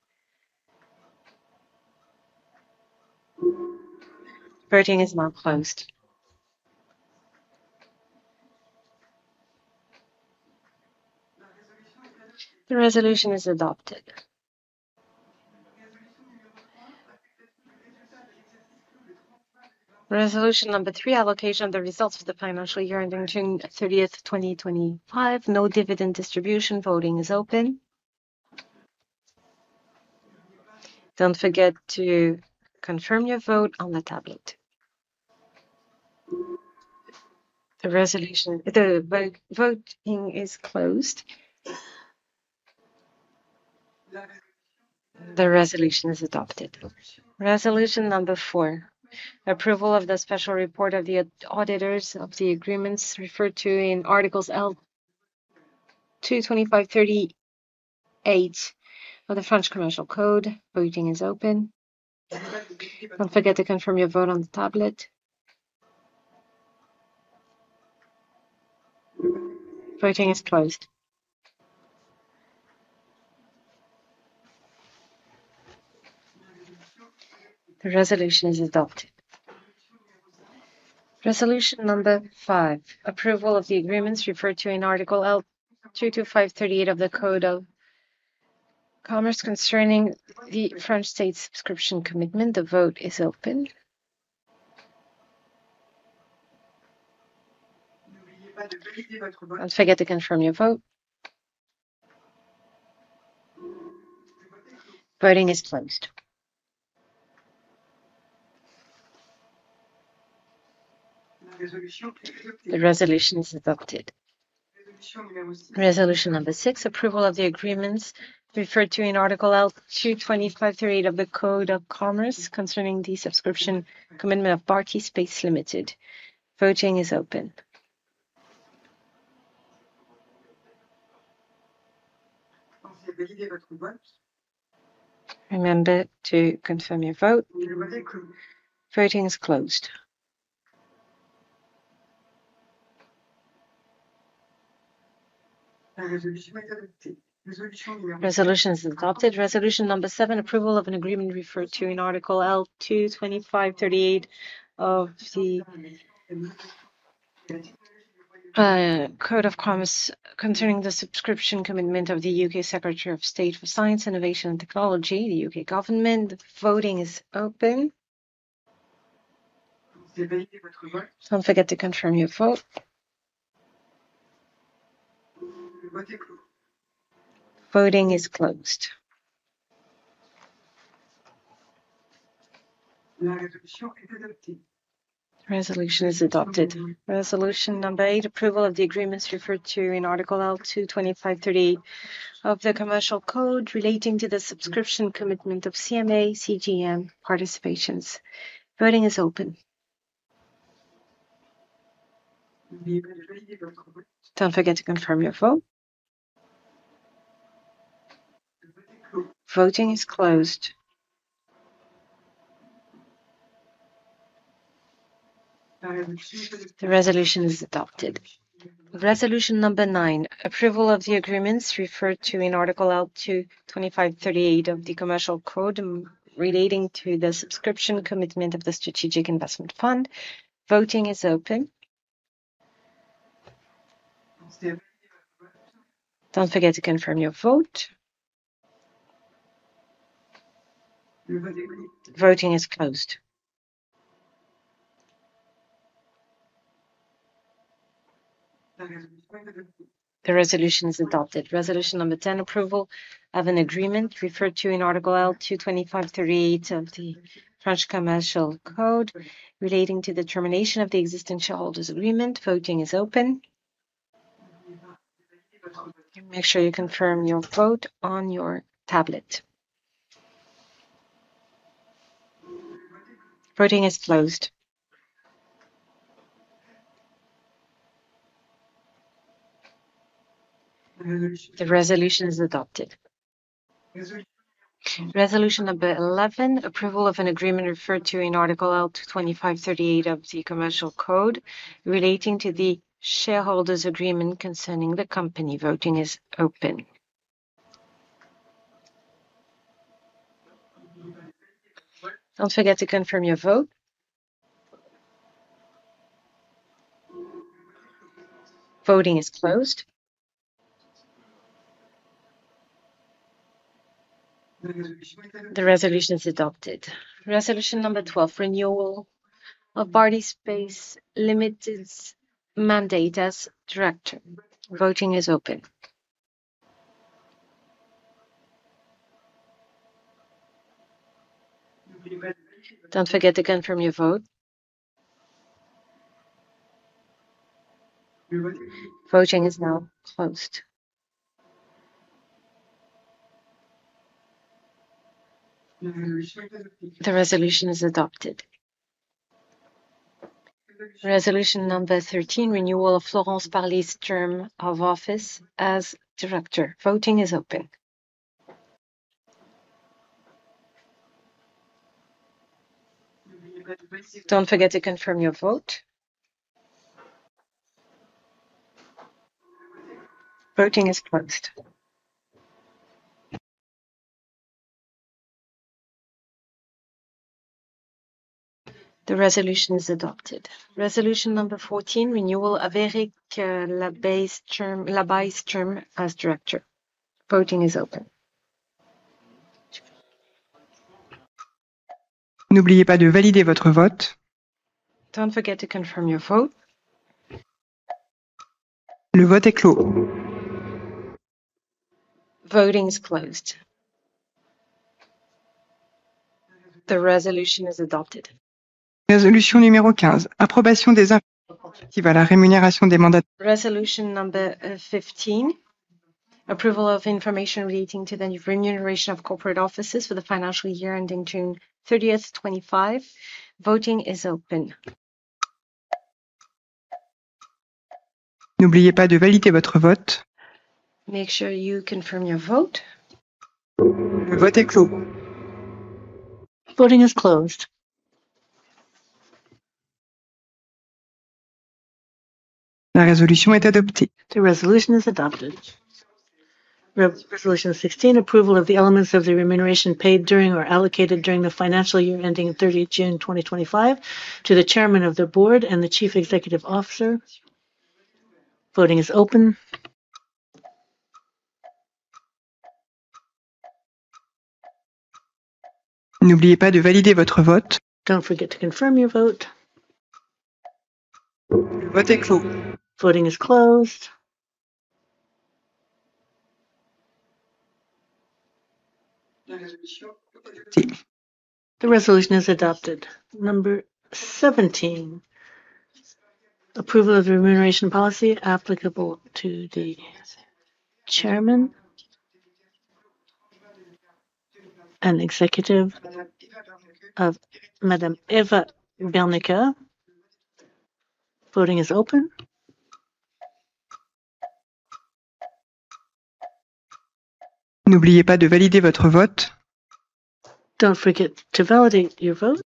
Voting is now closed. The resolution is adopted. Resolution number three, allocation of the results of the financial year ending June 30th, 2025. No dividend distribution. Voting is open. Don't forget to confirm your vote on the tablet. The voting is closed. The resolution is adopted. Resolution number four, approval of the special report of the auditors of the agreements referred to in articles L2, 25, 38 of the French commercial code. Voting is open. Don't forget to confirm your vote on the tablet. Voting is closed. The resolution is adopted. Resolution number five, approval of the agreements referred to in article L2, 25, 38 of the Code of Commerce concerning the French state subscription commitment. The vote is open. Don't forget to confirm your vote. Voting is closed. The resolution is adopted. Resolution number six, approval of the agreements referred to in article L2, 25, 38 of the Code of Commerce concerning the subscription commitment of Baltyspace Limited. Voting is open. Remember to confirm your vote. Voting is closed. Resolution is adopted. Resolution number seven, approval of an agreement referred to in article L2, 25, 38 of the Code of Commerce concerning the subscription commitment of the U.K. Secretary of State for Science, Innovation and Technology, the U.K. government. Voting is open. Don't forget to confirm your vote. Voting is closed. Resolution is adopted. Resolution number eight, approval of the agreements referred to in article L2, 25, 38 of the Commercial Code relating to the subscription commitment of CMA CGM Participations. Voting is open. Don't forget to confirm your vote. Voting is closed. The resolution is adopted. Resolution number nine, approval of the agreements referred to in article L2, 25, 38 of the Commercial Code relating to the subscription commitment of the Strategic Investment Fund. Voting is open. Don't forget to confirm your vote. Voting is closed. The resolution is adopted. Resolution number ten, approval of an agreement referred to in article L2, 25, 38 of the French Commercial Code relating to the termination of the existing shareholders' agreement. Voting is open. Make sure you confirm your vote on your tablet. Voting is closed. The resolution is adopted. Resolution number 11, approval of an agreement referred to in article L2, 25, 38 of the Commercial Code relating to the shareholders' agreement concerning the company. Voting is open. Don't forget to confirm your vote. Voting is closed. The resolution is adopted. Resolution number 12, renewal of Baltyspace Limited's mandate as director. Voting is open. Don't forget to confirm your vote. Voting is now closed. The resolution is adopted. Resolution number 13, renewal of Florence Parly's term of office as director. Voting is open. Don't forget to confirm your vote. Voting is closed. The resolution is adopted. Resolution number 14, renewal of Éric Labaye's term as director. Voting is open. N'oubliez pas de valider votre vote. Don't forget to confirm your vote. Le vote est clos. Voting is closed. The resolution is adopted. Résolution numéro 15, approbation des informations relatives à la rémunération des mandataires. Resolution number 15, approval of information relating to the remuneration of corporate offices for the financial year ending June 30, 2025. Voting is open. N'oubliez pas de valider votre vote. Make sure you confirm your vote. Le vote est clos. Voting is closed. La résolution est adoptée. The resolution is adopted. Resolution 16, approval of the elements of the remuneration paid during or allocated during the financial year ending June 30, 2025 to the Chairman of the Board and the Chief Executive Officer. Voting is open. N'oubliez pas de valider votre vote. Don't forget to confirm your vote. Le vote est clos. Voting is closed. The resolution is adopted. Number 17, approval of the remuneration policy applicable to the Chairman and Executive of Madame Eva Berneke. Voting is open. N'oubliez pas de valider votre vote. Don't forget to validate your vote.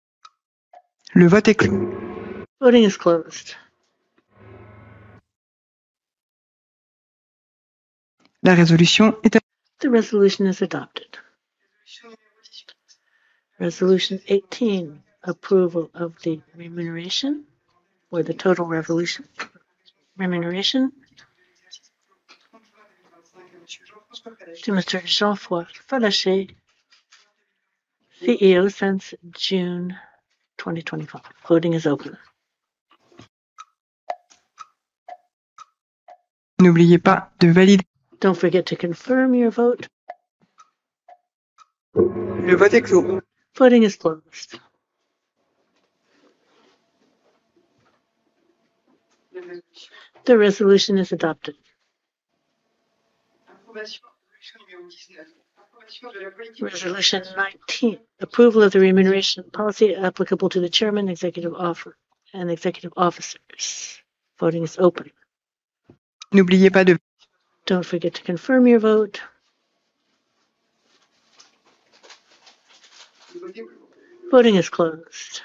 Le vote est clos. Voting is closed. La résolution est adoptée. The resolution is adopted. Resolution 18, approval of the remuneration or the total remuneration to Mr. Jean-François Fallacher, CEO since June 2025. Voting is open. N'oubliez pas de valider. Don't forget to confirm your vote. Le vote est clos. Voting is closed. The resolution is adopted. Resolution 19, approval of the remuneration policy applicable to the Chairman and Executive Officers. Voting is open. N'oubliez pas de valider. Don't forget to confirm your vote. Voting is closed.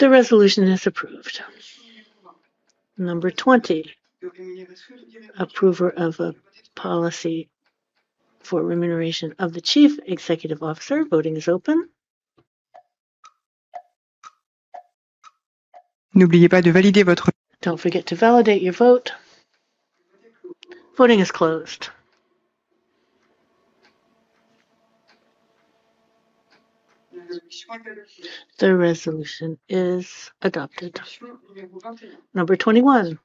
The resolution is approved. Number 20, approval of a policy for remuneration of the Chief Executive Officer. Voting is open. N'oubliez pas de valider votre vote. Don't forget to validate your vote. Voting is closed. The resolution is adopted. Number 21,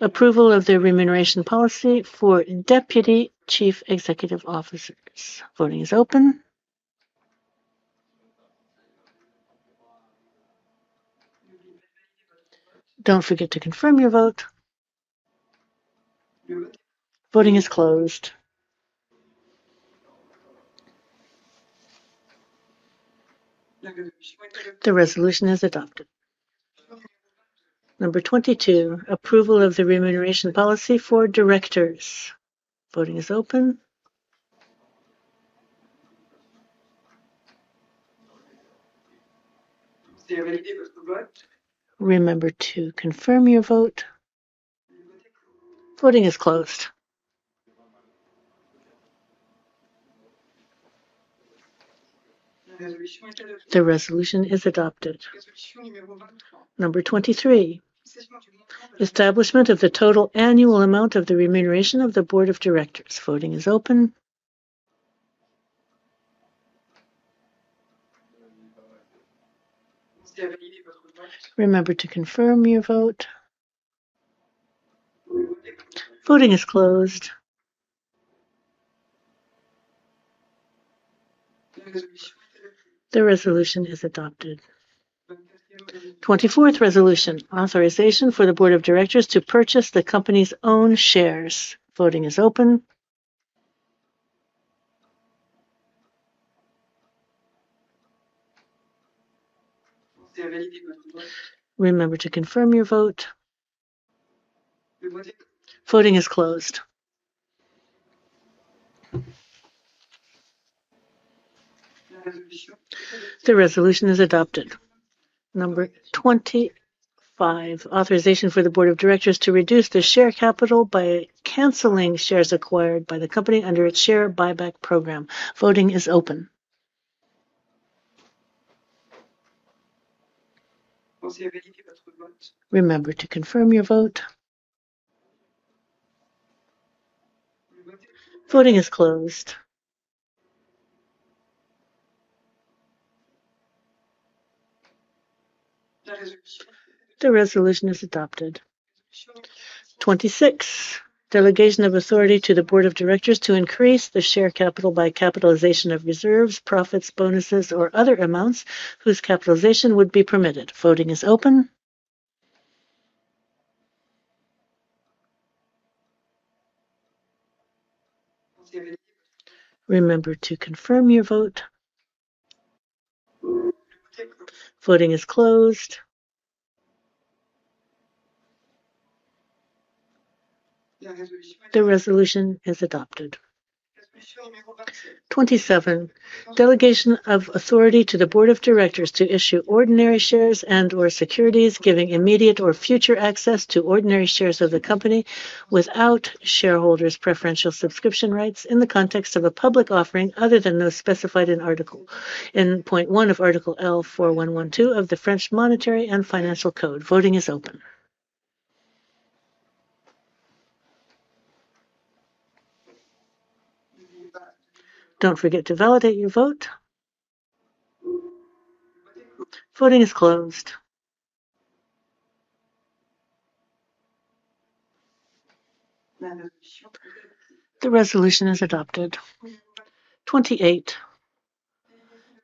approval of the remuneration policy for Deputy Chief Executive Officers. Voting is open. Don't forget to confirm your vote. Voting is closed. The resolution is adopted. Number 22, approval of the remuneration policy for directors. Voting is open. Remember to confirm your vote. Voting is closed. The resolution is adopted. Number 23, establishment of the total annual amount of the remuneration of the Board of Directors. Voting is open. Remember to confirm your vote. Voting is closed. The resolution is adopted. 24th resolution, authorization for the Board of Directors to purchase the company's own shares. Voting is open. Remember to confirm your vote. Voting is closed. The resolution is adopted. Number 25, authorization for the Board of Directors to reduce the share capital by canceling shares acquired by the company under its share buyback program. Voting is open. Remember to confirm your vote. Voting is closed. The resolution is adopted. 26, delegation of authority to the Board of Directors to increase the share capital by capitalization of reserves, profits, bonuses, or other amounts whose capitalization would be permitted. Voting is open. Remember to confirm your vote. Voting is closed. The resolution is adopted. 27, delegation of authority to the Board of Directors to issue ordinary shares and/or securities giving immediate or future access to ordinary shares of the company without shareholders' preferential subscription rights in the context of a public offering other than those specified in Article 1 of Article L4112 of the French Monetary and Financial Code. Voting is open. Don't forget to validate your vote. Voting is closed. The resolution is adopted. 28,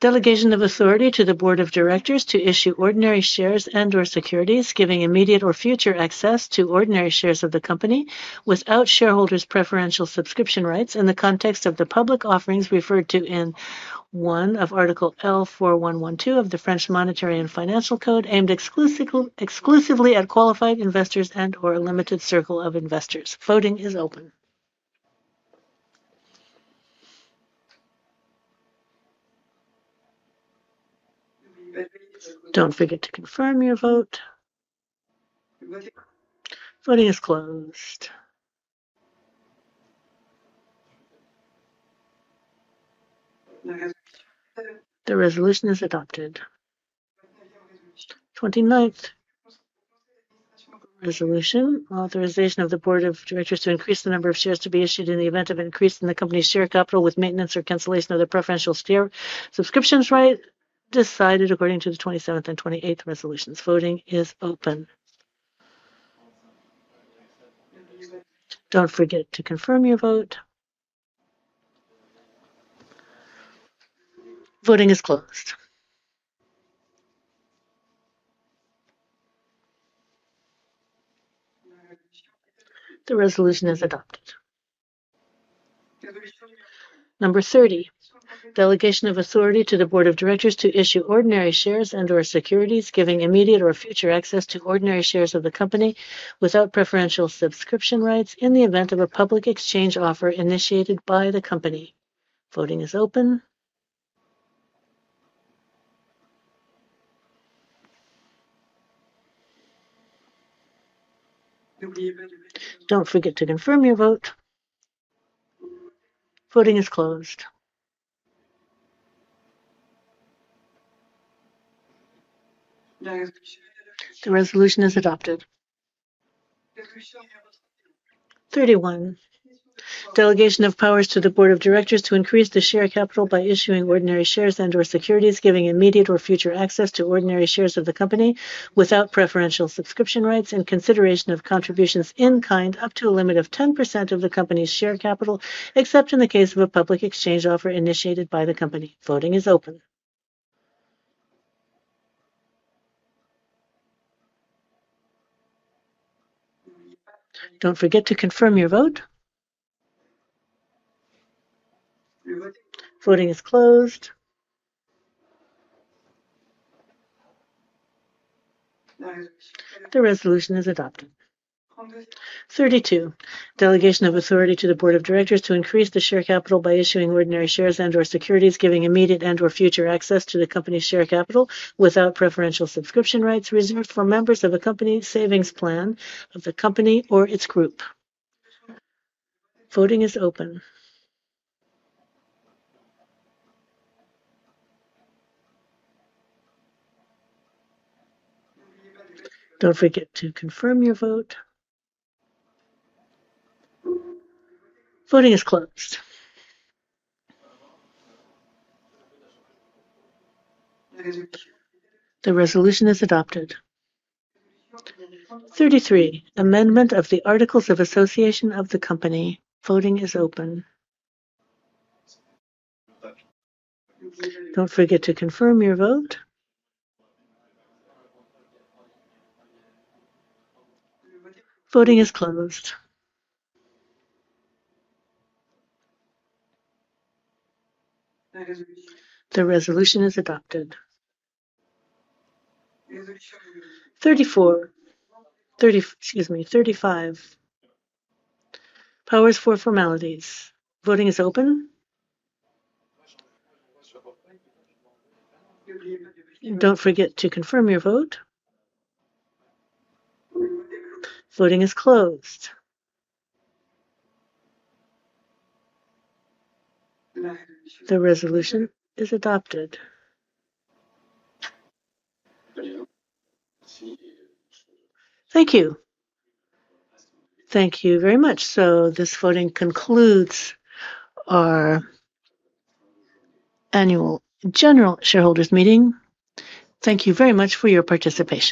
delegation of authority to the Board of Directors to issue ordinary shares and/or securities giving immediate or future access to ordinary shares of the company without shareholders' preferential subscription rights in the context of the public offerings referred to in one of Article L4112 of the French Monetary and Financial Code aimed exclusively at qualified investors and/or a limited circle of investors. Voting is open. Don't forget to confirm your vote. Voting is closed. The resolution is adopted. 29th resolution, authorization of the Board of Directors to increase the number of shares to be issued in the event of an increase in the company's share capital with maintenance or cancellation of the preferential share subscriptions right decided according to the 27th and 28th resolutions. Voting is open. Don't forget to confirm your vote. Voting is closed. The resolution is adopted. Number 30, delegation of authority to the Board of Directors to issue ordinary shares and/or securities giving immediate or future access to ordinary shares of the company without preferential subscription rights in the event of a public exchange offer initiated by the company. Voting is open. Don't forget to confirm your vote. Voting is closed. The resolution is adopted. 31, delegation of powers to the Board of Directors to increase the share capital by issuing ordinary shares and/or securities giving immediate or future access to ordinary shares of the company without preferential subscription rights in consideration of contributions in kind up to a limit of 10% of the company's share capital except in the case of a public exchange offer initiated by the company. Voting is open. Don't forget to confirm your vote. Voting is closed. The resolution is adopted. 32, delegation of authority to the Board of Directors to increase the share capital by issuing ordinary shares and/or securities giving immediate and/or future access to the company's share capital without preferential subscription rights reserved for members of a company's savings plan of the company or its group. Voting is open. Don't forget to confirm your vote. Voting is closed. The resolution is adopted. 33, amendment of the Articles of Association of the Company. Voting is open. Don't forget to confirm your vote. Voting is closed. The resolution is adopted. 34, excuse me, 35, powers for formalities. Voting is open. Don't forget to confirm your vote. Voting is closed. The resolution is adopted. Thank you. Thank you very much. This voting concludes our annual general shareholders meeting. Thank you very much for your participation.